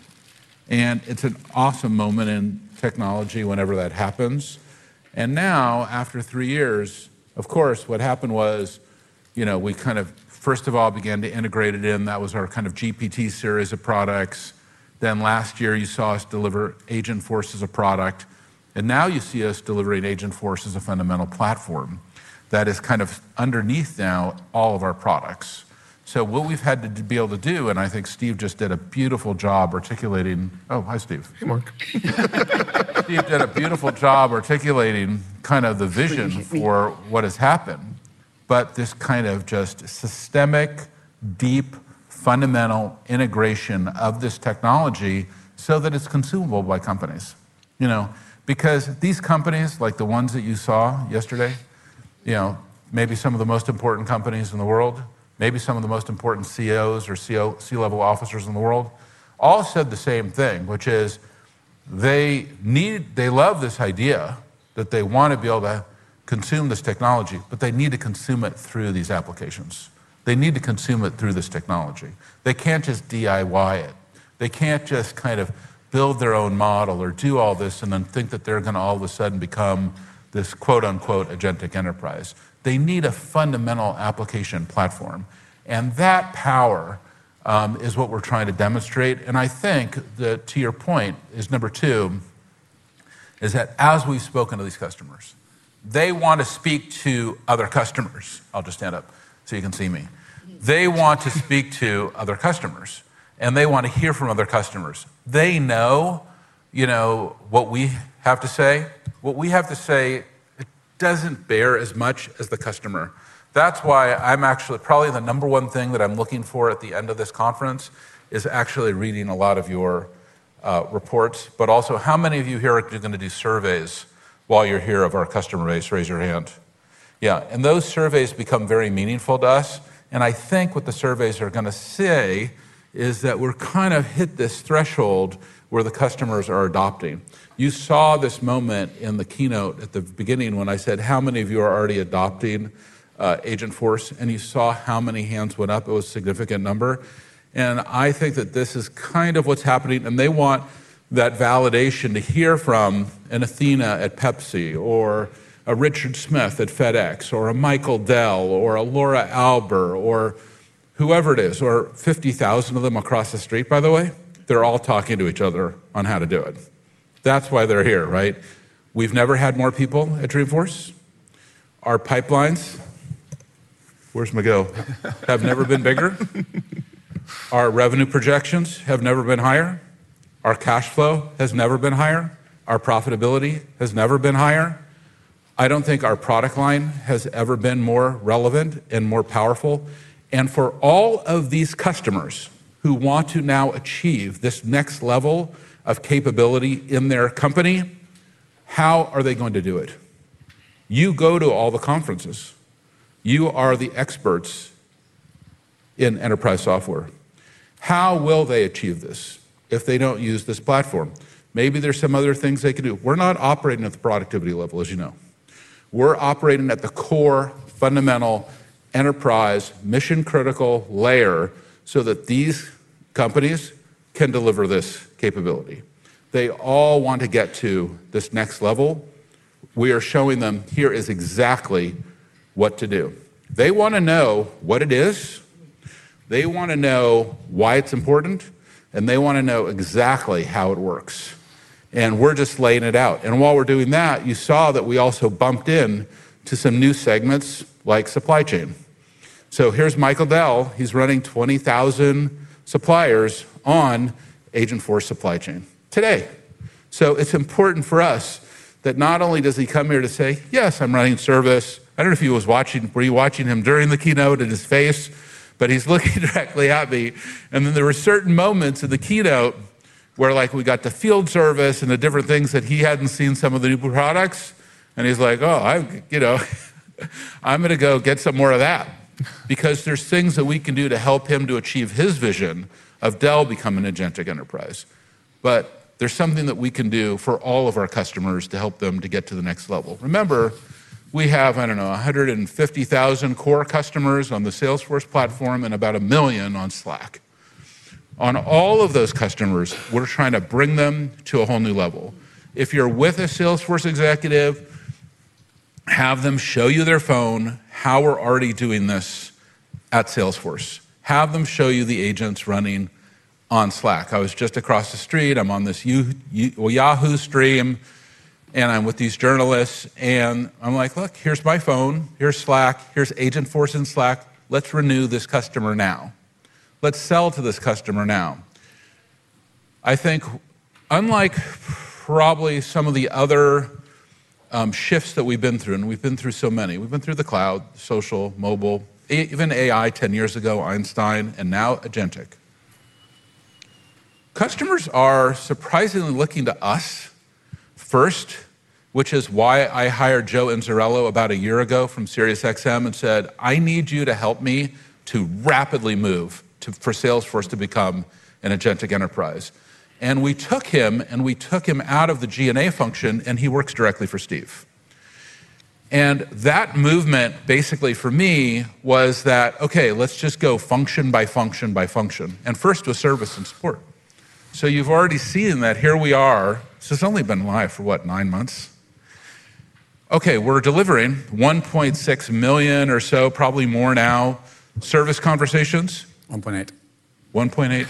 It's an awesome moment in technology whenever that happens. Now, after three years, of course, what happened was we kind of, first of all, began to integrate it in. That was our kind of GPT series of products. Last year, you saw us deliver Agentforce as a product. Now you see us delivering Agentforce as a fundamental platform that is kind of underneath now all of our products. What we've had to be able to do, and I think Steve just did a beautiful job articulating, oh, hi, Steve. Hey, Mark. Steve did a beautiful job articulating kind of the vision for what has happened. This kind of just systemic, deep, fundamental integration of this technology so that it's consumable by companies. You know, because these companies, like the ones that you saw yesterday, maybe some of the most important companies in the world, maybe some of the most important CEOs or C-level officers in the world, all said the same thing, which is they love this idea that they want to be able to consume this technology. They need to consume it through these applications. They need to consume it through this technology. They can't just DIY it. They can't just kind of build their own model or do all this and then think that they're going to all of a sudden become this quote-unquote agentic enterprise. They need a fundamental application platform. That power is what we're trying to demonstrate. I think that to your point is number two, is that as we've spoken to these customers, they want to speak to other customers. I'll just stand up so you can see me. They want to speak to other customers. They want to hear from other customers. They know what we have to say. What we have to say doesn't bear as much as the customer. That's why I'm actually probably the number one thing that I'm looking for at the end of this conference is actually reading a lot of your reports. Also, how many of you here are going to do surveys while you're here of our customer base? Raise your hand. Yeah, and those surveys. Become Very meaningful to us. I think what the surveys are going to say is that we've kind of hit this threshold where the customers are adopting. You saw this moment in the Keynote at the beginning when I said, "How many of you are already adopting Agentforce?" You saw how many hands went up. It was a significant number. I think that this is kind of what's happening. They want that validation to hear from an Athena at Pepsi or a Richard Smith at FedEx or a Michael Dell or a Laura Alber or whoever it is, or 50,000 of them across the street, by the way. They're all talking to each other on how to do it. That's why they're here, right? We've never had more people at Dreamforce. Our pipelines have never been bigger. Our revenue projections have never been higher. Our cash flow has never been higher. Our profitability has never been higher. I don't think our product line has ever been more relevant and more powerful. For all of these customers who want to now achieve this next level of capability in their company, how are they going to do it? You go to all the conferences. You are the experts in enterprise software. How will they achieve this if they don't use this platform? Maybe there's some other things they can do. We're not operating at the productivity level, as you know. We're operating at the core, fundamental enterprise mission-critical layer so that these companies can deliver this capability. They all want to get to this next level. We are showing them here is exactly what to do. They want to know what it is. They want to know why it's important. They want to know exactly how it works. We're just laying it out. While we're doing that, you saw that we also bumped into some new segments like supply chain. Here's Michael Dell. He's running 20,000 suppliers on Agentforce supply chain today. It's important for us that not only does he come here to say, "Yes, I'm running service." I don't know if he was watching. Were you watching him during the Keynote in his face? He's looking directly at me. There were certain moments in the Keynote where, like, we got the field service and the different things that he hadn't seen, some of the new products. He's like, "Oh, you know, I'm going to go get some more of that." There are things that we can do to help him to achieve his vision of Dell becoming an agentic enterprise. There's something that we can do for all of our customers to help them to get to the next level. Remember, we have, I don't know, 150,000 core customers on the Salesforce platform and about a million on Slack. On all of those customers, we're trying to bring them to a whole new level. If you're with a Salesforce executive, have them show you their phone, how we're already doing this at Salesforce. Have them show you the agents running on Slack. I was just across the street. I'm on this Yahoo stream, and I'm with these journalists. I'm like, "Look, here's my phone. Here's Slack. Here's Agentforce in Slack. Let's renew this customer now. Let's sell to this customer now." I think, unlike probably some of the other shifts that we've been through, and we've been through so many, we've been through the cloud, social, mobile, even AI 10 years ago, Einstein, and now agentic. Customers are surprisingly looking to us first, which is why I hired Joe Inzerillo about a year ago from Sirius XM and said, "I need you to help me to rapidly move for Salesforce to become an agentic enterprise." We took him, and we took him out of the G&A function, and he works directly for Steve. That movement, basically, for me was that, "Okay, let's just go function by function by function." First was service and support. You've already seen that here we are. It's only been live, for what, nine months? We're delivering $1.6 million or so, probably more now, service conversations. 1.8. 1.8?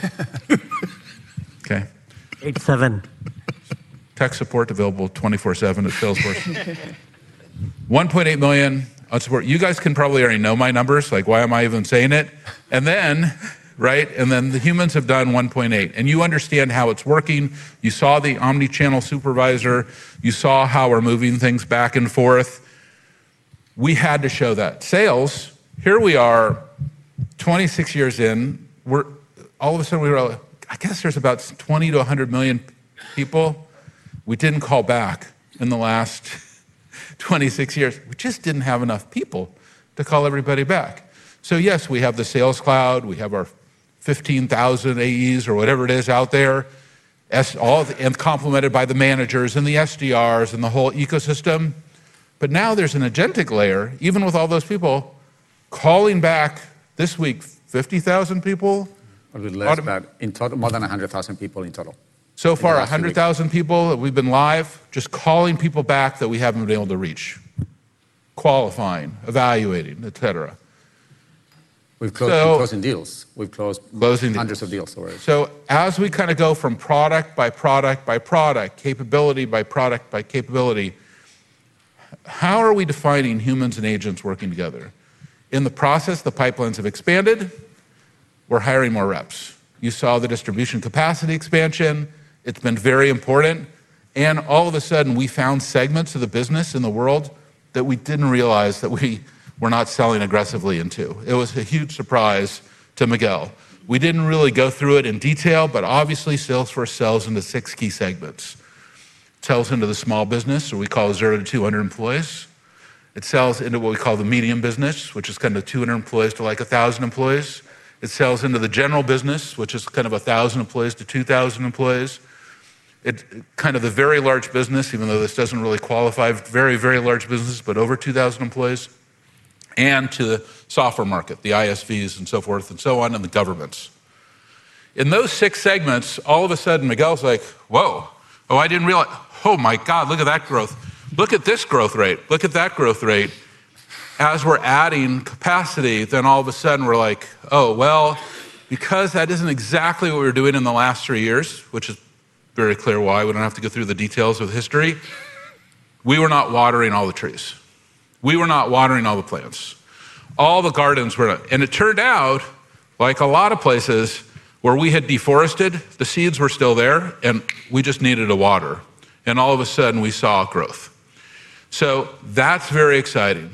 Okay. 8.7. Tech support available 24/7 at Salesforce. $1.8 million of support. You guys can probably already know my numbers. Like, why am I even saying it? The humans have done $1.8 million. You understand how it's working. You saw the omnichannel supervisor. You saw how we're moving things back and forth. We had to show that. Sales, here we are, 26 years in. All of a sudden, we were like, I guess there's about 20 million-100 million people we didn't call back in the last 26 years. We just didn't have enough people to call everybody back. Yes, we have the Sales Cloud. We have our 15,000 AEs or whatever it is out there, complemented by the managers and the SDRs and the whole ecosystem. Now there's an agentic layer, even with all those people, calling back this week, 50,000 people. Probably less than that. In total, more than 100,000 people in total. So far, 100,000 people that we've been live, just calling people back that we haven't been able to reach, qualifying, evaluating, etc. We've closed deals, we've closed hundreds of deals. As we kind of go from product by product by product, capability by product by capability, how are we defining humans and agents working together? In the process, the pipelines have expanded. We're hiring more reps. You saw the distribution capacity expansion. It's been very important. All of a sudden, we found segments of the business in the world that we didn't realize that we were not selling aggressively into. It was a huge surprise to Miguel. We didn't really go through it in detail. Obviously, Salesforce sells into six key segments. It sells into the small business, or we call it 0-200 employees. It sells into what we call the medium business, which is kind of 200 employees to like 1,000 employees. It sells into the general business, which is kind of 1,000 employees to 2,000 employees. Kind of the very large business, even though this doesn't really qualify very, very large businesses, but over 2,000 employees, and to the software market, the ISVs and so forth and so on, and the governments. In those six segments, all of a sudden, Miguel's like, "Whoa. Oh, I didn't realize. Oh my god, look at that growth. Look at this growth rate. Look at that growth rate." As we're adding capacity, all of a sudden, we're like, "Oh, well, because that isn't exactly what we were doing in the last three years," which is very clear why. We don't have to go through the details of the history. We were not watering all the trees. We were not watering all the plants. All the gardens were not. It turned out, like a lot of places where we had deforested, the seeds were still there. We just needed to water. All of a sudden, we saw growth. That's very exciting.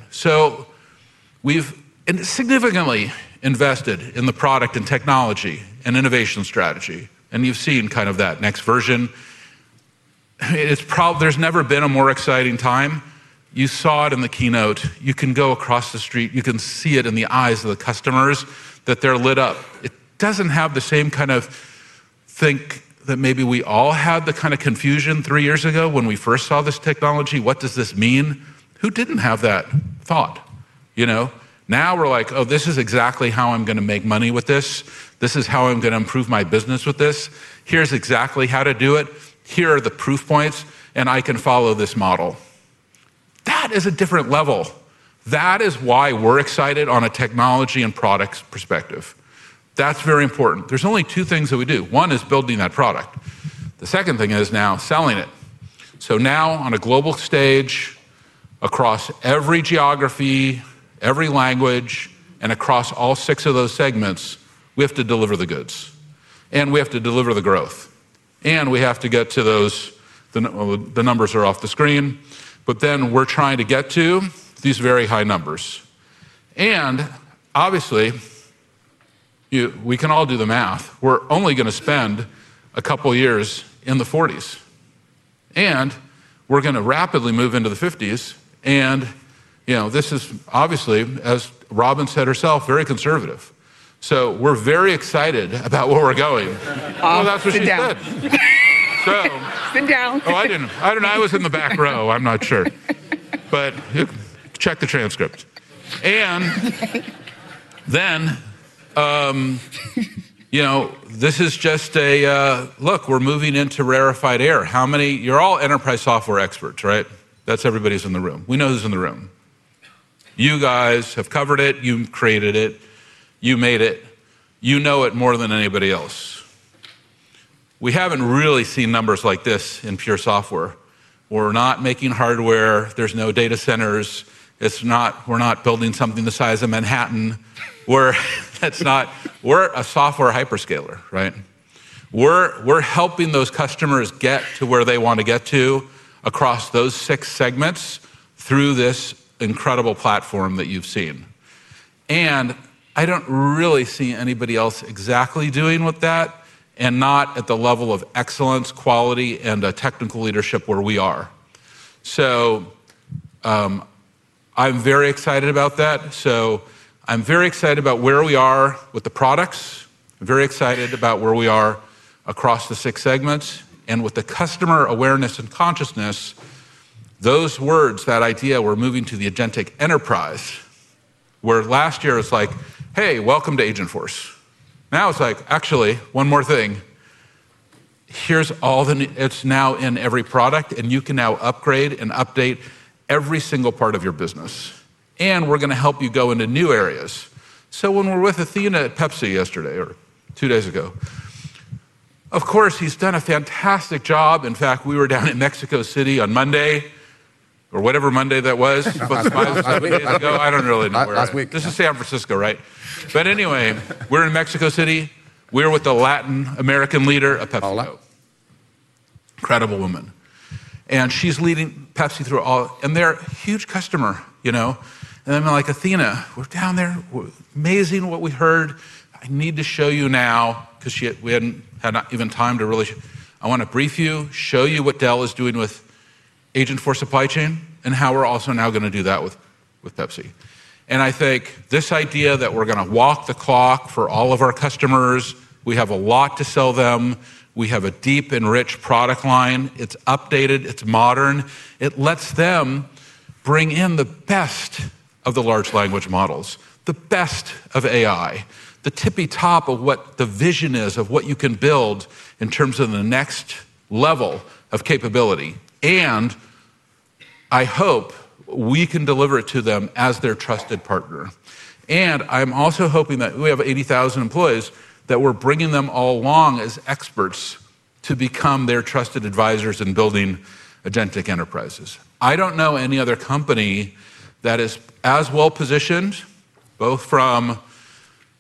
We've significantly invested in the product and technology and innovation strategy. You've seen kind of that next version. There's never been a more exciting time. You saw it in the Keynote. You can go across the street. You can see it in the eyes of the customers that they're lit up. It doesn't have the same kind of think that maybe we all had, the kind of confusion three years ago when we first saw this technology. What does this mean? Who didn't have that thought? Now we're like, "Oh, this is exactly how I'm going to make money with this. This is how I'm going to improve my business with this. Here's exactly how to do it. Here are the proof points. I can follow this model." That is a different level. That is why we're excited on a technology and products perspective. That's very important. There are only two things that we do. One is building that product. The second thing is now selling it. Now, on a global stage, across every geography, every language, and across all six of those segments, we have to deliver the goods. We have to deliver the growth. We have to get to those numbers that are off the screen. We're trying to get to these very high numbers. Obviously, we can all do the math. We're only going to spend a couple of years in the '40s, and we're going to rapidly move into the '50s. This is obviously, as Robin said herself, very conservative. We're very excited about where we're going. Oh, that's what she said. It's been down. Oh, I don't know. I was in the back row. I'm not sure. Check the transcript. This is just a look, we're moving into rarefied air. You're all enterprise software experts, right? That's everybody who's in the room. We know who's in the room. You guys have covered it. You created it. You made it. You know it more than anybody else. We haven't really seen numbers like this in pure software. We're not making hardware. There's no data centers. We're not building something the size of Manhattan. We're a software hyperscaler, right? We're helping those customers get to where they want to get to across those six segments through this incredible platform that you've seen. I don't really see anybody else exactly doing that and not at the level of excellence, quality, and technical leadership where we are. I'm very excited about that. I'm very excited about where we are with the products. I'm very excited about where we are across the six segments. With the customer awareness and consciousness, those words, that idea, we're moving to the agentic enterprise, where last year it was like, "Hey, welcome to Agentforce." Now it's like, "Actually, one more thing. Here's all the it's now in every product. You can now upgrade and update every single part of your business. We're going to help you go into new areas." When we were with Athena at Pepsi yesterday or two days ago, of course, he's done a fantastic job. In fact, we were down in Mexico City on Monday or whatever Monday that was. He booked spots. I don't really know where. Last week. This is San Francisco, right? Anyway, we're in Mexico City. We were with the Latin American leader at Pepsi. Paula. Incredible woman. She's leading Pepsi through all. They're a huge customer, you know. I'm like, "Athena, we're down there. Amazing what we heard. I need to show you now because we had not even time to really, I want to brief you, show you what Dell is doing with Agentforce supply chain and how we're also now going to do that with Pepsi." I think this idea that we're going to walk the clock for all of our customers, we have a lot to sell them. We have a deep and rich product line. It's updated. It's modern. It lets them bring in the best of the large language models, the best of AI, the tippy top of what the vision is of what you can build in terms of the next level of capability. I hope we can deliver it to them as their trusted partner. I'm also hoping that we have 80,000 employees that we're bringing all along as experts to become their trusted advisors in building agentic enterprises. I don't know any other company that is as well positioned, both from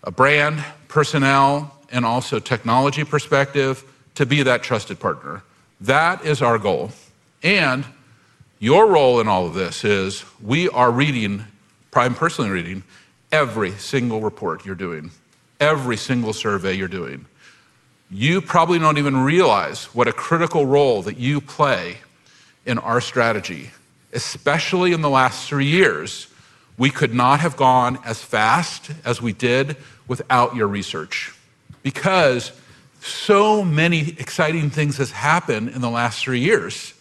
a brand, personnel, and also technology perspective, to be that trusted partner. That is our goal. Your role in all of this is we are reading, I'm personally reading, every single report you're doing, every single survey you're doing. You probably don't even realize what a critical role that you play in our strategy, especially in the last three years. We could not have gone as fast as we did without your research because so many exciting things have happened in the last three years.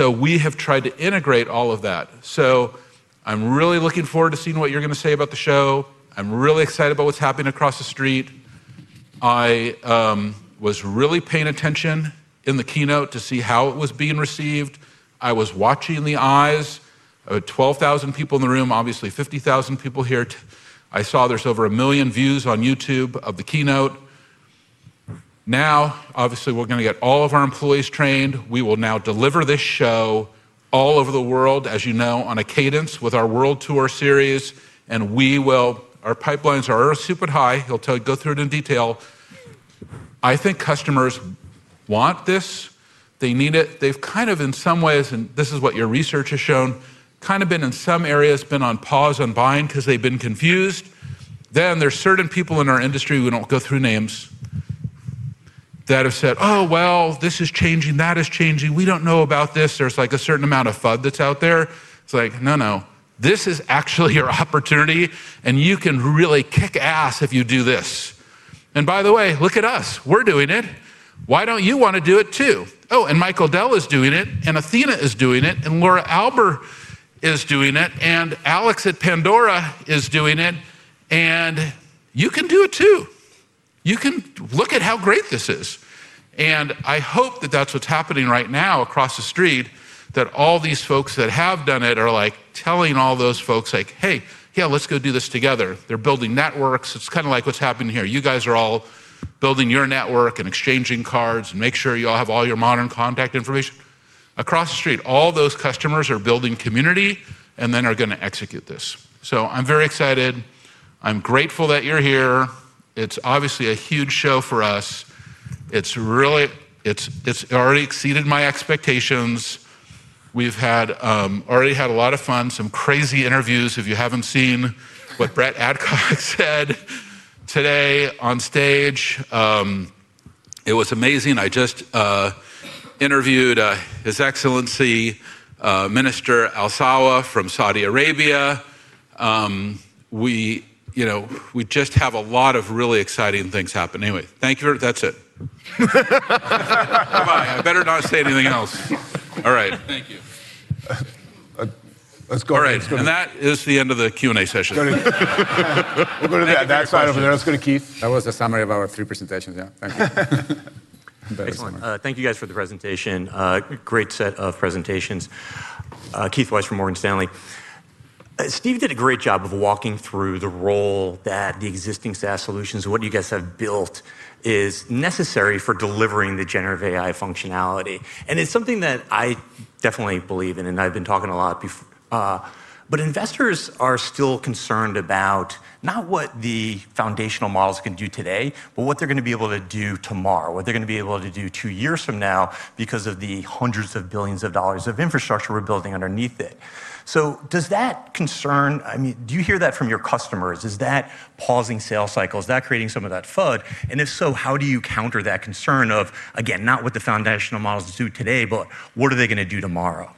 We have tried to integrate all of that. I'm really looking forward to seeing what you're going to say about the show. I'm really excited about what's happening across the street. I was really paying attention in the Keynote to see how it was being received. I was watching the eyes. We had 12,000 people in the room, obviously 50,000 people here. I saw there's over a million views on YouTube of the Keynote. Obviously, we're going to get all of our employees trained. We will now deliver this show all over the world, as you know, on a cadence with our world tour series. Our pipelines are super high. He'll tell you to go through it in detail. I think customers want this. They need it. They've kind of, in some ways, and this is what your research has shown, kind of been in some areas been on pause, unbind, because they've been confused. There are certain people in our industry, we don't go through names, that have said, "Oh, well, this is changing. That is changing." We don't know about this. There's like a certain amount of FUD that's out there. It's like, no, no. This is actually your opportunity. You can really kick ass if you do this. By the way, look at us. We're doing it. Why don't you want to do it too? Michael Dell is doing it. Athena is doing it. Laura Albert is doing it. Alex at Pandora is doing it. You can do it too. You can look at how great this is. I hope that's what's happening right now across the street, that all these folks that have done it are telling all those folks, "Hey, yeah, let's go do this together." They're building networks. It's kind of like what's happening here. You guys are all building your network and exchanging cards and making sure you all have all your modern contact information. Across the street, all those customers are building community and then are going to execute this. I'm very excited. I'm grateful that you're here. It's obviously a huge show for us. It's really, it's already exceeded my expectations. We've already had a lot of fun, some crazy interviews. If you haven't seen what Brett Adcock said today on stage, it was amazing. I just interviewed His Excellency Minister Alsawa from Saudi Arabia. We just have a lot of really exciting things happening. Anyway, thank you for that's it. Bye-bye. I better not say anything else. All right. Thank you. All right, that is the end of the Q&A session. We'll go to that side over there. That was good, Keith. That was the summary of our three presentations. Excellent. Thank you guys for the presentation. Great set of presentations. Keith Weiss from Morgan Stanley. Steve did a great job of walking through the role that the existing SaaS solutions and what you guys have built is necessary for delivering the generative AI functionality. It's something that I definitely believe in. I've been talking a lot before. Investors are still concerned about not what the foundational models can do today, but what they're going to be able to do tomorrow, what they're going to be able to do two years from now because of the hundreds of billions of dollars of infrastructure we're building underneath it. Does that concern, I mean, do you hear that from your customers? Is that pausing sales cycles? Is that creating some of that FUD? If so, how do you counter that concern of, again, not what the foundational models do today, but what are they going to do tomorrow?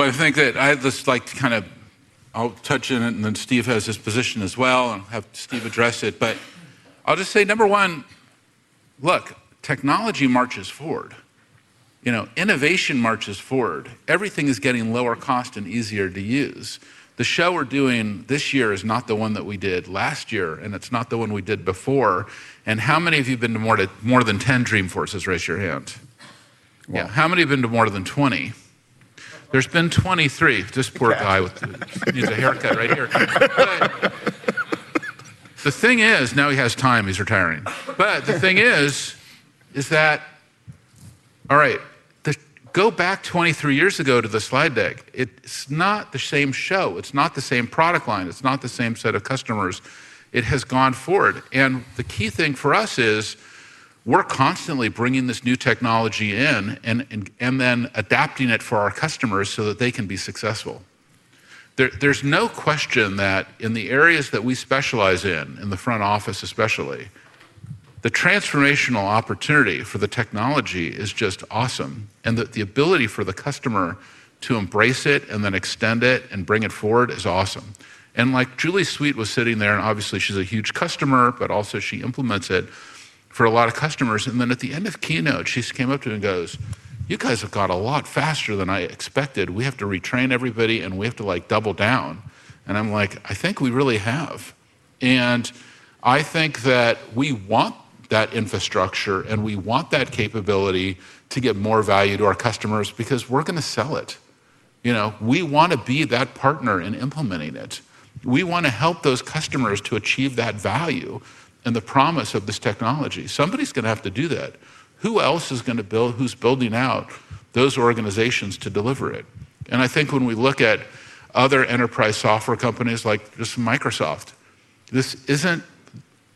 I think that I'd just like to kind of touch on it. Steve has his position as well, and I'll have Steve address it. I'll just say, number one, look, technology marches forward. Innovation marches forward. Everything is getting lower cost and easier to use. The show we're doing this year is not the one that we did last year, and it's not the one we did before. How many of you have been to more than 10 Dreamforces? Raise your hand. How many have been to more than 20? There have been 23. This poor guy, he needs a haircut, right? The thing is, now he has time. He's retiring. The thing is, go back 23 years ago to the slide deck. It's not the same show. It's not the same product line. It's not the same set of customers. It has gone forward. The key thing for us is we're constantly bringing this new technology in and then adapting it for our customers so that they can be successful. There's no question that in the areas that we specialize in, in the front office especially, the transformational opportunity for the technology is just awesome. The ability for the customer to embrace it and then extend it and bring it forward is awesome. Julie Sweet was sitting there, and obviously, she's a huge customer, but also she implements it for a lot of customers. At the end of the Keynote, she came up to me and goes, "You guys have got a lot faster than I expected. We have to retrain everybody. We have to double down." I'm like, "I think we really have." I think that we want that infrastructure, and we want that capability to give more value to our customers because we're going to sell it. We want to be that partner in implementing it. We want to help those customers to achieve that value and the promise of this technology. Somebody's going to have to do that. Who else is going to build, who's building out those organizations to deliver it? I think when we look at other enterprise software companies like just Microsoft, this isn't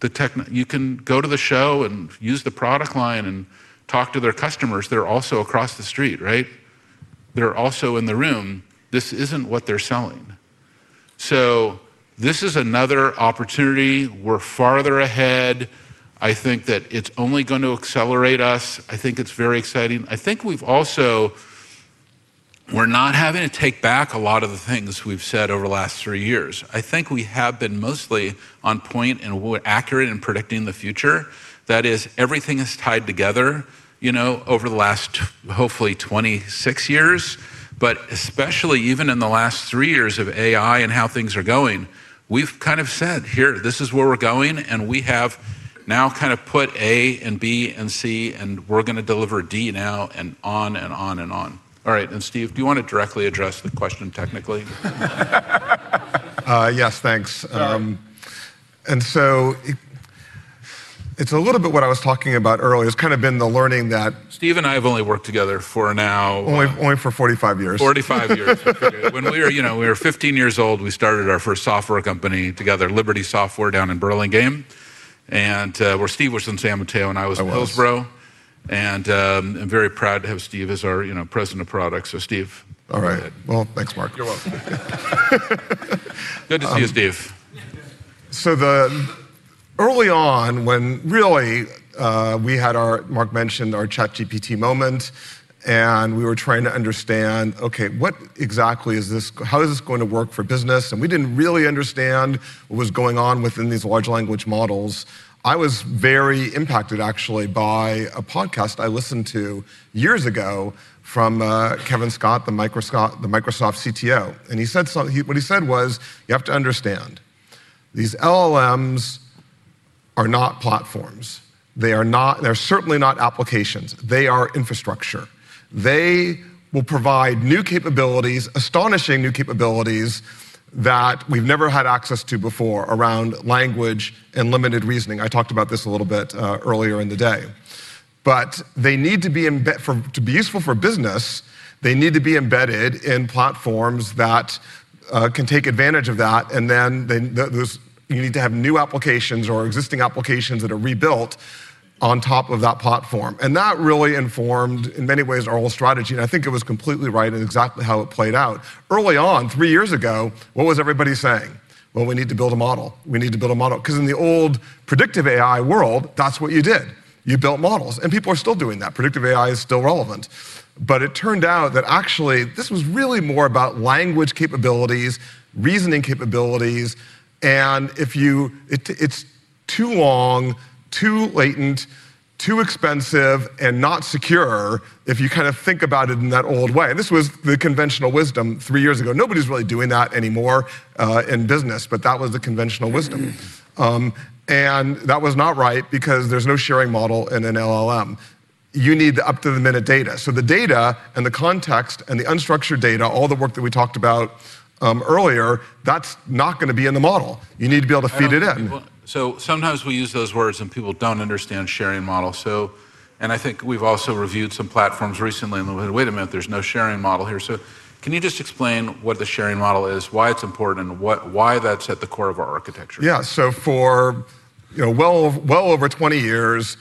the tech you can go to the show and use the product line and talk to their customers. They're also across the street, right? They're also in the room. This isn't what they're selling. This is another opportunity. We're farther ahead. I think that it's only going to accelerate us. I think it's very exciting. I think we've also not had to take back a lot of the things we've said over the last three years. I think we have been mostly on point and accurate in predicting the future. That is, everything is tied together over the last, hopefully, 26 years, especially even in the last three years of AI and how things are going. We've kind of said, "Here, this is where we're going. We have now kind of put A and B and C, and we're going to deliver D now and on and on and on." All right. Steve, do you want to directly address the question technically? Yes, thanks. It's a little bit what I was talking about earlier. It's kind of been the learning that. Steve and I have only worked together for now. Only for 45 years. Forty-five years. When we were fifteen years old, we started our first software company together, Liberty Software, down in Burlingame. Steve was in San Mateo, and I was in Hillsborough. I'm very proud to have Steve as our President of Products. Steve, go ahead. All right. Thanks, Marc. You're welcome. Good to see you, Steve. Early on, when we had our, Marc mentioned, our ChatGPT moment, we were trying to understand, Okay, what exactly is this? How is this going to work for business? We didn't really understand what was going on within these large language models. I was very impacted, actually, by a podcast I listened to years ago from Kevin Scott, the Microsoft CTO. He said what he said was, you have to understand, these LLMs are not platforms. They are certainly not applications. They are infrastructure. They will provide new capabilities, astonishing new capabilities, that we've never had access to before around language and limited reasoning. I talked about this a little bit earlier in the day, but to be useful for business, they need to be embedded in platforms that can take advantage of that. You need to have new applications or existing applications that are rebuilt on top of that platform. That really informed, in many ways, our whole strategy. I think it was completely right in exactly how it played out. Early on, three years ago, what was everybody saying? We need to build a model. We need to build a model. In the old predictive AI world, that's what you did. You built models. People are still doing that. Predictive AI is still relevant. It turned out that actually, this was really more about language capabilities, reasoning capabilities. If you, it's too long, too latent, too expensive, and not secure if you kind of think about it in that old way. This was the conventional wisdom three years ago. Nobody's really doing that anymore in business. That was the conventional wisdom. That was not right because there's no sharing model in an LLM. You need the up-to-the-minute data. The data and the context and the unstructured data, all the work that we talked about earlier, that's not going to be in the model. You need to be able to feed it in. Sometimes we use those words, and people don't understand sharing models. I think we've also reviewed some platforms recently, and we're like, wait a minute, there's no sharing model here. Can you just explain what the sharing model is, why it's important, and why that's at the core of our architecture? For well over 20 years,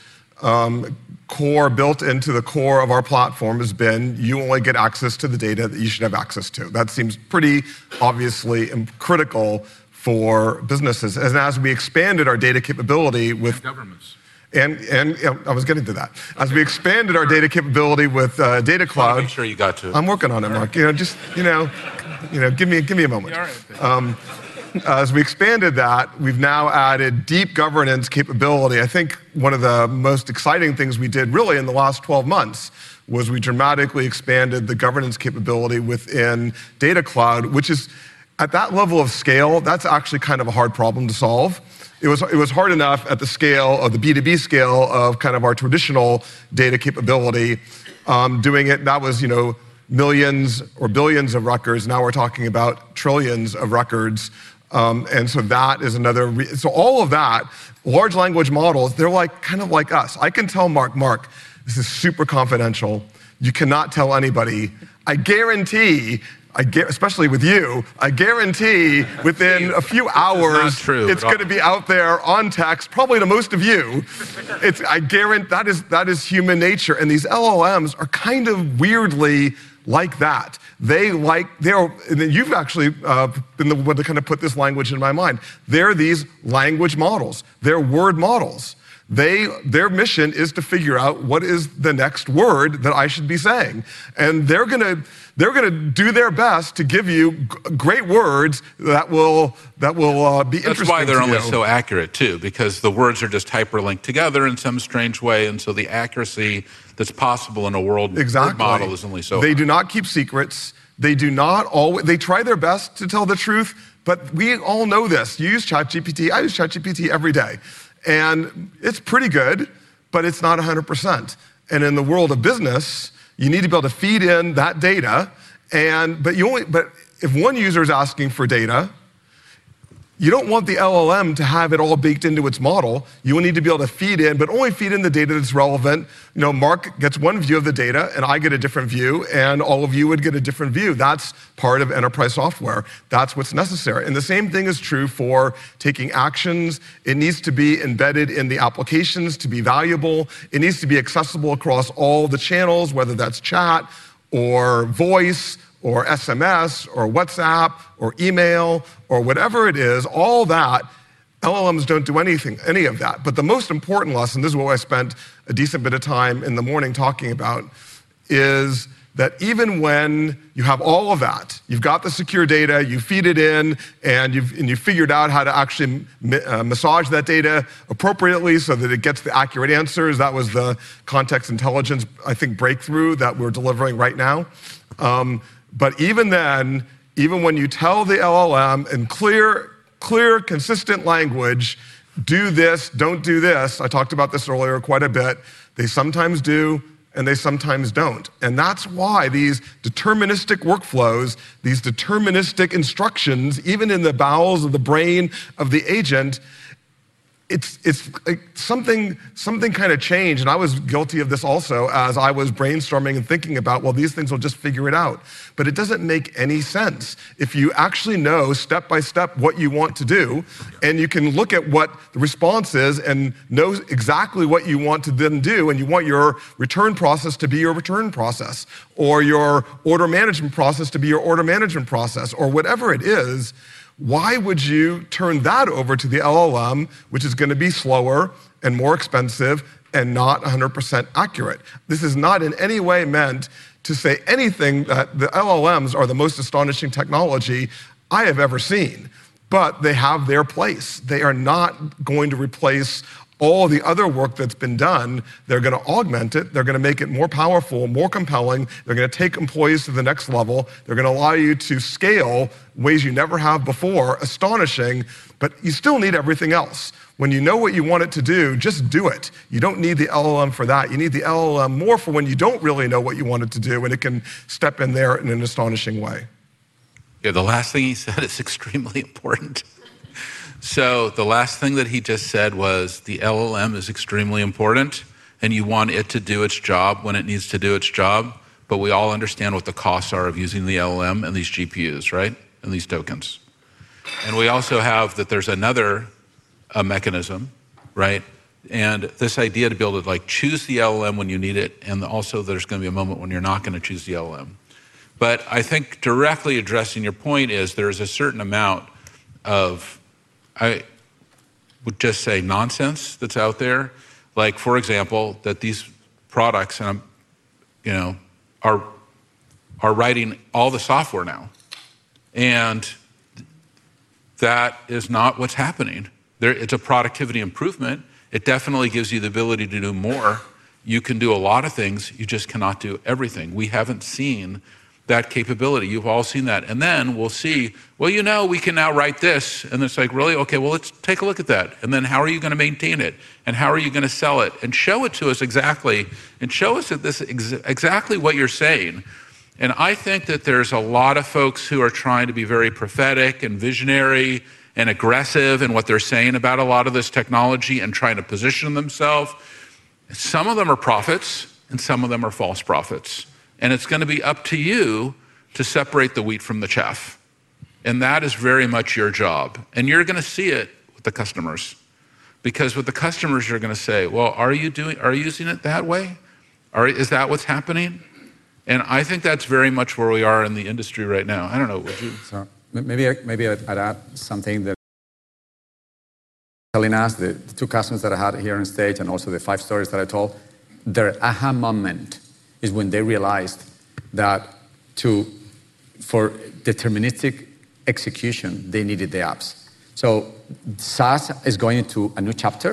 built into the core of our platform has been, you only get access to the data that you should have access to. That seems pretty obviously critical for businesses. As we expanded our data capability with. That's governments. I was getting to that. As we expanded our data capability with Data 360. I'm sure you got to. I'm working on it, Marc. Just give me a moment. All right. As we expanded that, we've now added deep governance capability. I think one of the most exciting things we did really in the last 12 months was we dramatically expanded the governance capability within Data 360, which is at that level of scale, that's actually kind of a hard problem to solve. It was hard enough at the scale of the B2B scale of kind of our traditional data capability doing it. That was millions or billions of records. Now we're talking about trillions of records. That is another, so all of that, large language models, they're kind of like us. I can tell Marc, "Marc, this is super confidential. You cannot tell anybody." I guarantee, especially with you, I guarantee within a few hours. That is true. It's going to be out there on text, probably to most of you. I guarantee that is human nature. These LLMs are kind of weirdly like that. You've actually been the one to kind of put this language in my mind. They're these language models. They're word models. Their mission is to figure out what is the next word that I should be saying. They're going to do their best to give you great words that will be interesting. Which is why they're only so accurate too, because the words are just hyperlinked together in some strange way. The accuracy that's possible in a world with a model is only so accurate. Exactly. They do not keep secrets. They do not always, they try their best to tell the truth. We all know this. You use ChatGPT. I use ChatGPT every day. It's pretty good, but it's not 100%. In the world of business, you need to be able to feed in that data. If one user is asking for data, you don't want the LLM to have it all baked into its model. You will need to be able to feed in, but only feed in the data that's relevant. Marc gets one view of the data, and I get a different view. All of you would get a different view. That's part of enterprise software. That's what's necessary. The same thing is true for taking actions. It needs to be embedded in the applications to be valuable. It needs to be accessible across all the channels, whether that's chat or voice or SMS or WhatsApp or email or whatever it is. All that, LLMs don't do any of that. The most important lesson, this is what I spent a decent bit of time in the morning talking about, is that even when you have all of that, you've got the secure data, you feed it in, and you've figured out how to actually massage that data appropriately so that it gets the accurate answers. That was the context intelligence, I think, breakthrough that we're delivering right now. Even then, even when you tell the LLM in clear, consistent language, "Do this. Don't do this," I talked about this earlier quite a bit, they sometimes do, and they sometimes don't. That's why these deterministic workflows, these deterministic instructions, even in the bowels of the brain of the agent, it's something kind of changed. I was guilty of this also as I was brainstorming and thinking about, well, these things will just figure it out. It doesn't make any sense if you actually know step by step what you want to do. You can look at what the response is and know exactly what you want to then do. You want your return process to be your return process or your order management process to be your order management process or whatever it is. Why would you turn that over to the LLM, which is going to be slower and more expensive and not 100% accurate? This is not in any way meant to say anything that the LLMs are the most astonishing technology I have ever seen. They have their place. They are not going to replace all the other work that's been done. They're going to augment it. They're going to make it more powerful, more compelling. They're going to take employees to the next level. They're going to allow you to scale in ways you never have before, astonishing. You still need everything else. When you know what you want it to do, just do it. You don't need the LLM for that. You need the LLM more for when you don't really know what you want it to do, and it can step in there in an astonishing way. The last thing he said is extremely important. The last thing that he just said was the LLM is extremely important. You want it to do its job when it needs to do its job. We all understand what the costs are of using the LLM and these GPUs, and these tokens. We also have that there's another mechanism, this idea to be able to choose the LLM when you need it. There's going to be a moment when you're not going to choose the LLM. Directly addressing your point, there is a certain amount of, I would just say, nonsense that's out there. For example, that these products are writing all the software now. That is not what's happening. It's a productivity improvement. It definitely gives you the ability to do more. You can do a lot of things. You just cannot do everything. We haven't seen that capability. You've all seen that. We'll see, you know, we can now write this. It's like, really? Okay, let's take a look at that. How are you going to maintain it? How are you going to sell it? Show it to us exactly. Show us exactly what you're saying. There's a lot of folks who are trying to be very prophetic and visionary and aggressive in what they're saying about a lot of this technology and trying to position themselves. Some of them are prophets, and some of them are false prophets. It's going to be up to you to separate the wheat from the chaff. That is very much your job. You're going to see it with the customers. With the customers, you're going to say, are you using it that way? Is that what's happening? That is very much where we are in the industry right now. I don't know. Maybe I'd add something. Telling us the two customers that I had here on stage and also the five stories that I told, their aha moment is when they realized that for deterministic execution, they needed the apps. SaaS is going into a new chapter,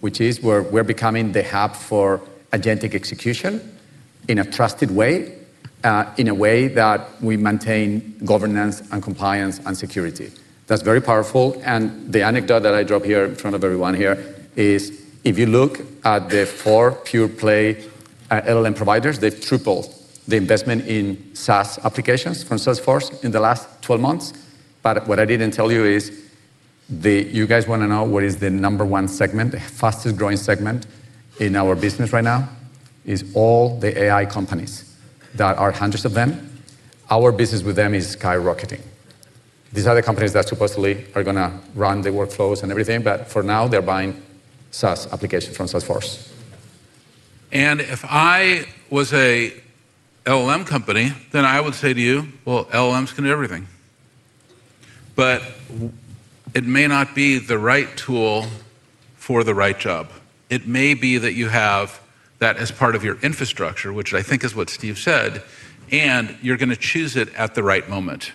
which is where we're becoming the hub for agentic execution in a trusted way, in a way that we maintain governance and compliance and security. That's very powerful. The anecdote that I drop here in front of everyone here is if you look at the four pure play LLM providers, they've tripled the investment in SaaS applications from Salesforce in the last 12 months. What I didn't tell you is you guys want to know what is the number one segment, the fastest growing segment in our business right now? It's all the AI companies. There are hundreds of them. Our business with them is skyrocketing. These are the companies that supposedly are going to run the workflows and everything. For now, they're buying SaaS applications from Salesforce. If I was an LLM company, I would say to you, LLMs can do everything. It may not be the right tool for the right job. It may be that you have that as part of your infrastructure, which I think is what Steve said. You're going to choose it at the right moment.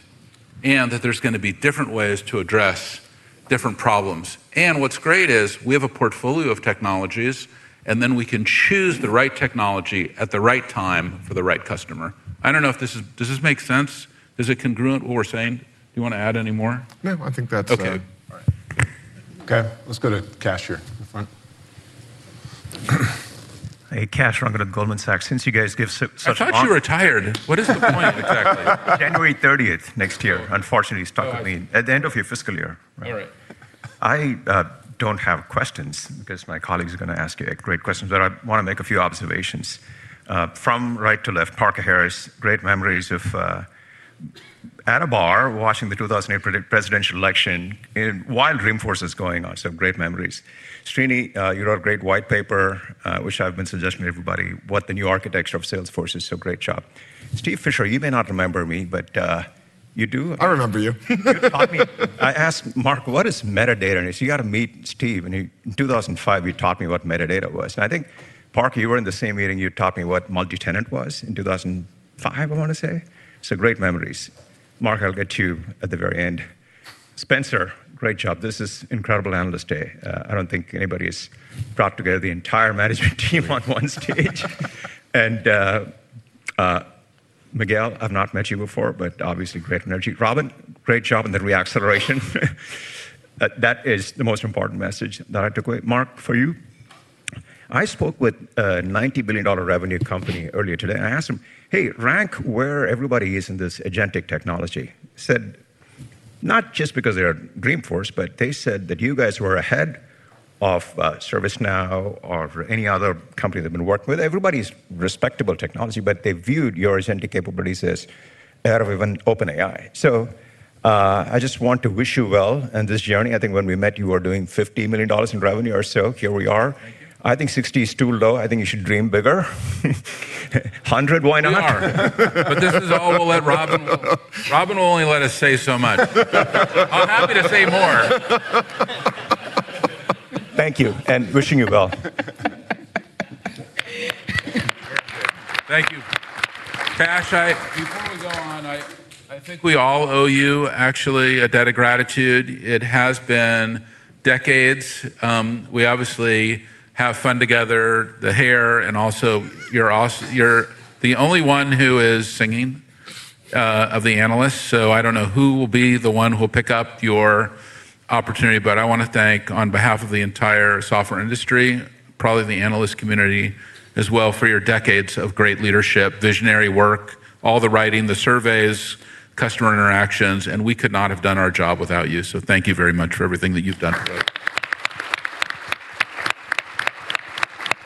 There are going to be different ways to address different problems. What's great is we have a portfolio of technologies, and we can choose the right technology at the right time for the right customer. I don't know, does this make sense? Is it congruent with what we're saying? Do you want to add any more? No, I think that's good. Okay. Okay, let's go to Kash here in the front. Hey, Kash Rangan, Goldman Sachs. Since you guys give such. I thought you retired. What is the point exactly? January 30th next year. Unfortunately, you're stuck with me at the end of your fiscal year. All right. I don't have questions because my colleagues are going to ask you great questions. I want to make a few observations. From right to left, Parker Harris, great memories of at a bar watching the 2008 presidential election, wild Dreamforce is going on. Great memories. Srini, you wrote a great white paper, which I've been suggesting to everybody, what the new architecture of Salesforce is. Great job. Steve Fisher, you may not remember me, but you do. I remember you. You taught me. I asked Marc, what is metadata? He said, you got to meet Steve. In 2005, you taught me what metadata was. I think, Parker, you were in the same meeting. You taught me what multi-tenant was in 2005, I want to say. Great memories. Marc, I'll get you at the very end. Spencer, great job. This is an incredible analyst day. I don't think anybody has brought together the entire management team on one stage. Miguel, I've not met you before, but obviously great energy. Robin, great job in the reacceleration. That is the most important message that I took away. Marc, for you? I spoke with a $90 billion revenue company earlier today. I asked them, hey, rank where everybody is in this agentic technology. I said, not just because they're Dreamforce, but they said that you guys were ahead of ServiceNow or any other company they've been working with. Everybody's respectable technology. They viewed your agentic capabilities as better than OpenAI. I just want to wish you well in this journey. I think when we met, you were doing $50 million in revenue or so. Here we are. I think 60 is too low. I think you should dream bigger. 100, why not? This is all we'll let Robin. Robin will only let us say so much. I'm happy to say more. Thank you, and wishing you well. Thank you. Cash, before we go on, I think we all owe you, actually, a debt of gratitude. It has been decades. We obviously have fun together, the hair, and also you're the only one who is singing of the analysts. I don't know who will be the one who will pick up your opportunity. I want to thank, on behalf of the entire software industry, probably the analyst community as well, for your decades of great leadership, visionary work, all the writing, the surveys, customer interactions. We could not have done our job without you. Thank you very much for everything that you've done for us.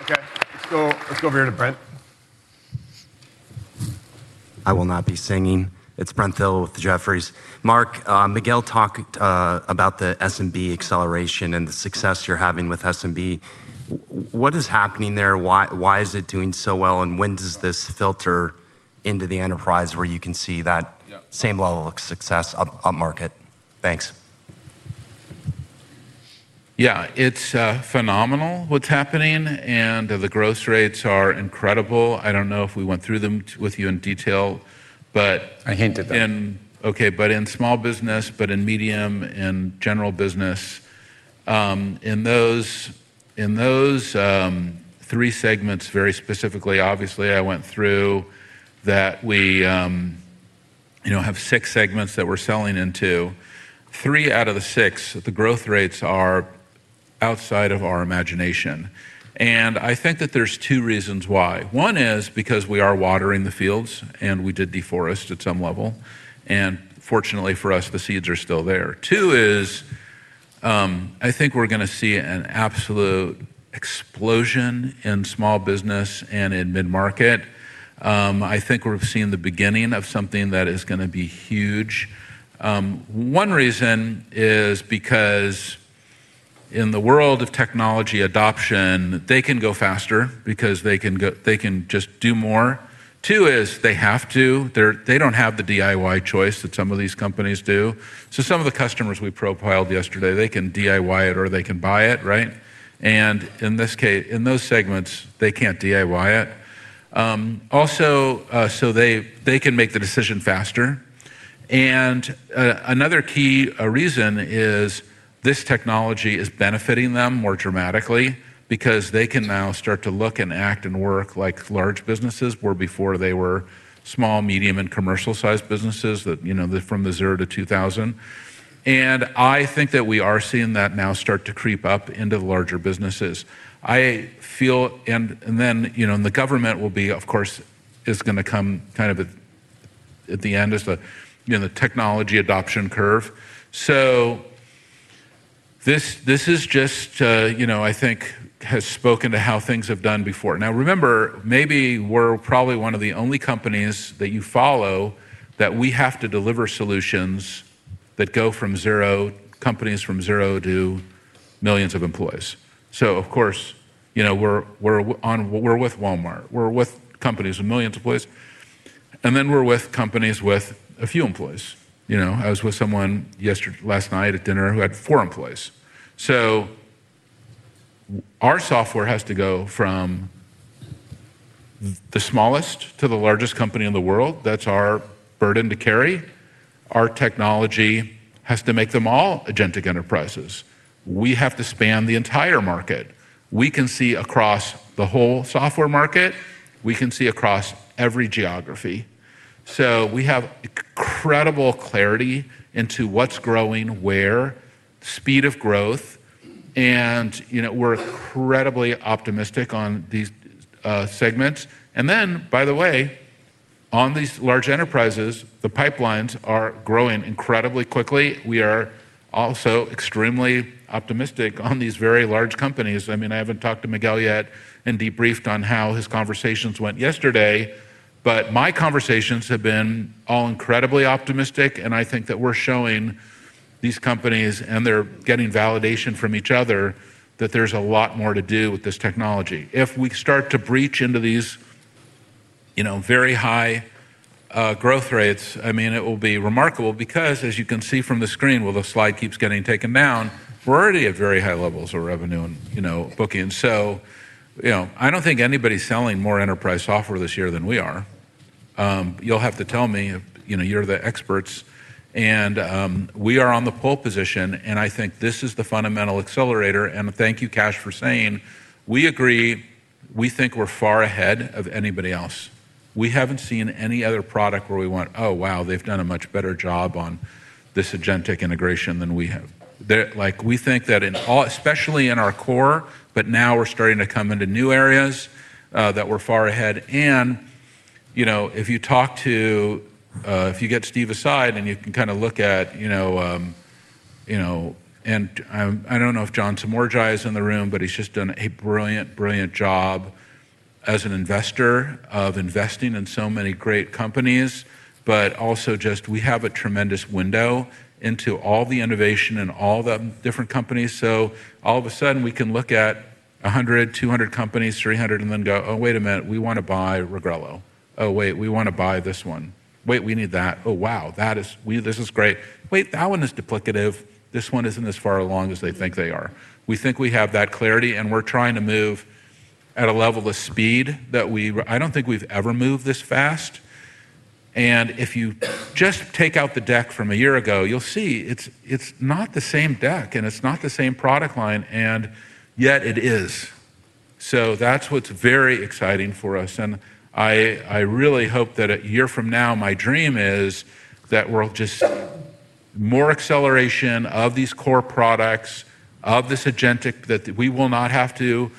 Okay. Let's go over here to Brent. I will not be singing. It's Brent Thill with Jefferies. Marc, Miguel talked about the SMB acceleration and the success you're having with SMB. What is happening there? Why is it doing so well? When does this filter into the enterprise where you can see that same level of success upmarket? Thanks. Yeah, it's phenomenal what's happening. The growth rates are incredible. I don't know if we went through them with you in detail. I hinted at that. In small business, in medium and general business, in those three segments very specifically, obviously, I went through that we have six segments that we're selling into. Three out of the six, the growth rates are outside of our imagination. I think that there's two reasons why. One is because we are watering the fields. We did deforest at some level. Fortunately for us, the seeds are still there. Two is I think we're going to see an absolute explosion in small business and in mid-market. I think we've seen the beginning of something that is going to be huge. One reason is because in the world of technology adoption, they can go faster because they can just do more. Two is they have to. They don't have the DIY choice that some of these companies do. Some of the customers we profiled yesterday, they can DIY it or they can buy it, right? In this case, in those segments, they can't DIY it. Also, they can make the decision faster. Another key reason is this technology is benefiting them more dramatically because they can now start to look and act and work like large businesses where before they were small, medium, and commercial-sized businesses from the 0-2,000. I think that we are seeing that now start to creep up into the larger businesses. The government will be, of course, is going to come kind of at the end in the technology adoption curve. This has spoken to how things have done before. Now remember, maybe we're probably one of the only companies that you follow that we have to deliver solutions that go from companies from 0 to millions of employees. Of course, we're with Walmart. We're with companies with millions of employees. We're with companies with a few employees. I was with someone last night at dinner who had four employees. Our software has to go from the smallest to the largest company in the world. That's our burden to carry. Our technology has to make them all agentic enterprises. We have to span the entire market. We can see across the whole software market. We can see across every geography. We have incredible clarity into what's growing where, the speed of growth. We're incredibly optimistic on these segments. By the way, on these large enterprises, the pipelines are growing incredibly quickly. We are also extremely optimistic on these very large companies. I mean, I haven't talked to Miguel yet and debriefed on how his conversations went yesterday. My conversations have been all incredibly optimistic. I think that we're showing these companies, and they're getting validation from each other, that there's a lot more to do with this technology. If we start to breach into these very high growth rates, it will be remarkable because, as you can see from the screen, the slide keeps getting taken down. We're already at very high levels of revenue and booking. I don't think anybody's selling more enterprise software this year than we are. You'll have to tell me. You're the experts. We are on the pull position. I think this is the fundamental accelerator. Thank you, Cash, for saying we agree. We think we're far ahead of anybody else. We haven't seen any other product where we went, oh, wow, they've done a much better job on this agentic integration than we have. We think that, especially in our core, but now we're starting to come into new areas that we're far ahead. If you talk to, if you get Steve aside, and you can kind of look at, and I don't know if John Samorgi is in the room, but he's just done a brilliant, brilliant job as an investor of investing in so many great companies. We have a tremendous window into all the innovation and all the different companies. All of a sudden, we can look at 100, 200 companies, 300, and then go, oh, wait a minute. We want to buy Regrello. Oh, wait. We want to buy this one. Wait, we need that. Oh, wow. This is great. Wait, that one is duplicative. This one isn't as far along as they think they are. We think we have that clarity. We're trying to move at a level of speed that I don't think we've ever moved this fast. If you just take out the deck from a year ago, you'll see it's not the same deck. It's not the same product line, and yet it is. That's what's very exciting for us. I really hope that a year from now, my dream is that we'll just more acceleration of these core products, of this agentic that we will not have to,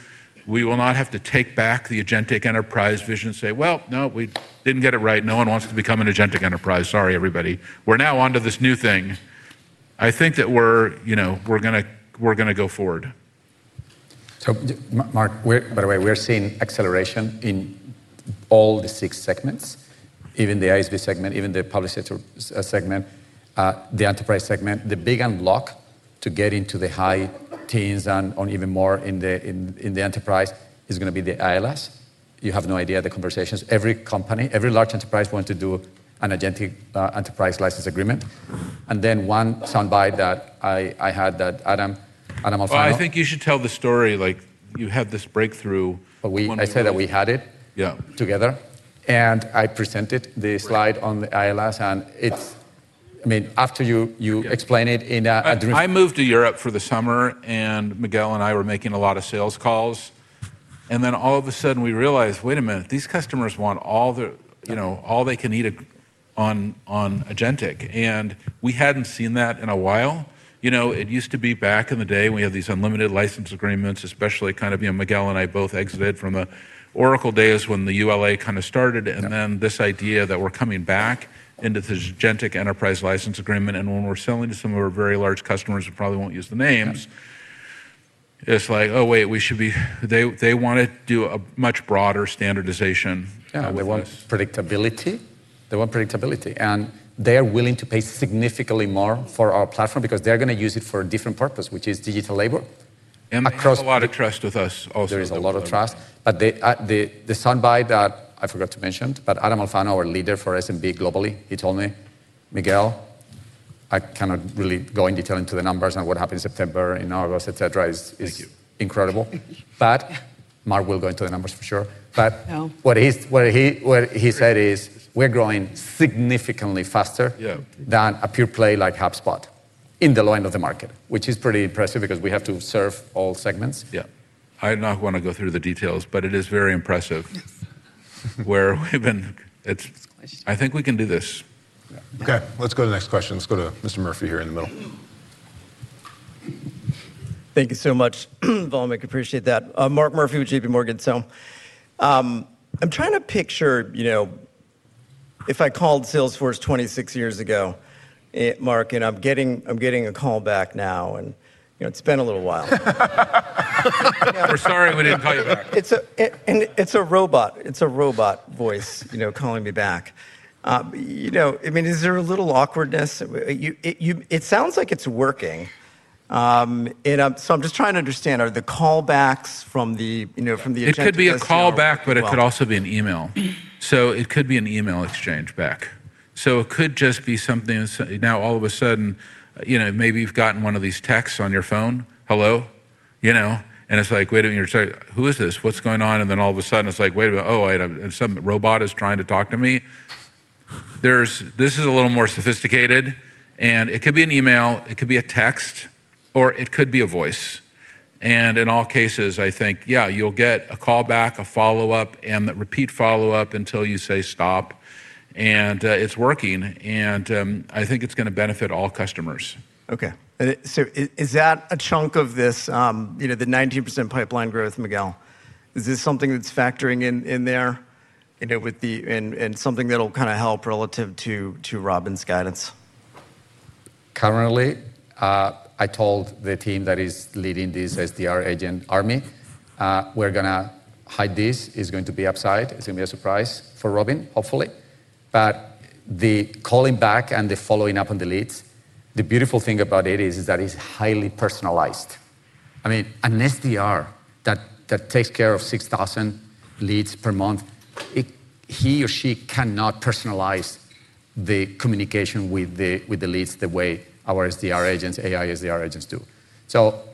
we will not have to take back the agentic enterprise vision and say, no, we didn't get it right. No one wants to become an agentic enterprise. Sorry, everybody. We're now on to this new thing. I think that we're going to go forward. Marc, by the way, we're seeing acceleration in all the six segments, even the ISV segment, even the public sector segment, the enterprise segment. The big unlock to get into the high teens and even more in the enterprise is going to be the ILS. You have no idea the conversations. Every company, every large enterprise wants to do an Agentic Enterprise License Agreement. One soundbite that I had that Adam will find. I think you should tell the story. You had this breakthrough. I said that we had it together. I presented the slide on the ILS. After you explain it in a. I moved to Europe for the summer. Miguel and I were making a lot of sales calls. All of a sudden, we realized, wait a minute, these customers want all they can need on agentic. We hadn't seen that in a while. It used to be back in the day when we had these unlimited license agreements, especially kind of Miguel and I both exited from the Oracle days when the ULA kind of started. This idea that we're coming back into this agentic enterprise license agreement, and when we're selling to some of our very large customers, we probably won't use the names. It's like, oh, wait, we should be, they want to do a much broader standardization. They want predictability. They want predictability, and they are willing to pay significantly more for our platform because they're going to use it for a different purpose, which is digital labor. There is a lot of trust with us also. There is a lot of trust. The soundbite that I forgot to mention, Adam Alfano, our Leader for SMB globally, he told me, "Miguel, I cannot really go in detail into the numbers and what happened in September, in August, et cetera, is incredible." Marc, we'll go into the numbers for sure. What he said is we're growing significantly faster than a pure play like HubSpot in the low end of the market, which is pretty impressive because we have to serve all segments. Yeah, I don't want to go through the details, but it is very impressive where we've been. I think we can do this. Okay. Let's go to the next question. Let's go to Mr. Murphy here in the middle. Thank you so much, [Valmik]. Appreciate that. Mark Murphy with JPMorgan. I'm trying to picture, you know, if I called Salesforce 26 years ago, Mark, and I'm getting a call back now. It's been a little while. We're sorry we didn't call you back. It's a robot. It's a robot voice calling me back. I mean, is there a little awkwardness? It sounds like it's working. I'm just trying to understand, are the callbacks from the agentic? It could be a callback, but it could also be an email. It could be an email exchange back. It could just be something now all of a sudden, maybe you've gotten one of these texts on your phone, hello, and it's like, wait a minute. Who is this? What's going on? All of a sudden, it's like, wait a minute. Oh, and some robot is trying to talk to me. This is a little more sophisticated. It could be an email, it could be a text, or it could be a voice. In all cases, I think, yeah, you'll get a callback, a follow-up, and repeat follow-up until you say stop. It's working, and I think it's going to benefit all customers. Okay. Is that a chunk of this, the 19% pipeline growth, Miguel? Is this something that's factoring in there and something that'll kind of help relative to Robin's guidance? Currently, I told the team that is leading this SDR agent army, we're going to hide this. It's going to be upside. It's going to be a surprise for Robin, hopefully. The calling back and the following up on the leads, the beautiful thing about it is that it's highly personalized. I mean, an SDR that takes care of 6,000 leads per month, he or she cannot personalize the communication with the leads the way our SDR agents, AI SDR agents do.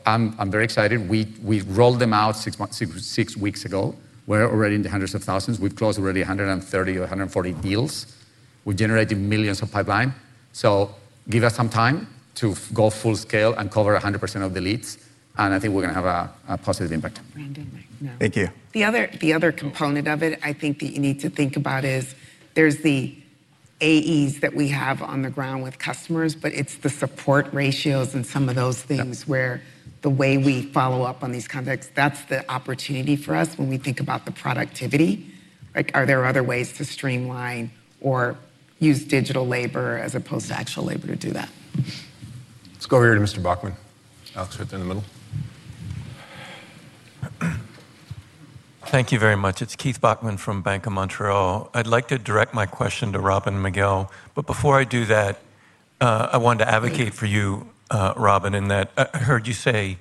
I'm very excited. We rolled them out six weeks ago. We're already in the hundreds of thousands. We've closed already 130 or 140 deals. We've generated millions of pipelines. Give us some time to go full scale and cover 100% of the leads. I think we're going to have a positive impact. Brandon? Thank you. The other component of it, I think, that you need to think about is there's the AEs that we have on the ground with customers. It's the support ratios and some of those things where the way we follow up on these contacts, that's the opportunity for us when we think about the productivity. Are there other ways to streamline or use digital labor as opposed to actual labor to do that? Let's go over here to Mr. Bachman, Oxford, in the middle. Thank you very much. It's Keith Bachman from Bank of Montreal. I'd like to direct my question to Robin and Miguel. Before I do that, I wanted to advocate for you, Robin, in that I heard you say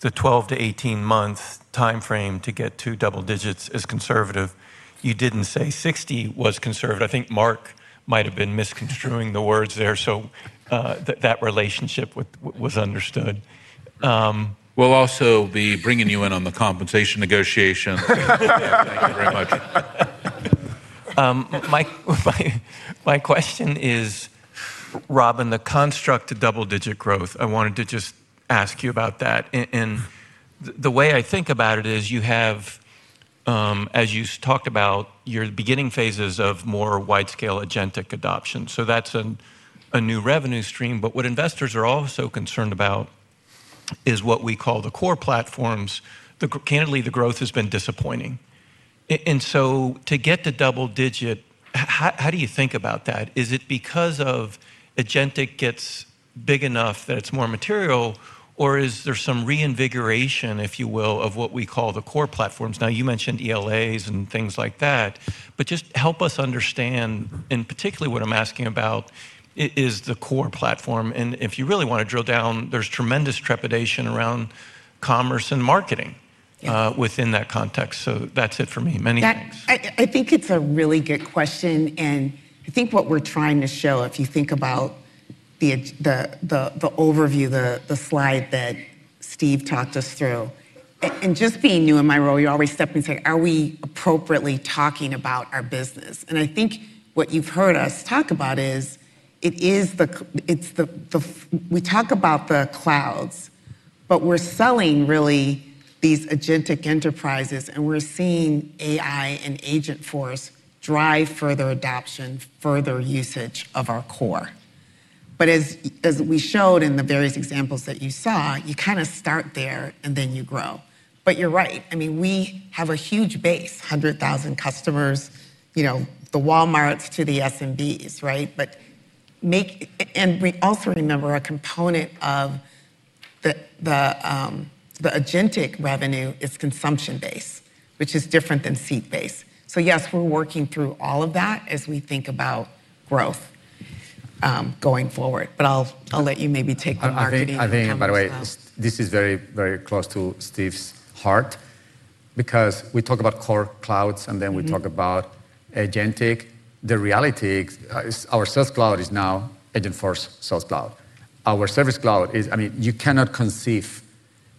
the 12 months-18 months time frame to get to double digits is conservative. You didn't say 60 was conservative. I think Marc might have been misconstruing the words there. That relationship was understood. will also be bringing you in on the compensation negotiation. Thank you very much. My question is, Robin, the construct to double-digit growth, I wanted to just ask you about that. The way I think about it is you have, as you talked about, your beginning phases of more wide-scale agentic adoption. That's a new revenue stream. What investors are also concerned about is what we call the core platforms. Candidly, the growth has been disappointing. To get to double digit, how do you think about that? Is it because agentic gets big enough that it's more material? Is there some reinvigoration, if you will, of what we call the core platforms? You mentioned ELAs and things like that. Help us understand, and particularly what I'm asking about, is the core platform. If you really want to drill down, there's tremendous trepidation around commerce and marketing within that context. That's it for me. Many thanks. I think it's a really good question. I think what we're trying to show, if you think about the overview, the slide that Steve talked us through, and just being new in my role, you always step in and say, are we appropriately talking about our business? I think what you've heard us talk about is we talk about the clouds, but we're selling, really, these agentic enterprises. We're seeing AI and Agentforce drive further adoption, further usage of our core. As we showed in the various examples that you saw, you kind of start there, and then you grow. You're right. I mean, we have a huge base, 100,000 customers, the Walmarts to the SMBs, right? We also remember a component of the agentic revenue is consumption-based, which is different than seat-based. Yes, we're working through all of that as we think about growth going forward. I'll let you maybe take the marketing and. I think, by the way, this is very, very close to Steve's heart because we talk about core clouds, and then we talk about agentic. The reality is our Sales Cloud is now Agentforce Sales Cloud. Our Service Cloud is, I mean, you cannot conceive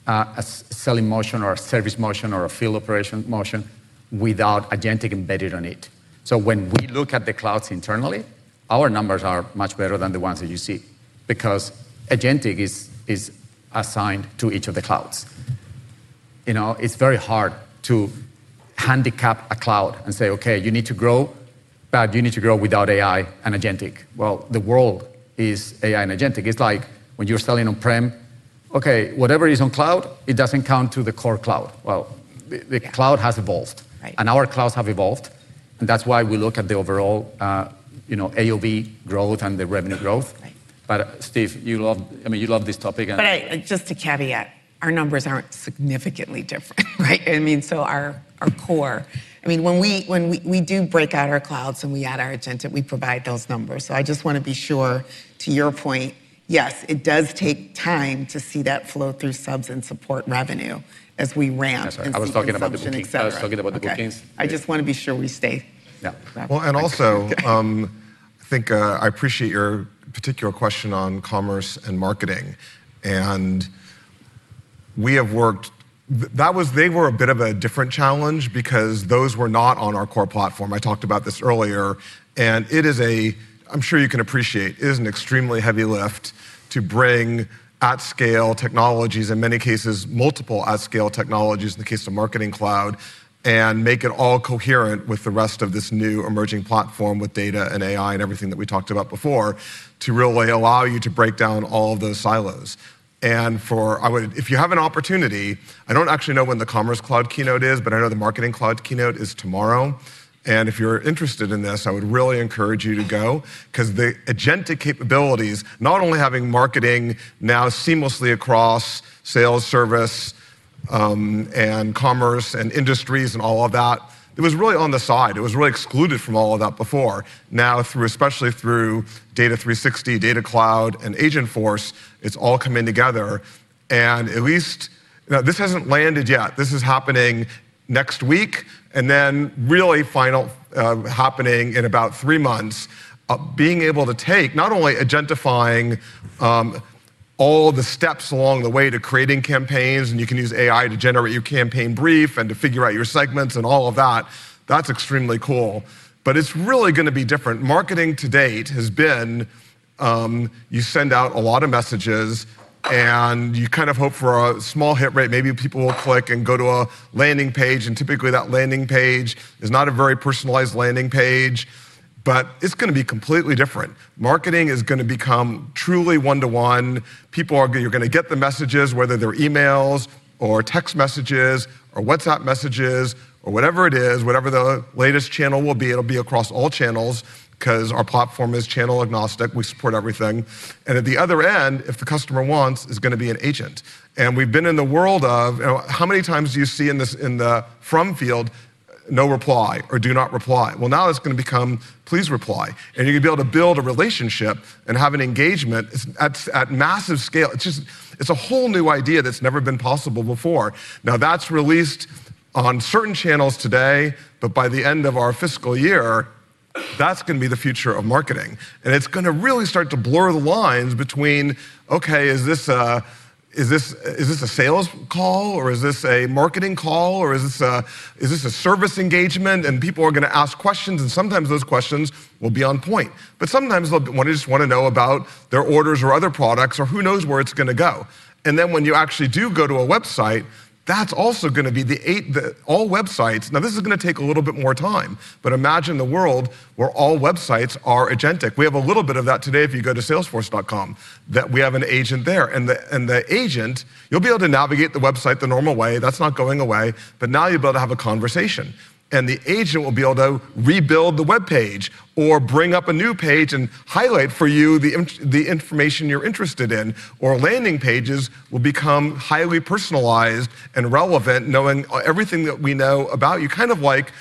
a selling motion or a service motion or a field operation motion without agentic embedded in it. When we look at the clouds internally, our numbers are much better than the ones that you see because agentic is assigned to each of the clouds. It's very hard to handicap a cloud and say, Okay, you need to grow, but you need to grow without AI and agentic. The world is AI and agentic. It's like when you're selling on-prem, Okay, whatever is on cloud, it doesn't count to the core cloud. The cloud has evolved, and our clouds have evolved. That's why we look at the overall AOV growth and the revenue growth. Steve, I mean, you love this topic. Just to caveat, our numbers aren't significantly different, right? I mean, our core, I mean, when we do break out our clouds and we add our agentic, we provide those numbers. I just want to be sure, to your point, yes, it does take time to see that flow through subs and support revenue as we ramp. I was talking about the bookings. I just want to be sure we stay. Yeah. I appreciate your particular question on commerce and marketing. They were a bit of a different challenge because those were not on our core platform. I talked about this earlier. It is, I'm sure you can appreciate, an extremely heavy lift to bring at-scale technologies, in many cases, multiple at-scale technologies in the case of Marketing Cloud, and make it all coherent with the rest of this new emerging platform with data and AI and everything that we talked about before to really allow you to break down all of those silos. If you have an opportunity, I don't actually know when the Commerce Cloud Keynote is. I know the Marketing Cloud Keynote is tomorrow. If you're interested in this, I would really encourage you to go because the agentic capabilities, not only having marketing now seamlessly across sales, service, and commerce, and industries, and all of that, it was really on the side. It was really excluded from all of that before. Now, especially through Data 360, Data Cloud, and Agentforce, it's all coming together. At least this hasn't landed yet. This is happening next week and then really final happening in about three months. Being able to take not only identifying all the steps along the way to creating campaigns, and you can use AI to generate your campaign brief and to figure out your segments and all of that, that's extremely cool. It's really going to be different. Marketing to date has been you send out a lot of messages. You kind of hope for a small hit rate. Maybe people will click and go to a landing page. Typically, that landing page is not a very personalized landing page. It's going to be completely different. Marketing is going to become truly one-to-one. People are going to get the messages, whether they're emails or text messages or WhatsApp messages or whatever it is, whatever the latest channel will be. It'll be across all channels because our platform is channel agnostic. We support everything. At the other end, if the customer wants, is going to be an agent. We've been in the world of how many times do you see in the from field, no reply or do not reply? Now it's going to become please reply. You're going to be able to build a relationship and have an engagement at massive scale. It's a whole new idea that's never been possible before. Now that's released on certain channels today. By the end of our fiscal year, that's going to be the future of marketing. It's going to really start to blur the lines between, Okay, is this a sales call? Is this a marketing call? Is this a service engagement? People are going to ask questions. Sometimes those questions will be on point, but sometimes they just want to know about their orders or other products or who knows where it's going to go. When you actually do go to a website, that's also going to be all websites. This is going to take a little bit more time, but imagine the world where all websites are agentic. We have a little bit of that today if you go to salesforce.com, that we have an agent there. The agent, you'll be able to navigate the website the normal way. That's not going away, but now you'll be able to have a conversation. The agent will be able to rebuild the web page or bring up a new page and highlight for you the information you're interested in. Landing pages will become highly personalized and relevant, knowing everything that we know about you. Kind of like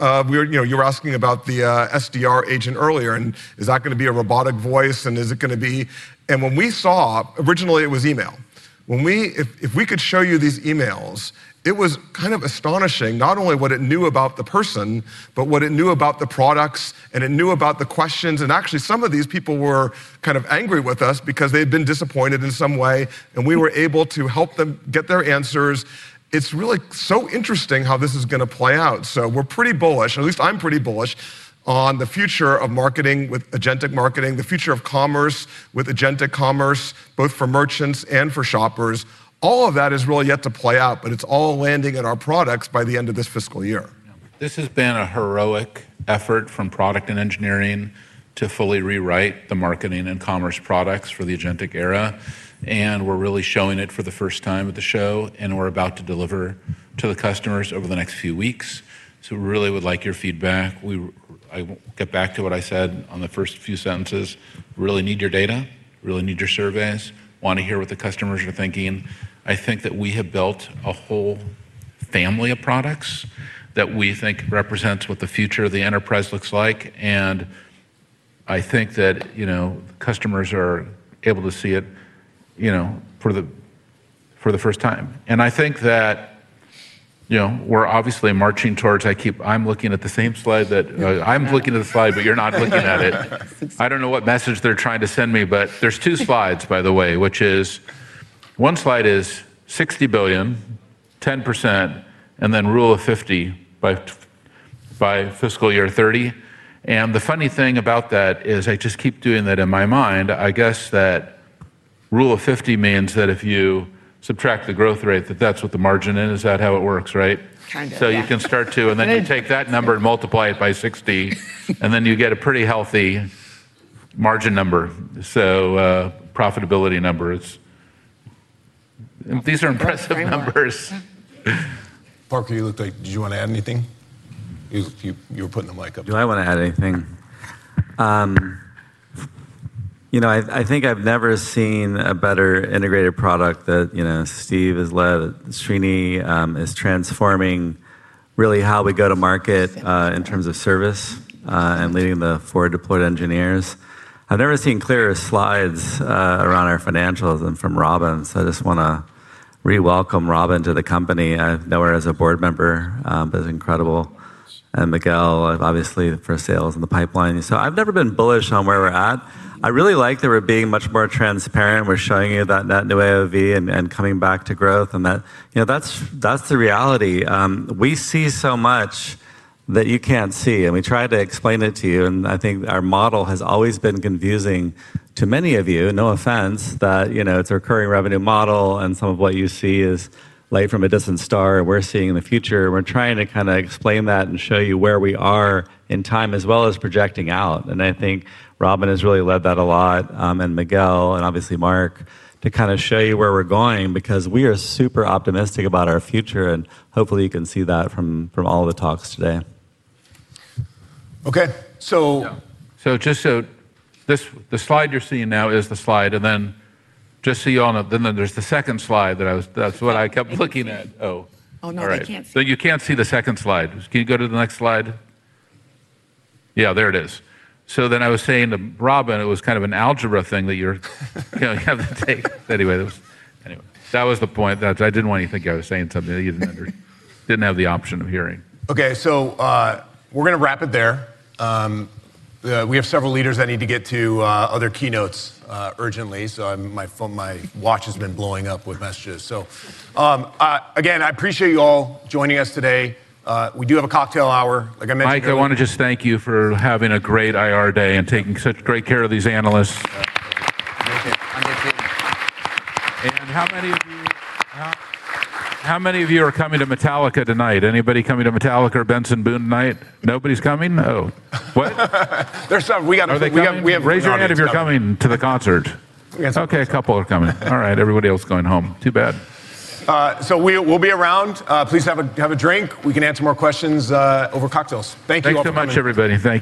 you were asking about the SDR agent earlier. Is that going to be a robotic voice? Is it going to be? When we saw, originally, it was email. If we could show you these emails, it was kind of astonishing, not only what it knew about the person, but what it knew about the products. It knew about the questions. Actually, some of these people were kind of angry with us because they had been disappointed in some way, and we were able to help them get their answers. It's really so interesting how this is going to play out. We're pretty bullish, at least I'm pretty bullish, on the future of marketing with agentic marketing, the future of commerce with agentic commerce, both for merchants and for shoppers. All of that is really yet to play out, but it's all landing in our products by the end of this fiscal year. This has been a heroic effort from Product and Engineering to fully rewrite the Marketing and Commerce products for the agentic era. We're really showing it for the first time at the show, and we're about to deliver to the customers over the next few weeks. We really would like your feedback. I get back to what I said on the first few sentences. We really need your data. We really need your surveys. We want to hear what the customers are thinking. I think that we have built a whole family of products that we think represents what the future of the enterprise looks like. I think that customers are able to see it for the first time. I think that we're obviously marching towards, I keep, I'm looking at the same slide that I'm looking at the slide. You're not looking at it. I don't know what message they're trying to send me. There are two slides, by the way. One slide is $60 billion, 10%, and then rule of 50 by fiscal year 2030. The funny thing about that is I just keep doing that in my mind. I guess that rule of 50 means that if you subtract the growth rate, that's what the margin is. Is that how it works, right? Kind of. You can start to, and then you take that number and multiply it by 60. Then you get a pretty healthy margin number, a profitability number. These are impressive numbers. Parker, you looked like you wanted to add anything. You were putting them up. Do I want to add anything? I think I've never seen a better integrated product that Steve has led. Srini is transforming really how we go to market in terms of Service and leading the forward deployed engineers. I've never seen clearer slides around our financials than from Robin. I just want to re-welcome Robin to the company. I know her as a board member, but it's incredible. And Miguel, obviously, for Sales and the pipeline. I've never been more bullish on where we're at. I really like that we're being much more transparent. We're showing you that net new AOV and coming back to growth. That's the reality. We see so much that you can't see, and we try to explain it to you. I think our model has always been confusing to many of you, no offense, that it's a recurring revenue model. Some of what you see is light from a distant star, and we're seeing in the future. We're trying to kind of explain that and show you where we are in time, as well as projecting out. I think Robin has really led that a lot, and Miguel, and obviously Marc, to kind of show you where we're going because we are super optimistic about our future. Hopefully, you can see that from all the talks today. Okay. The slide you're seeing now is the slide. Just so you all know, there's the second slide that I was, that's what I kept looking at. Oh, no. You can't see the second slide. Can you go to the next slide? Yeah, there it is. I was saying to Robin, it was kind of an algebra thing that you have to take. Anyway, that was the point. I didn't want you to think I was saying something that you didn't have the option of hearing. Okay. We're going to wrap it there. We have several leaders that need to get to other Keynotes urgently. My watch has been blowing up with messages. I appreciate you all joining us today. We do have a cocktail hour, like I mentioned. Marc, I want to just thank you for having a great IR day and taking such great care of these analysts. How many of you are coming to Metallica tonight? Anybody coming to Metallica or Benson Boone tonight? Nobody's coming? Oh. There's some. Raise your hand if you're coming to the concert. Okay, a couple are coming. All right, everybody else is going home. Too bad. We will be around. Please have a drink. We can answer more questions over cocktails. Thank you all. Thank you so much, everybody.